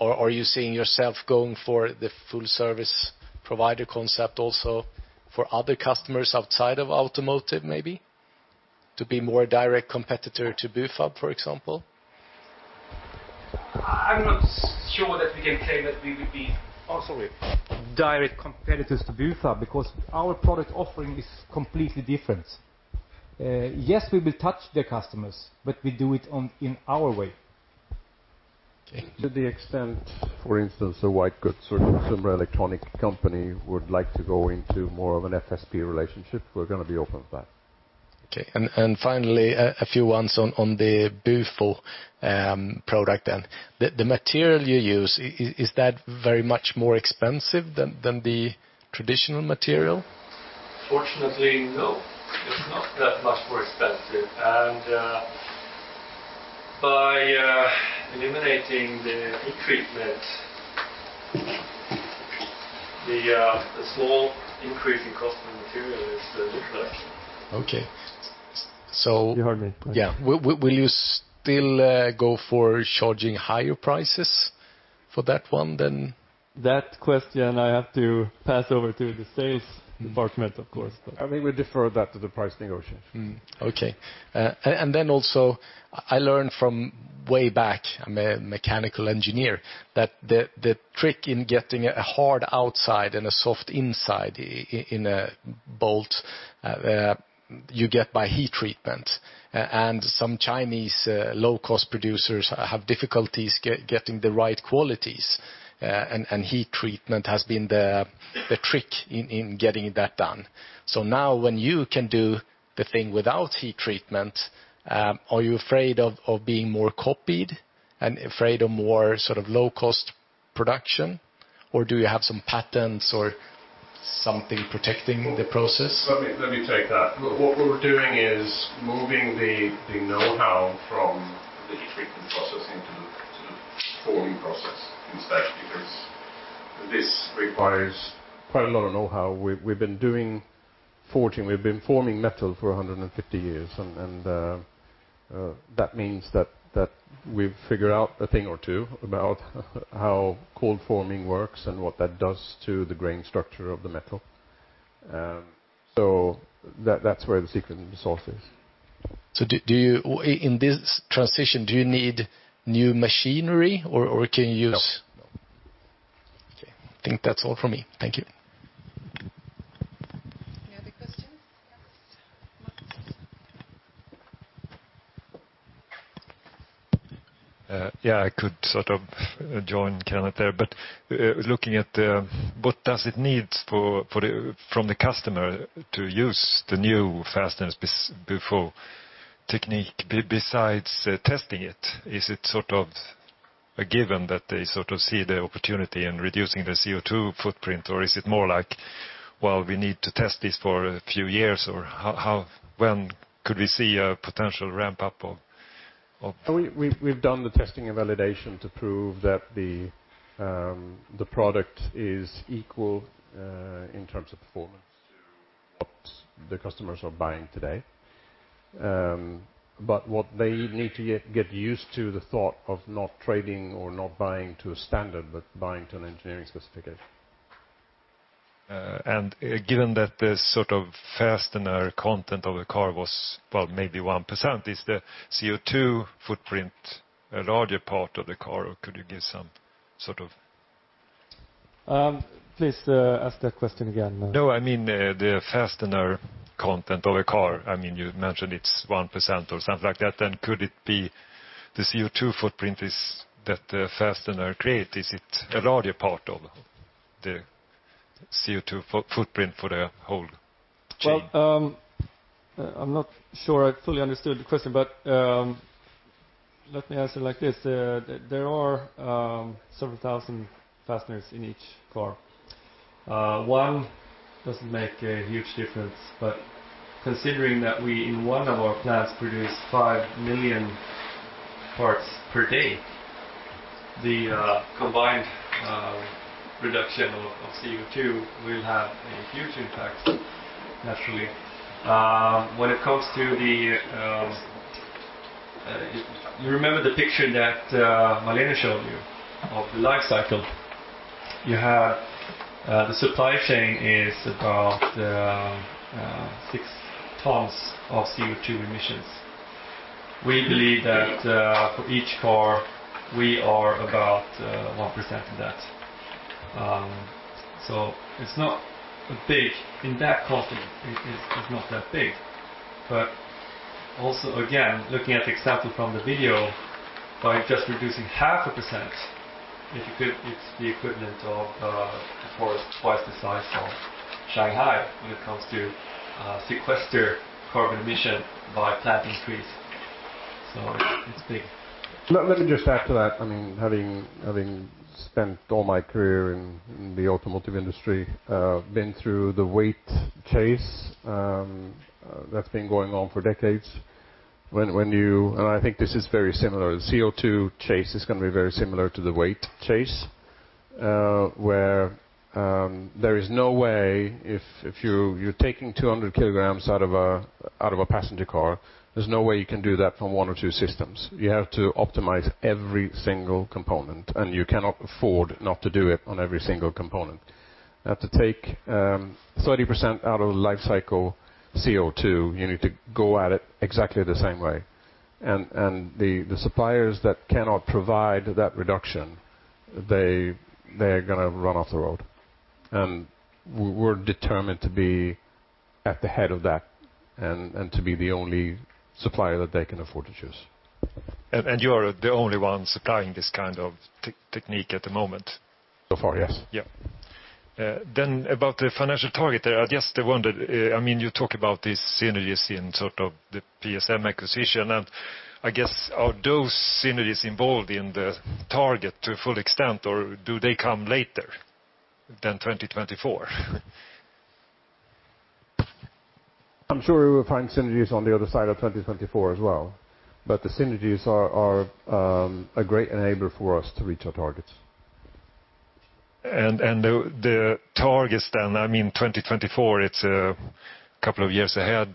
Are you seeing yourself going for the full service provider concept also for other customers outside of automotive, maybe? To be more a direct competitor to Bufab, for example? I'm not sure that we can claim that. Oh, sorry. Direct competitors to Bufab because our product offering is completely different. Yes, we will touch their customers, but we do it in our way. To the extent, for instance, a white good, consumer electronic company would like to go into more of an FSP relationship, we're going to be open to that. Okay. Finally, a few ones on the BUFO product then. The material you use, is that very much more expensive than the traditional material? Fortunately, no. It's not that much more expensive. By eliminating the heat treatment, the small increase in cost of the material is negligible. Okay. You heard me. Will you still go for charging higher prices for that one then? That question I have to pass over to the sales department, of course. We defer that to the price negotiation. Okay. Also, I learned from way back, I'm a mechanical engineer, that the trick in getting a hard outside and a soft inside in a bolt, you get by heat treatment. Some Chinese low-cost producers have difficulties getting the right qualities, and heat treatment has been the trick in getting that done. Now when you can do the thing without heat treatment, are you afraid of being more copied and afraid of more low-cost production? Do you have some patents or something protecting the process? Let me take that. What we're doing is moving the know-how from the heat treatment process into the forming process instead, because this requires quite a lot of know-how. We've been forming metal for 150 years, and that means that we've figured out a thing or two about how cold forming works and what that does to the grain structure of the metal. That's where the secret sauce is. In this transition, do you need new machinery, or can you use? No. Okay. I think that's all for me. Thank you. Any other questions? Yes, Markus. Yeah, I could sort of join Kenneth there. Looking at what does it need from the customer to use the new fasteners BUFO technique besides testing it, is it sort of a given that they see the opportunity in reducing the CO2 footprint, or is it more like, well, we need to test this for a few years? When could we see a potential ramp-up of? We've done the testing and validation to prove that the product is equal in terms of performance to what the customers are buying today. What they need to get used to the thought of not trading or not buying to a standard, but buying to an engineering specification. Given that the fastener content of the car was maybe 1%, is the CO2 footprint a larger part of the car, or could you give some sort of? Please ask that question again. No, I mean, the fastener content of a car. You mentioned it's 1% or something like that, could it be the CO2 footprint is that the fastener create, is it a larger part of the CO2 footprint for the whole chain? Well, I'm not sure I fully understood the question. Let me answer like this. There are several thousand fasteners in each car. One doesn't make a huge difference. Considering that we, in one of our plants, produce 5 million parts per day, the combined reduction of CO2 will have a huge impact, naturally. When it comes to the You remember the picture that Marlene showed you of the life cycle? You have the supply chain is about six tons of CO2 emissions. We believe that for each car, we are about 1% of that. It's not big. In that context, it is not that big. Also, again, looking at the example from the video, by just reducing half a percent, it's the equivalent of a forest twice the size of Shanghai when it comes to sequester carbon emission by plant increase. It's big. Let me just add to that. Having spent all my career in the automotive industry, been through the weight chase, that's been going on for decades. I think this is very similar. The CO2 chase is going to be very similar to the weight chase, where there is no way if you're taking 200 kilograms out of a passenger car, there's no way you can do that from one or two systems. You have to optimize every single component, and you cannot afford not to do it on every single component. You have to take 30% out of life cycle CO2, you need to go at it exactly the same way. The suppliers that cannot provide that reduction, they're going to run off the road. We're determined to be at the head of that and to be the only supplier that they can afford to choose. You are the only one supplying this kind of technique at the moment? Far, yes. Yeah. About the financial target there, I just wondered, you talk about these synergies in sort of the PSM acquisition, and I guess are those synergies involved in the target to a full extent, or do they come later than 2024? I'm sure we will find synergies on the other side of 2024 as well. The synergies are a great enabler for us to reach our targets. The targets then, 2024, it's a couple of years ahead.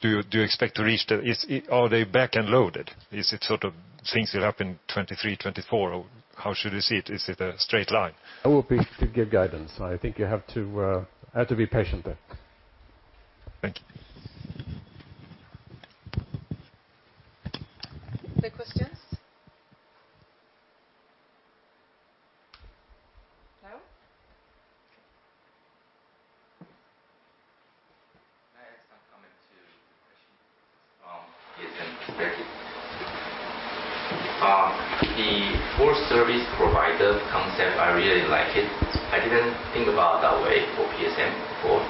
Do you expect to reach that? Are they back-end loaded? Is it sort of things that happen 2023, 2024, or how should we see it? Is it a straight line? I won't be able to give guidance. I think you have to be patient there. Thank you. More questions? No. Can I add some comment to the question from PSM perspective? The Full Service Provider concept, I really like it. I didn't think about it that way for PSM before,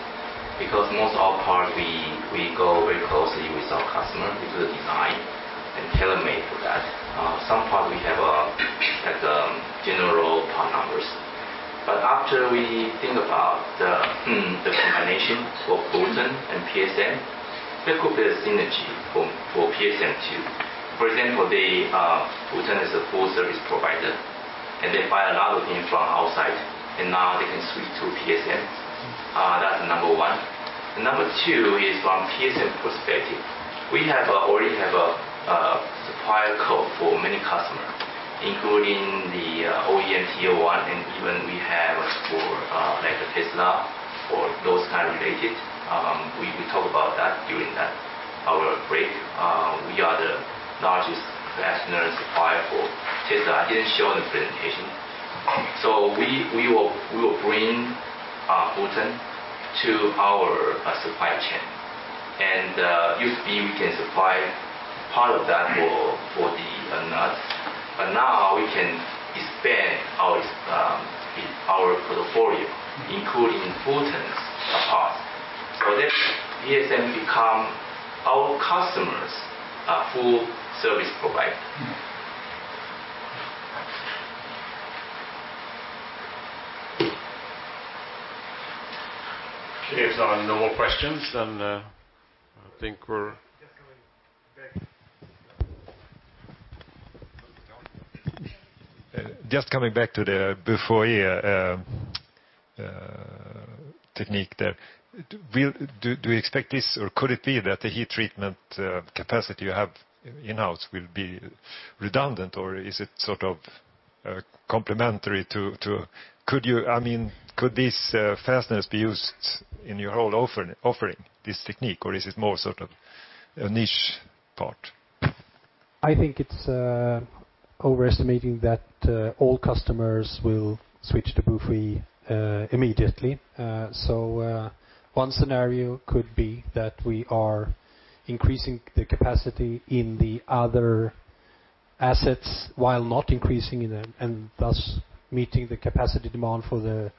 because most of our parts, we go very closely with our customer. We do the design and tailor-make for that. Some part we have general part numbers. After we think about the combination of Bulten and PSM, there could be a synergy for PSM, too. For example, Bulten is a Full Service Provider, and they buy a lot of things from outside, and now they can switch to PSM. That's number 1. Number 2 is from PSM perspective. We already have a supplier code for many customers, including the OEM Tier 1, and even we have for Tesla or those kind related. We talked about that during our break. We are the largest fastener supplier for Tesla. I didn't show in the presentation. We will bring Bulten to our supply chain. Used to be we can supply part of that for the nut, but now we can expand our portfolio, including Bulten's parts. PSM become our customers' Full Service Provider. Okay. No more questions, then I think we're. Just coming back. No more comments. Just coming back to the BUFOe technique there. Do you expect this, or could it be that the heat treatment capacity you have in-house will be redundant, or is it sort of complementary? Could these fasteners be used in your whole offering, this technique, or is it more sort of a niche part? I think it's overestimating that all customers will switch to BUFOe immediately. One scenario could be that we are increasing the capacity in the other assets while not increasing in them, and thus meeting the capacity demand for the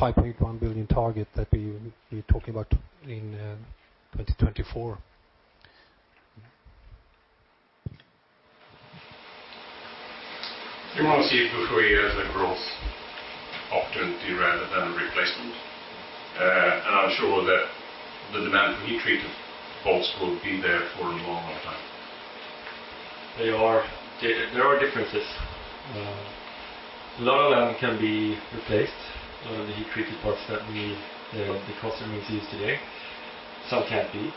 5.1 billion target that we're talking about in 2024. Okay. You want to see BUFOe as a growth opportunity rather than a replacement. I'm sure that the demand for heat-treated bolts will be there for a long, long time. There are differences. A lot of them can be replaced, a lot of the heat-treated parts that the customers use today. Some can't be.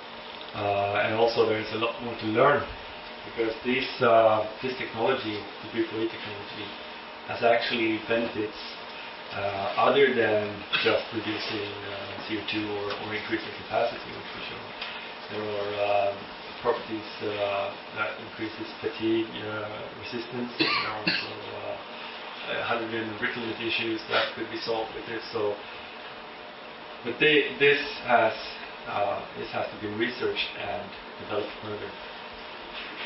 Also, there is a lot more to learn because this technology, the BUFOe technology, has actually benefits other than just reducing CO2 or increasing capacity, for sure. There are properties that increases fatigue resistance. There are also hydrogen brittleness issues that could be solved with this. This has to be researched and developed further.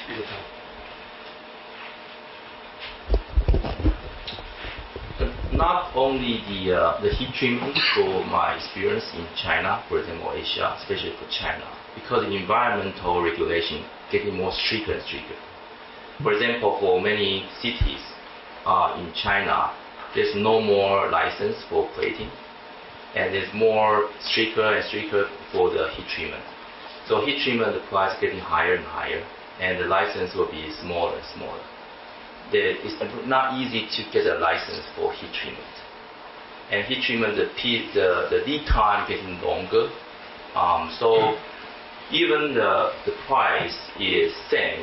Peter, time. Not only the heat treatment, through my experience in China, for example, Asia, especially for China, because the environmental regulation getting more stricter and stricter. For example, for many cities in China, there's no more license for plating, and it's more stricter and stricter for the heat treatment. Heat treatment price getting higher and higher, and the license will be smaller and smaller. It's not easy to get a license for heat treatment. Heat treatment, the lead time getting longer. Even the price is same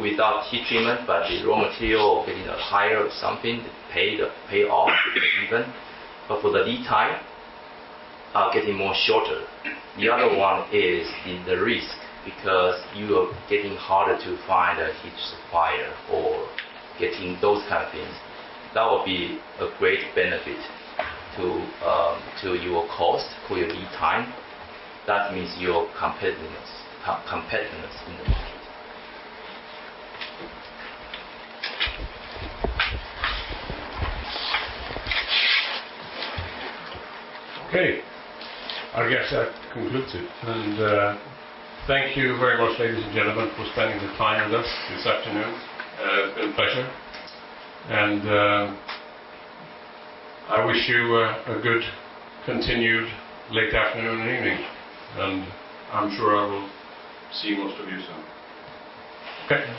without heat treatment, but the raw material getting higher or something, the payoff will be even. For the lead time, getting more shorter. The other one is in the risk, because you are getting harder to find a heat supplier or getting those kind of things. That would be a great benefit to your cost, for your lead time. That means your competitiveness in the market. Okay, I guess that concludes it. Thank you very much, ladies and gentlemen, for spending the time with us this afternoon. It's been a pleasure. I wish you a good continued late afternoon and evening. I'm sure I will see most of you soon. Okay.